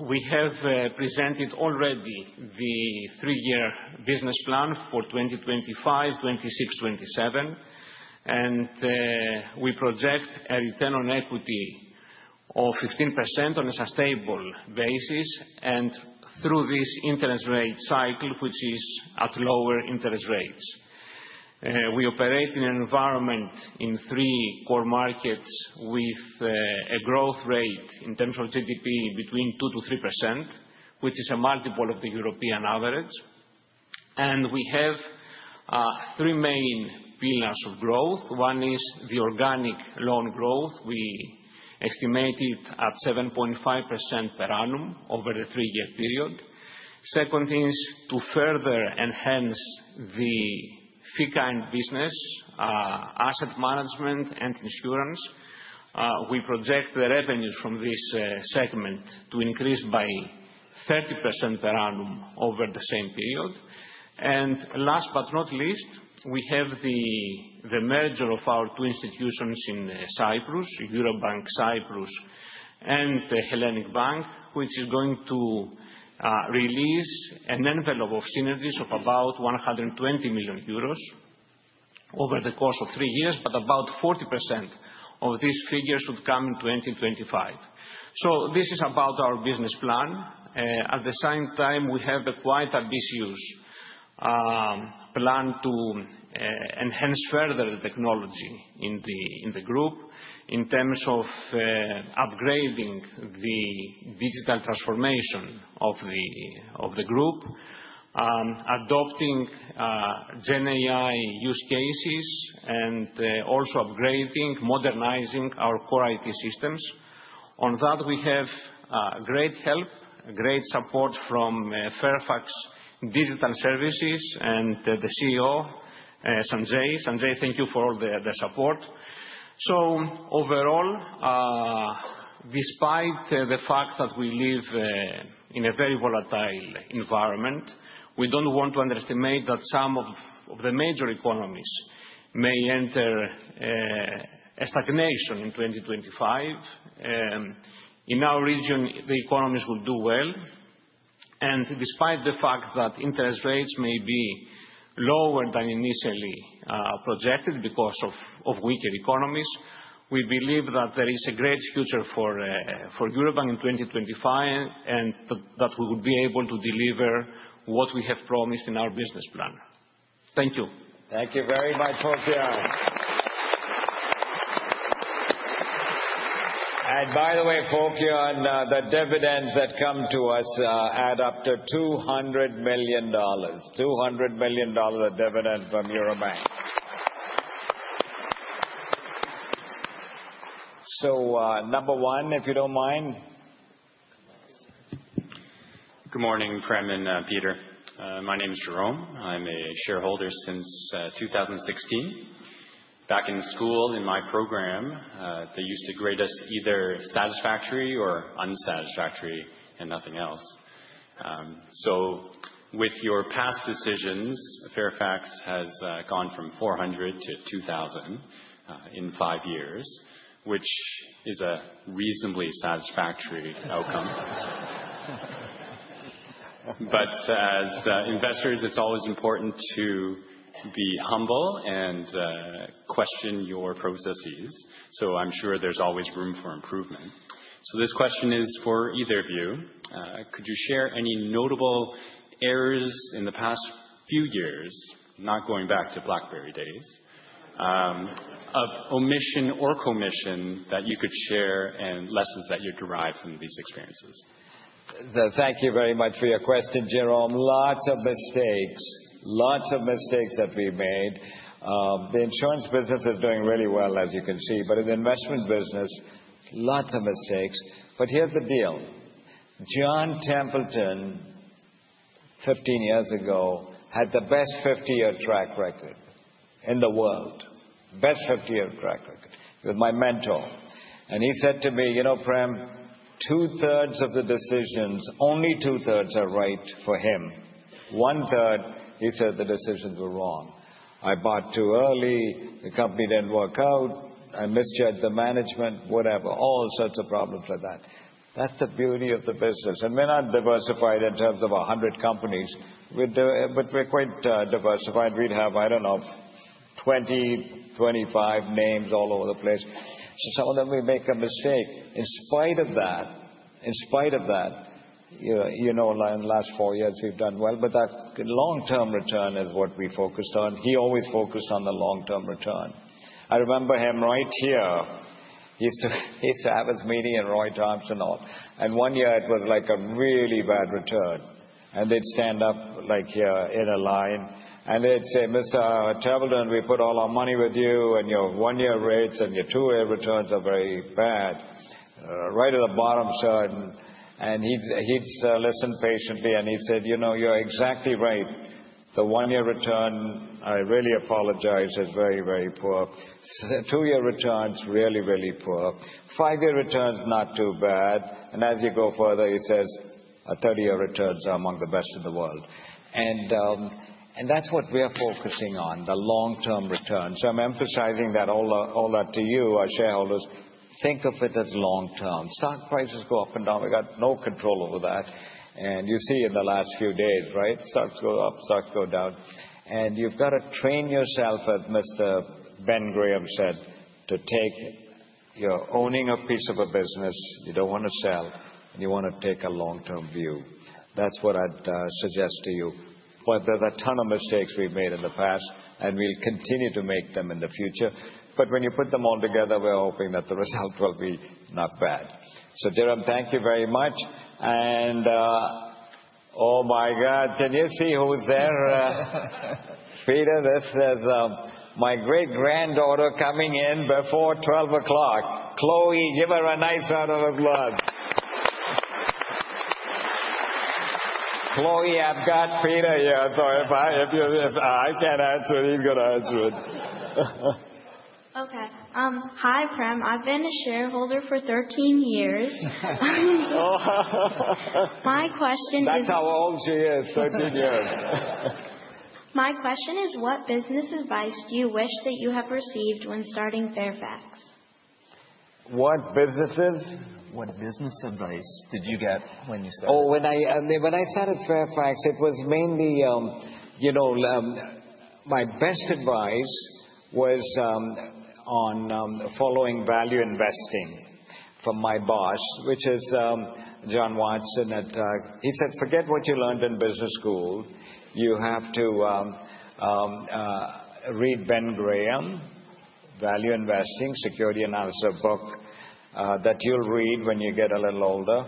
we have presented already the three-year business plan for 2025, 2026, 2027. And we project a return on equity of 15% on a sustainable basis. And through this interest rate cycle, which is at lower interest rates, we operate in an environment in three core markets with a growth rate in terms of GDP between 2% to 3%, which is a multiple of the European average. And we have three main pillars of growth. One is the organic loan growth. We estimate it at 7.5% per annum over the three-year period. Second is to further enhance the F&C and business asset management and insurance. We project the revenues from this segment to increase by 30% per annum over the same period. And last but not least, we have the merger of our two institutions in Cyprus, Eurobank Cyprus and Hellenic Bank, which is going to release an envelope of synergies of about 120 million euros over the course of three years. But about 40% of this figure should come in 2025. So this is about our business plan. At the same time, we have a quite ambitious plan to enhance further the technology in the group in terms of upgrading the digital transformation of the group, adopting GenAI use cases, and also upgrading, modernizing our core IT systems. On that, we have great help, great support from Fairfax Digital Services and the CEO, Sanjay. Sanjay, thank you for all the support. So overall, despite the fact that we live in a very volatile environment, we don't want to underestimate that some of the major economies may enter a stagnation in 2025. In our region, the economies will do well. And despite the fact that interest rates may be lower than initially projected because of weaker economies, we believe that there is a great future for Eurobank in 2025 and that we would be able to deliver what we have promised in our business plan. Thank you. Thank you very much, Fokion. And by the way, Fokion, the dividends that come to us add up to $200 million, $200 million of dividend from Eurobank. So number one, if you don't mind. Good morning, Prem and Peter. My name is Jerome. I'm a shareholder since 2016. Back in school, in my program, they used to grade us either satisfactory or unsatisfactory and nothing else. So with your past decisions, Fairfax has gone from 400 to 2,000 in five years, which is a reasonably satisfactory outcome. But as investors, it's always important to be humble and question your processes. So I'm sure there's always room for improvement. So this question is for either of you. Could you share any notable errors in the past few years, not going back to BlackBerry days, of omission or commission that you could share and lessons that you derive from these experiences? Thank you very much for your question, Jerome. Lots of mistakes, lots of mistakes that we've made. The insurance business is doing really well, as you can see. But in the investment business, lots of mistakes. But here's the deal. John Templeton, 15 years ago, had the best 50-year track record in the world, best 50-year track record with my mentor. And he said to me, you know, Prem, 2/3 of the decisions, only 2/3 are right for him. One-third, he said the decisions were wrong. I bought too early. The company didn't work out. I misjudged the management, whatever. All sorts of problems like that. That's the beauty of the business. And we're not diversified in terms of 100 companies, but we're quite diversified. We'd have, I don't know, 20, 25 names all over the place. So some of them we make a mistake. In spite of that, in spite of that, you know, in the last four years, we've done well. But that long-term return is what we focused on. He always focused on the long-term return. I remember him right here. He used to have his meeting in Roy Thomson Hall. One year, it was like a really bad return. They'd stand up like here in a line. They'd say, Mr. Templeton, we put all our money with you. Your one-year rates and your two-year returns are very bad, right at the bottom, sir. He'd listen patiently. He said, you know, you're exactly right. The one-year return, I really apologize, is very, very poor. Two-year returns, really, really poor. Five-year returns, not too bad. As you go further, he says, our 30-year returns are among the best in the world. And that's what we're focusing on, the long-term return. So I'm emphasizing that all that to you, our shareholders, think of it as long-term. Stock prices go up and down. We've got no control over that. And you see in the last few days, right, stocks go up, stocks go down. And you've got to train yourself, as Mr. Ben Graham said, to take your owning a piece of a business. You don't want to sell. You want to take a long-term view. That's what I'd suggest to you. But there's a ton of mistakes we've made in the past. And we'll continue to make them in the future. But when you put them all together, we're hoping that the result will be not bad. So Jerome, thank you very much. And oh my God, can you see who's there? Peter, this is my great-granddaughter coming in before 12 o'clock. Chloe, give her a nice round of applause. Chloe, I've got Peter here. So if I can't answer, he's going to answer it. Okay. Hi, Prem. I've been a shareholder for 13 years. My question is. That's how old she is, 13 years. My question is, what business advice do you wish that you have received when starting Fairfax? What businesses? What business advice did you get when you started? Oh, when I started Fairfax, it was mainly, you know, my best advice was on following value investing from my boss, which is John Templeton. He said, forget what you learned in business school. You have to read Ben Graham, Value Investing, Security Analysis book, that you'll read when you get a little older.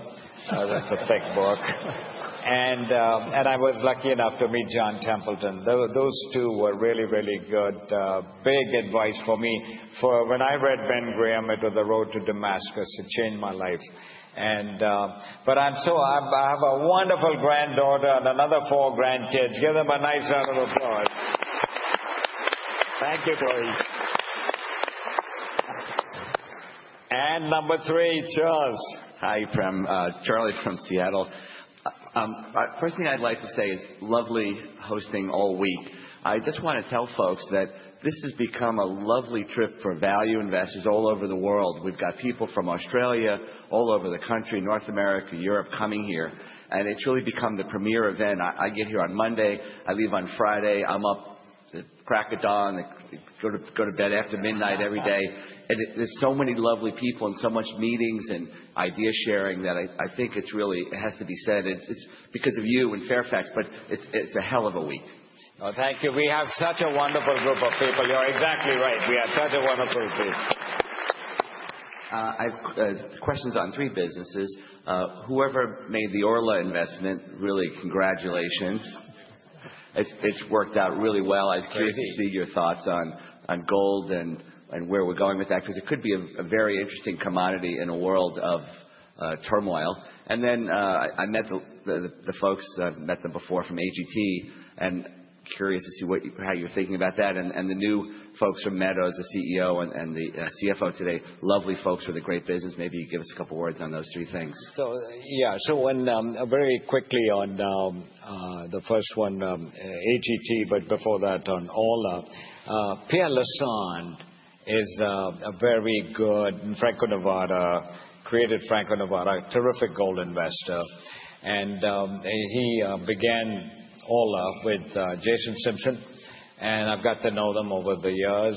That's a thick book. And I was lucky enough to meet John Templeton. Those two were really, really good, big advice for me. For when I read Ben Graham, it was the road to Damascus. It changed my life. And but I'm so I have a wonderful granddaughter and another four grandkids. Give them a nice round of applause. Thank you, Chloe. And number three, Charles. Hi, Prem. Charlie from Seattle. First thing I'd like to say is lovely hosting all week. I just want to tell folks that this has become a lovely trip for value investors all over the world. We've got people from Australia, all over the country, North America, Europe coming here. And it's really become the premier event. I get here on Monday. I leave on Friday. I'm up at crack of dawn. I go to bed after midnight every day. And there's so many lovely people and so much meetings and idea sharing that I think it's really, it has to be said, it's because of you and Fairfax. But it's a hell of a week. Oh, thank you. We have such a wonderful group of people. You're exactly right. We have such a wonderful group. I have questions on three businesses. Whoever made the Orla investment, really, congratulations. It's worked out really well. I was curious to see your thoughts on gold and where we're going with that, because it could be a very interesting commodity in a world of turmoil. And then I met the folks, I've met them before from AGT. And curious to see how you're thinking about that. And the new folks from Meadow Foods, the CEO and the CFO today, lovely folks with a great business. Maybe you give us a couple of words on those three things. So yeah, so very quickly on the first one, AGT, but before that on Orla, Pierre Lassonde is a very good Franco-Nevada, created Franco-Nevada, terrific gold investor. And he began Orla with Jason Simpson. And I've got to know them over the years.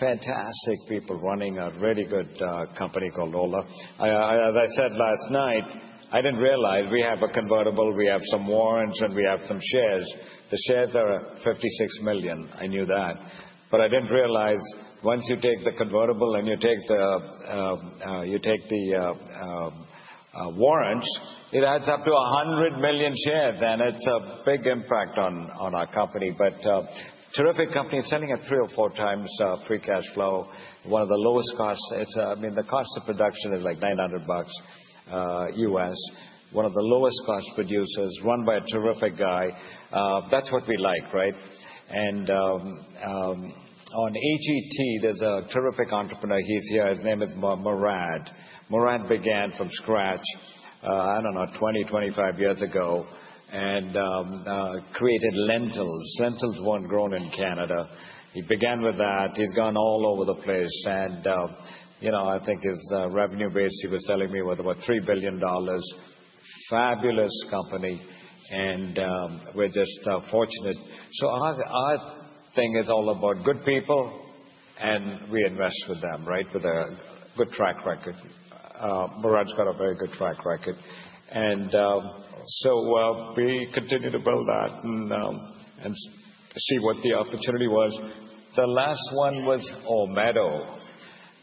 Fantastic people running a really good company called Orla. As I said last night, I didn't realize we have a convertible. We have some warrants, and we have some shares. The shares are 56 million. I knew that. But I didn't realize once you take the convertible and you take the warrants, it adds up to 100 million shares. And it's a big impact on our company. But terrific company. It's trading at three or four times free cash flow. One of the lowest costs. I mean, the cost of production is like $900 U.S. One of the lowest cost producers run by a terrific guy. That's what we like, right? And on AGT, there's a terrific entrepreneur. He's here. His name is Murad. Murad began from scratch, I don't know, 20, 25 years ago, and created lentils. Lentils weren't grown in Canada. He began with that. He's gone all over the place. And you know, I think his revenue base, he was telling me, was about $3 billion. Fabulous company. And we're just fortunate. So our thing is all about good people. And we invest with them, right, with a good track record. Murad's got a very good track record. And so we continue to build that and see what the opportunity was. The last one was, oh, Meadow.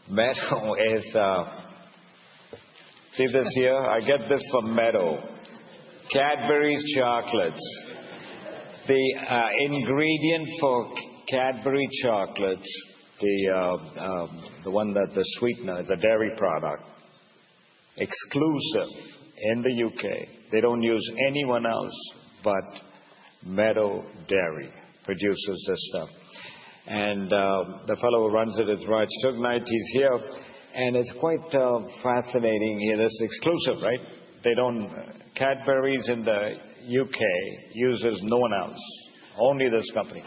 Meadow is, see this here? I get this from Meadow. Cadbury's Chocolates. The ingredient for Cadbury chocolates, the one that the sweetener is a dairy product, exclusive in the U.K. They don't use anyone else but Meadow Dairy produces this stuff, and the fellow who runs it is Raj Tugnait. He's here, and it's quite fascinating here. This exclusive, right? Cadbury's in the U.K. uses no one else. Only this company.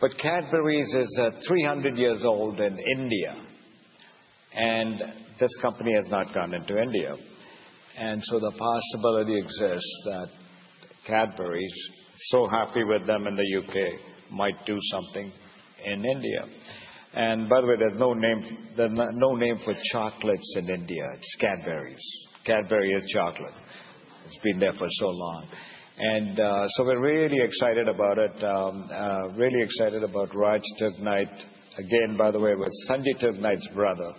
But Cadbury's is 300 years old in India, and this company has not gone into India. And so the possibility exists that Cadbury's, so happy with them in the U.K., might do something in India. And by the way, there's no name for chocolates in India. It's Cadbury's. Cadbury is chocolate. It's been there for so long, and so we're really excited about it. Really excited about Raj Tugnait. Again, by the way, with Sanjay Tugnait's brother.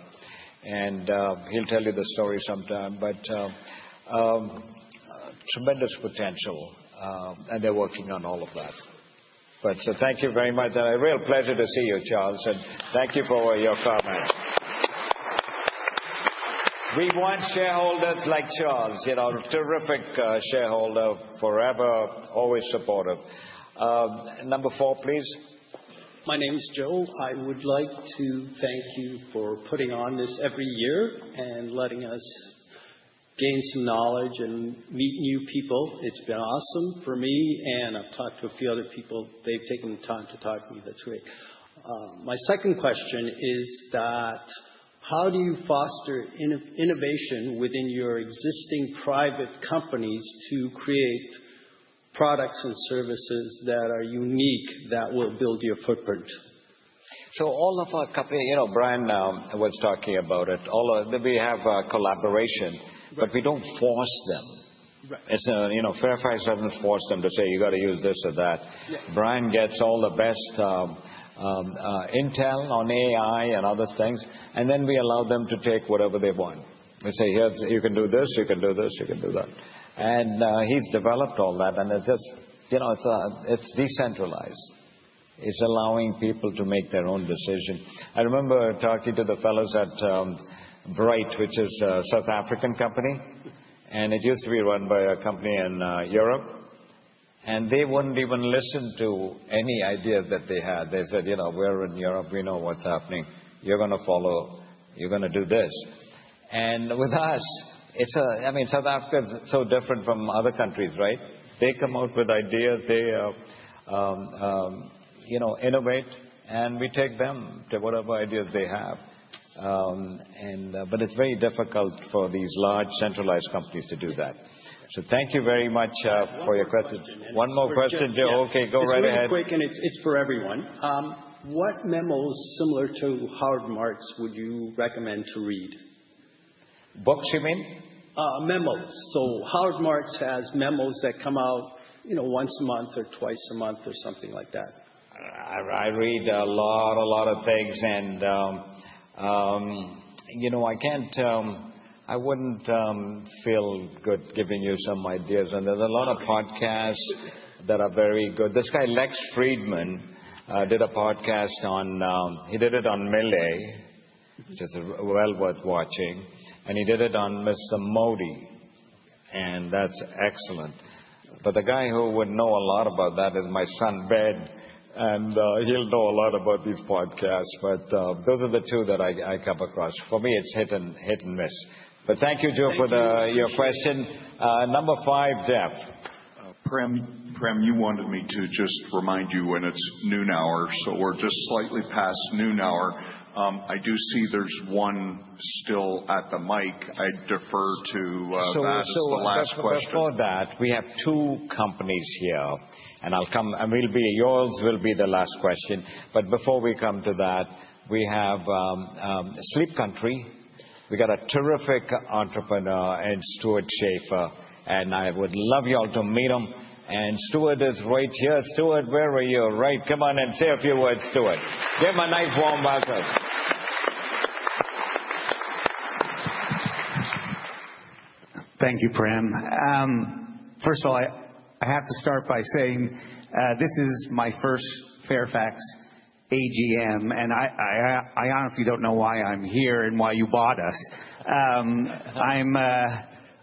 And he'll tell you the story sometime. But tremendous potential. They're working on all of that. So thank you very much. A real pleasure to see you, Charles. Thank you for your comments. We want shareholders like Charles. You know, terrific shareholder, forever, always supportive. Number four, please. My name is Joe. I would like to thank you for putting on this every year and letting us gain some knowledge and meet new people. It's been awesome for me, and I've talked to a few other people. They've taken the time to talk to me this week. My second question is that how do you foster innovation within your existing private companies to create products and services that are unique that will build your footprint? So all of our companies, you know, Brian was talking about it. We have a collaboration. But we don't force them. Right. You know, Fairfax doesn't force them to say, you've got to use this or that. Brian gets all the best intel on AI and other things. And then we allow them to take whatever they want. We say, here, you can do this. You can do this. You can do that. And he's developed all that. And it's just, you know, it's decentralized. It's allowing people to make their own decision. I remember talking to the fellows at Bryte, which is a South African company. And it used to be run by a company in Europe. And they wouldn't even listen to any idea that they had. They said, you know, we're in Europe. We know what's happening. You're going to follow. You're going to do this. And with us, it's a, I mean, South Africa is so different from other countries, right? They come out with ideas. They, you know, innovate, and we take them to whatever ideas they have. But it's very difficult for these large centralized companies to do that. So thank you very much for your question. One more question, Joe. Okay, go right ahead. Really quick, and it's for everyone. What memos, similar to Howard Marks, would you recommend to read? Books, you mean? Memos. So Howard Marks has memos that come out, you know, once a month or twice a month or something like that. I read a lot, a lot of things, and you know, I can't, I wouldn't feel good giving you some ideas, and there's a lot of podcasts that are very good. This guy, Lex Fridman, did a podcast on; he did it on Milei, which is well worth watching, and he did it on Mr. Modi, and that's excellent. But the guy who would know a lot about that is my son, Ben, and he'll know a lot about these podcasts, but those are the two that I come across. For me, it's hit and miss, but thank you, Joe, for your question. Number five, Jeff. Prem, you wanted me to just remind you when it's noon hour. So we're just slightly past noon hour. I do see there's one still at the mic. I'd defer to the last question. Before that, we have two companies here. And I'll come, and we'll be, yours will be the last question. But before we come to that, we have Sleep Country. We've got a terrific entrepreneur and Stewart Schaefer. And I would love y'all to meet him. And Stewart is right here. Stewart, where were you? Right. Come on and say a few words, Stewart. Give him a nice warm welcome. Thank you, Prem. First of all, I have to start by saying this is my first Fairfax AGM. And I honestly don't know why I'm here and why you bought us. I'm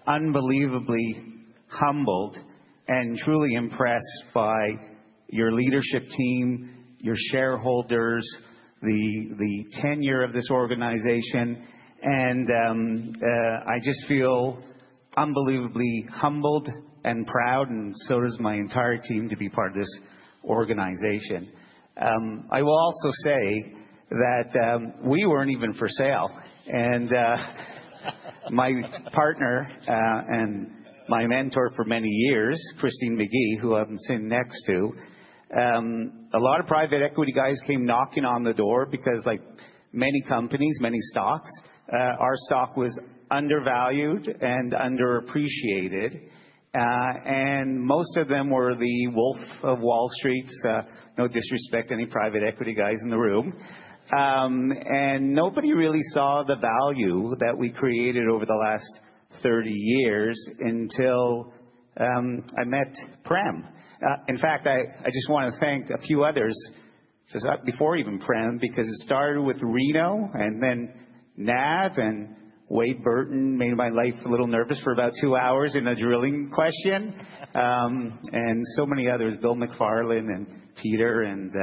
unbelievably humbled and truly impressed by your leadership team, your shareholders, the tenure of this organization. And I just feel unbelievably humbled and proud. And so does my entire team to be part of this organization. I will also say that we weren't even for sale. And my partner and my mentor for many years, Christine Magee, who I'm sitting next to, a lot of private equity guys came knocking on the door because like many companies, many stocks, our stock was undervalued and underappreciated. And most of them were the wolf of Wall Street, no disrespect to any private equity guys in the room. And nobody really saw the value that we created over the last 30 years until I met Prem. In fact, I just want to thank a few others before even Prem, because it started with Rino and then Nav and Wade Burton made my life a little nervous for about two hours in a drilling question. And so many others, Bill McFarland and Peter. And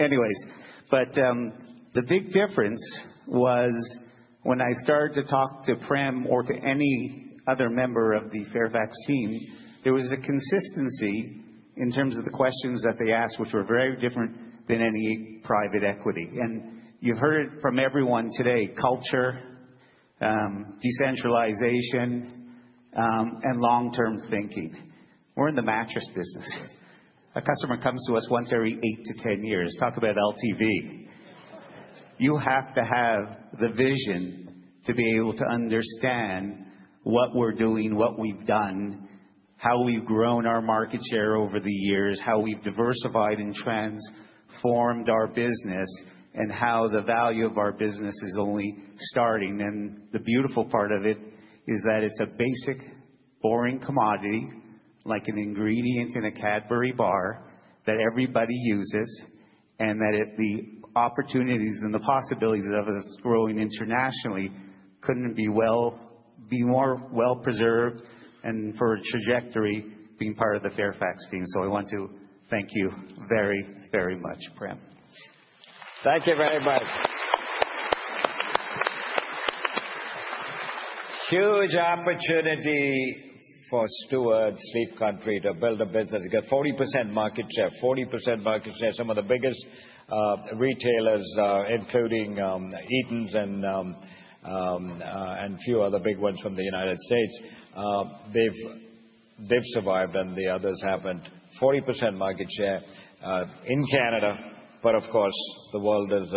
anyways, but the big difference was when I started to talk to Prem or to any other member of the Fairfax team. There was a consistency in terms of the questions that they asked, which were very different than any private equity. And you've heard it from everyone today, culture, decentralization, and long-term thinking. We're in the mattress business. A customer comes to us once every eight to 10 years. Talk about LTV. You have to have the vision to be able to understand what we're doing, what we've done, how we've grown our market share over the years, how we've diversified and transformed our business, and how the value of our business is only starting, and the beautiful part of it is that it's a basic, boring commodity, like an ingredient in a Cadbury bar that everybody uses, and that the opportunities and the possibilities of us growing internationally couldn't be more well preserved and for a trajectory being part of the Fairfax team, so I want to thank you very, very much, Prem. Thank you very much. Huge opportunity for Stewart, Sleep Country, to build a business. You get 40% market share, 40% market share. Some of the biggest retailers, including Eaton's and a few other big ones from the United States, they've survived and the others haven't. 40% market share in Canada, but of course, the world is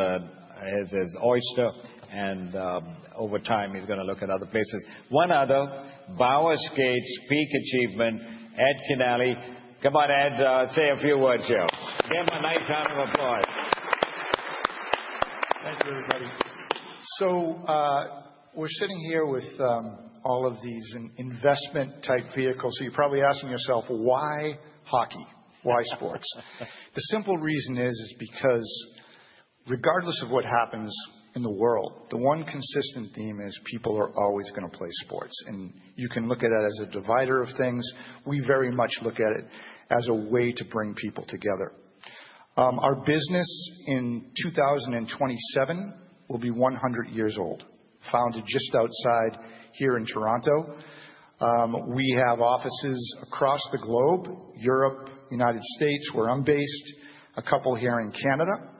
his oyster, and over time, he's going to look at other places. One other, Bauer Hockey, Peak Achievement, Ed Kinnaly. Come on, Ed, say a few words, Joe. Give him a nice round of applause. Thank you, everybody. So we're sitting here with all of these investment-type vehicles. So you're probably asking yourself, why hockey? Why sports? The simple reason is because regardless of what happens in the world, the one consistent theme is people are always going to play sports. And you can look at that as a divider of things. We very much look at it as a way to bring people together. Our business in 2027 will be 100 years old, founded just outside here in Toronto. We have offices across the globe, Europe, United States, where I'm based, a couple here in Canada.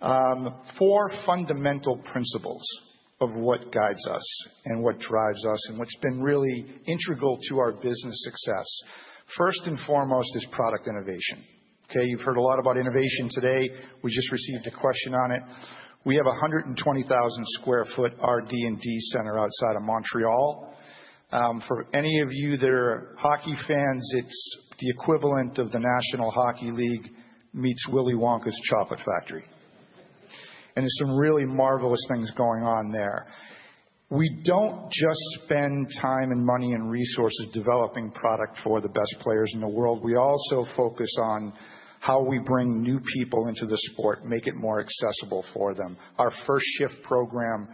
Four fundamental principles of what guides us and what drives us and what's been really integral to our business success. First and foremost is product innovation. Okay, you've heard a lot about innovation today. We just received a question on it. We have a 120,000 sq ft R&D center outside of Montreal. For any of you that are hockey fans, it's the equivalent of the National Hockey League meets Willy Wonka's Chocolate Factory, and there's some really marvelous things going on there. We don't just spend time and money and resources developing product for the best players in the world. We also focus on how we bring new people into the sport, make it more accessible for them. Our First Shift program,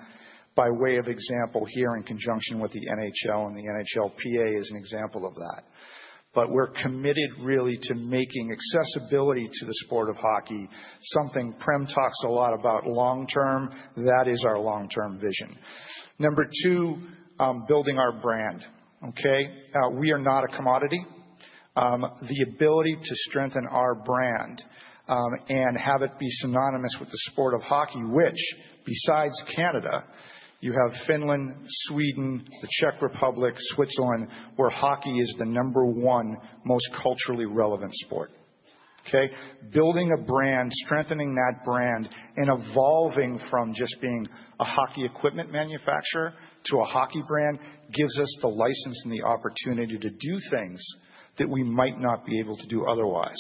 by way of example here in conjunction with the NHL and the NHL PA, is an example of that. But we're committed really to making accessibility to the sport of hockey something Prem talks a lot about long-term. That is our long-term vision. Number two, building our brand. Okay, we are not a commodity. The ability to strengthen our brand and have it be synonymous with the sport of hockey, which besides Canada, you have Finland, Sweden, the Czech Republic, Switzerland, where hockey is the number one most culturally relevant sport. Okay, building a brand, strengthening that brand, and evolving from just being a hockey equipment manufacturer to a hockey brand gives us the license and the opportunity to do things that we might not be able to do otherwise.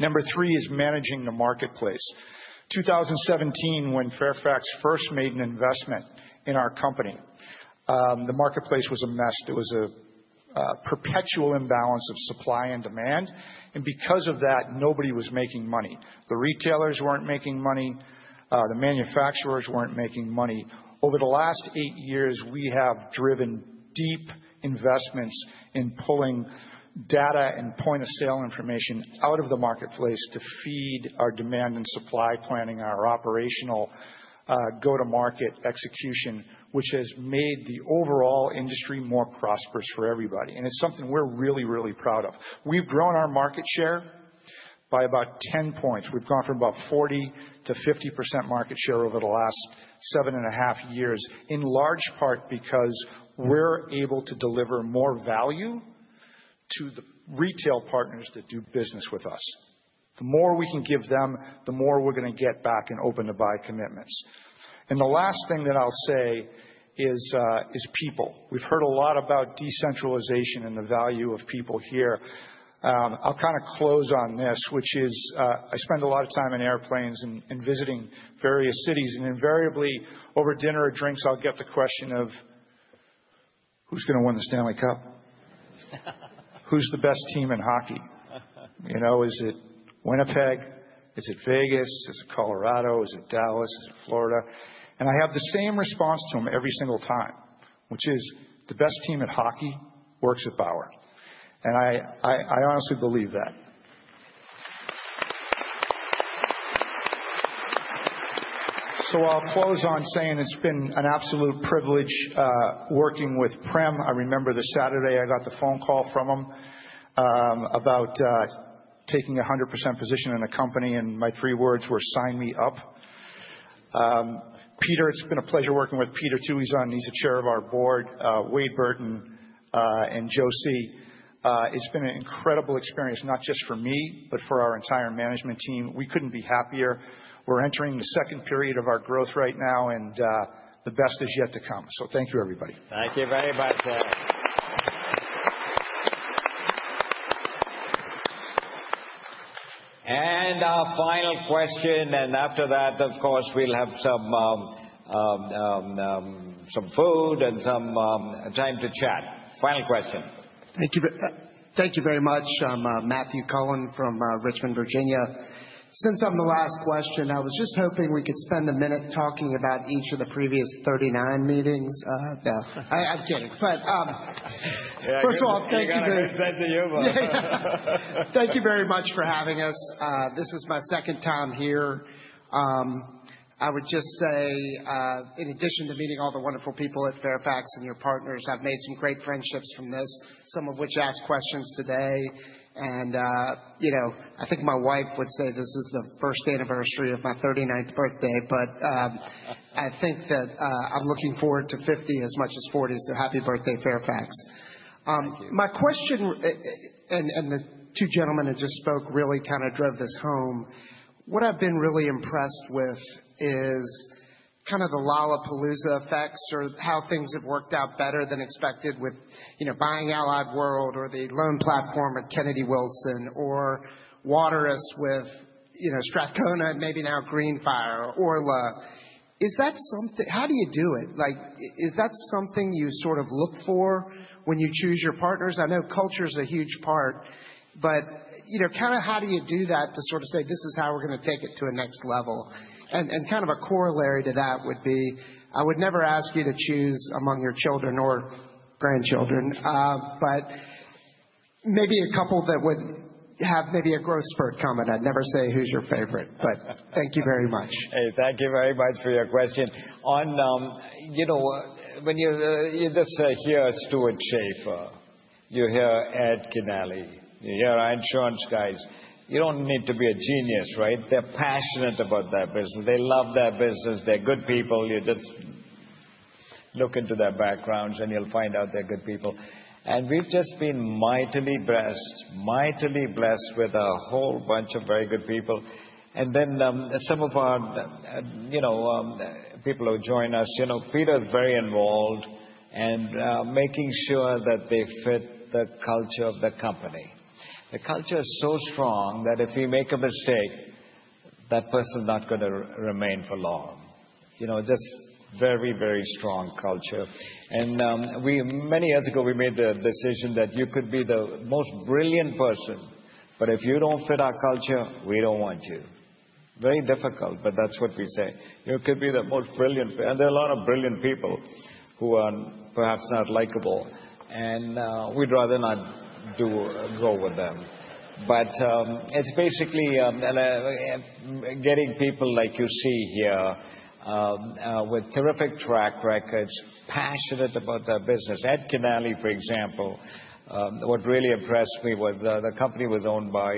Number three is managing the marketplace. 2017, when Fairfax first made an investment in our company, the marketplace was a mess. There was a perpetual imbalance of supply and demand, and because of that, nobody was making money. The retailers weren't making money. The manufacturers weren't making money. Over the last eight years, we have driven deep investments in pulling data and point-of-sale information out of the marketplace to feed our demand and supply planning and our operational go-to-market execution, which has made the overall industry more prosperous for everybody. And it's something we're really, really proud of. We've grown our market share by about 10 points. We've gone from about 40%-50% market share over the last seven and a half years, in large part because we're able to deliver more value to the retail partners that do business with us. The more we can give them, the more we're going to get back and open-to-buy commitments. And the last thing that I'll say is people. We've heard a lot about decentralization and the value of people here. I'll kind of close on this, which is I spend a lot of time in airplanes and visiting various cities. And invariably, over dinner or drinks, I'll get the question of who's going to win the Stanley Cup? Who's the best team in hockey? You know, is it Winnipeg? Is it Vegas? Is it Colorado? Is it Dallas? Is it Florida? And I have the same response to them every single time, which is the best team at hockey works at Bauer. And I honestly believe that. So I'll close on saying it's been an absolute privilege working with Prem. I remember this Saturday I got the phone call from him about taking a 100% position in a company. And my three words were, sign me up. Peter, it's been a pleasure working with Peter too. He's on, he's a chair of our board, Wade Burton and Joe C. It's been an incredible experience, not just for me, but for our entire management team. We couldn't be happier. We're entering the second period of our growth right now. And the best is yet to come. So thank you, everybody. Thank you very much. And our final question. And after that, of course, we'll have some food and some time to chat. Final question. Thank you very much, Matthew Cullen from Richmond, Virginia. Since I'm the last question, I was just hoping we could spend a minute talking about each of the previous 39 meetings. I'm kidding. But first of all, thank you. Thank you very much for having us. This is my second time here. I would just say, in addition to meeting all the wonderful people at Fairfax and your partners, I've made some great friendships from this, some of which asked questions today. And you know, I think my wife would say this is the first anniversary of my 39th birthday. But I think that I'm looking forward to 50 as much as 40. So happy birthday, Fairfax. My question, and the two gentlemen that just spoke really kind of drove this home, what I've been really impressed with is kind of the Lollapalooza effects or how things have worked out better than expected with, you know, buying Allied World or the loan platform at Kennedy Wilson or Waterous with, you know, Strathcona and maybe now Greenfire, Orla. Is that something, how do you do it? Like, is that something you sort of look for when you choose your partners? I know culture is a huge part, but you know, kind of how do you do that to sort of say, this is how we're going to take it to a next level? And kind of a corollary to that would be, I would never ask you to choose among your children or grandchildren, but maybe a couple that would have maybe a growth spurt coming. I'd never say who's your favorite, but thank you very much. Thank you very much for your question. You know, when you just hear Stewart Schaefer, you hear Ed Kinnaly, you hear our insurance guys, you don't need to be a genius, right? They're passionate about their business. They love their business. They're good people. You just look into their backgrounds and you'll find out they're good people. We've just been mightily blessed, mightily blessed with a whole bunch of very good people. Some of our, you know, people who join us, you know, Peter is very involved in making sure that they fit the culture of the company. The culture is so strong that if we make a mistake, that person is not going to remain for long. You know, just very, very strong culture. Many years ago, we made the decision that you could be the most brilliant person, but if you don't fit our culture, we don't want you. Very difficult, but that's what we say. You could be the most brilliant person. There are a lot of brilliant people who are perhaps not likable. We'd rather not go with them. It's basically getting people like you see here with terrific track records, passionate about their business. Ed Kinnaly, for example, what really impressed me was the company was owned by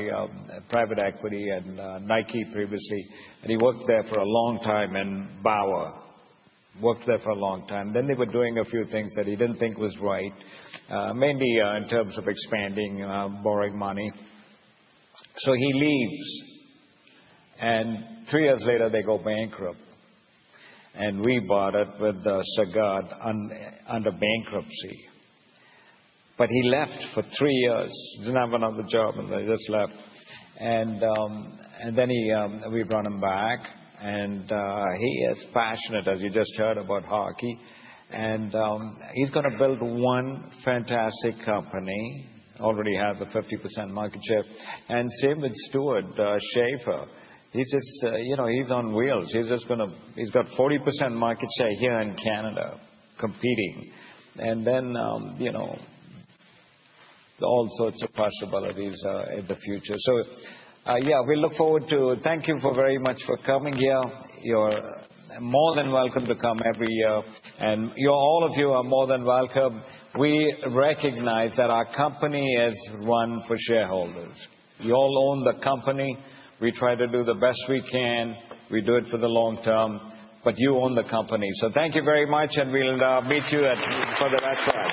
private equity and Nike previously. And he worked there for a long time and Bauer worked there for a long time. Then they were doing a few things that he didn't think was right, mainly in terms of expanding, borrowing money. So he leaves. And three years later, they go bankrupt. And we bought it with Sagard under bankruptcy. But he left for three years. He didn't have another job and they just left. And then we brought him back. And he is passionate, as you just heard about hockey. And he's going to build one fantastic company, already has a 50% market share. And same with Stewart Schaefer. He's just, you know, he's on wheels. He's just going to, he's got 40% market share here in Canada competing. And then, you know, all sorts of possibilities in the future. So yeah, we look forward to, thank you very much for coming here. You're more than welcome to come every year. And all of you are more than welcome. We recognize that our company is run for shareholders. You all own the company. We try to do the best we can. We do it for the long term. But you own the company. So thank you very much. And we'll meet you at the next one.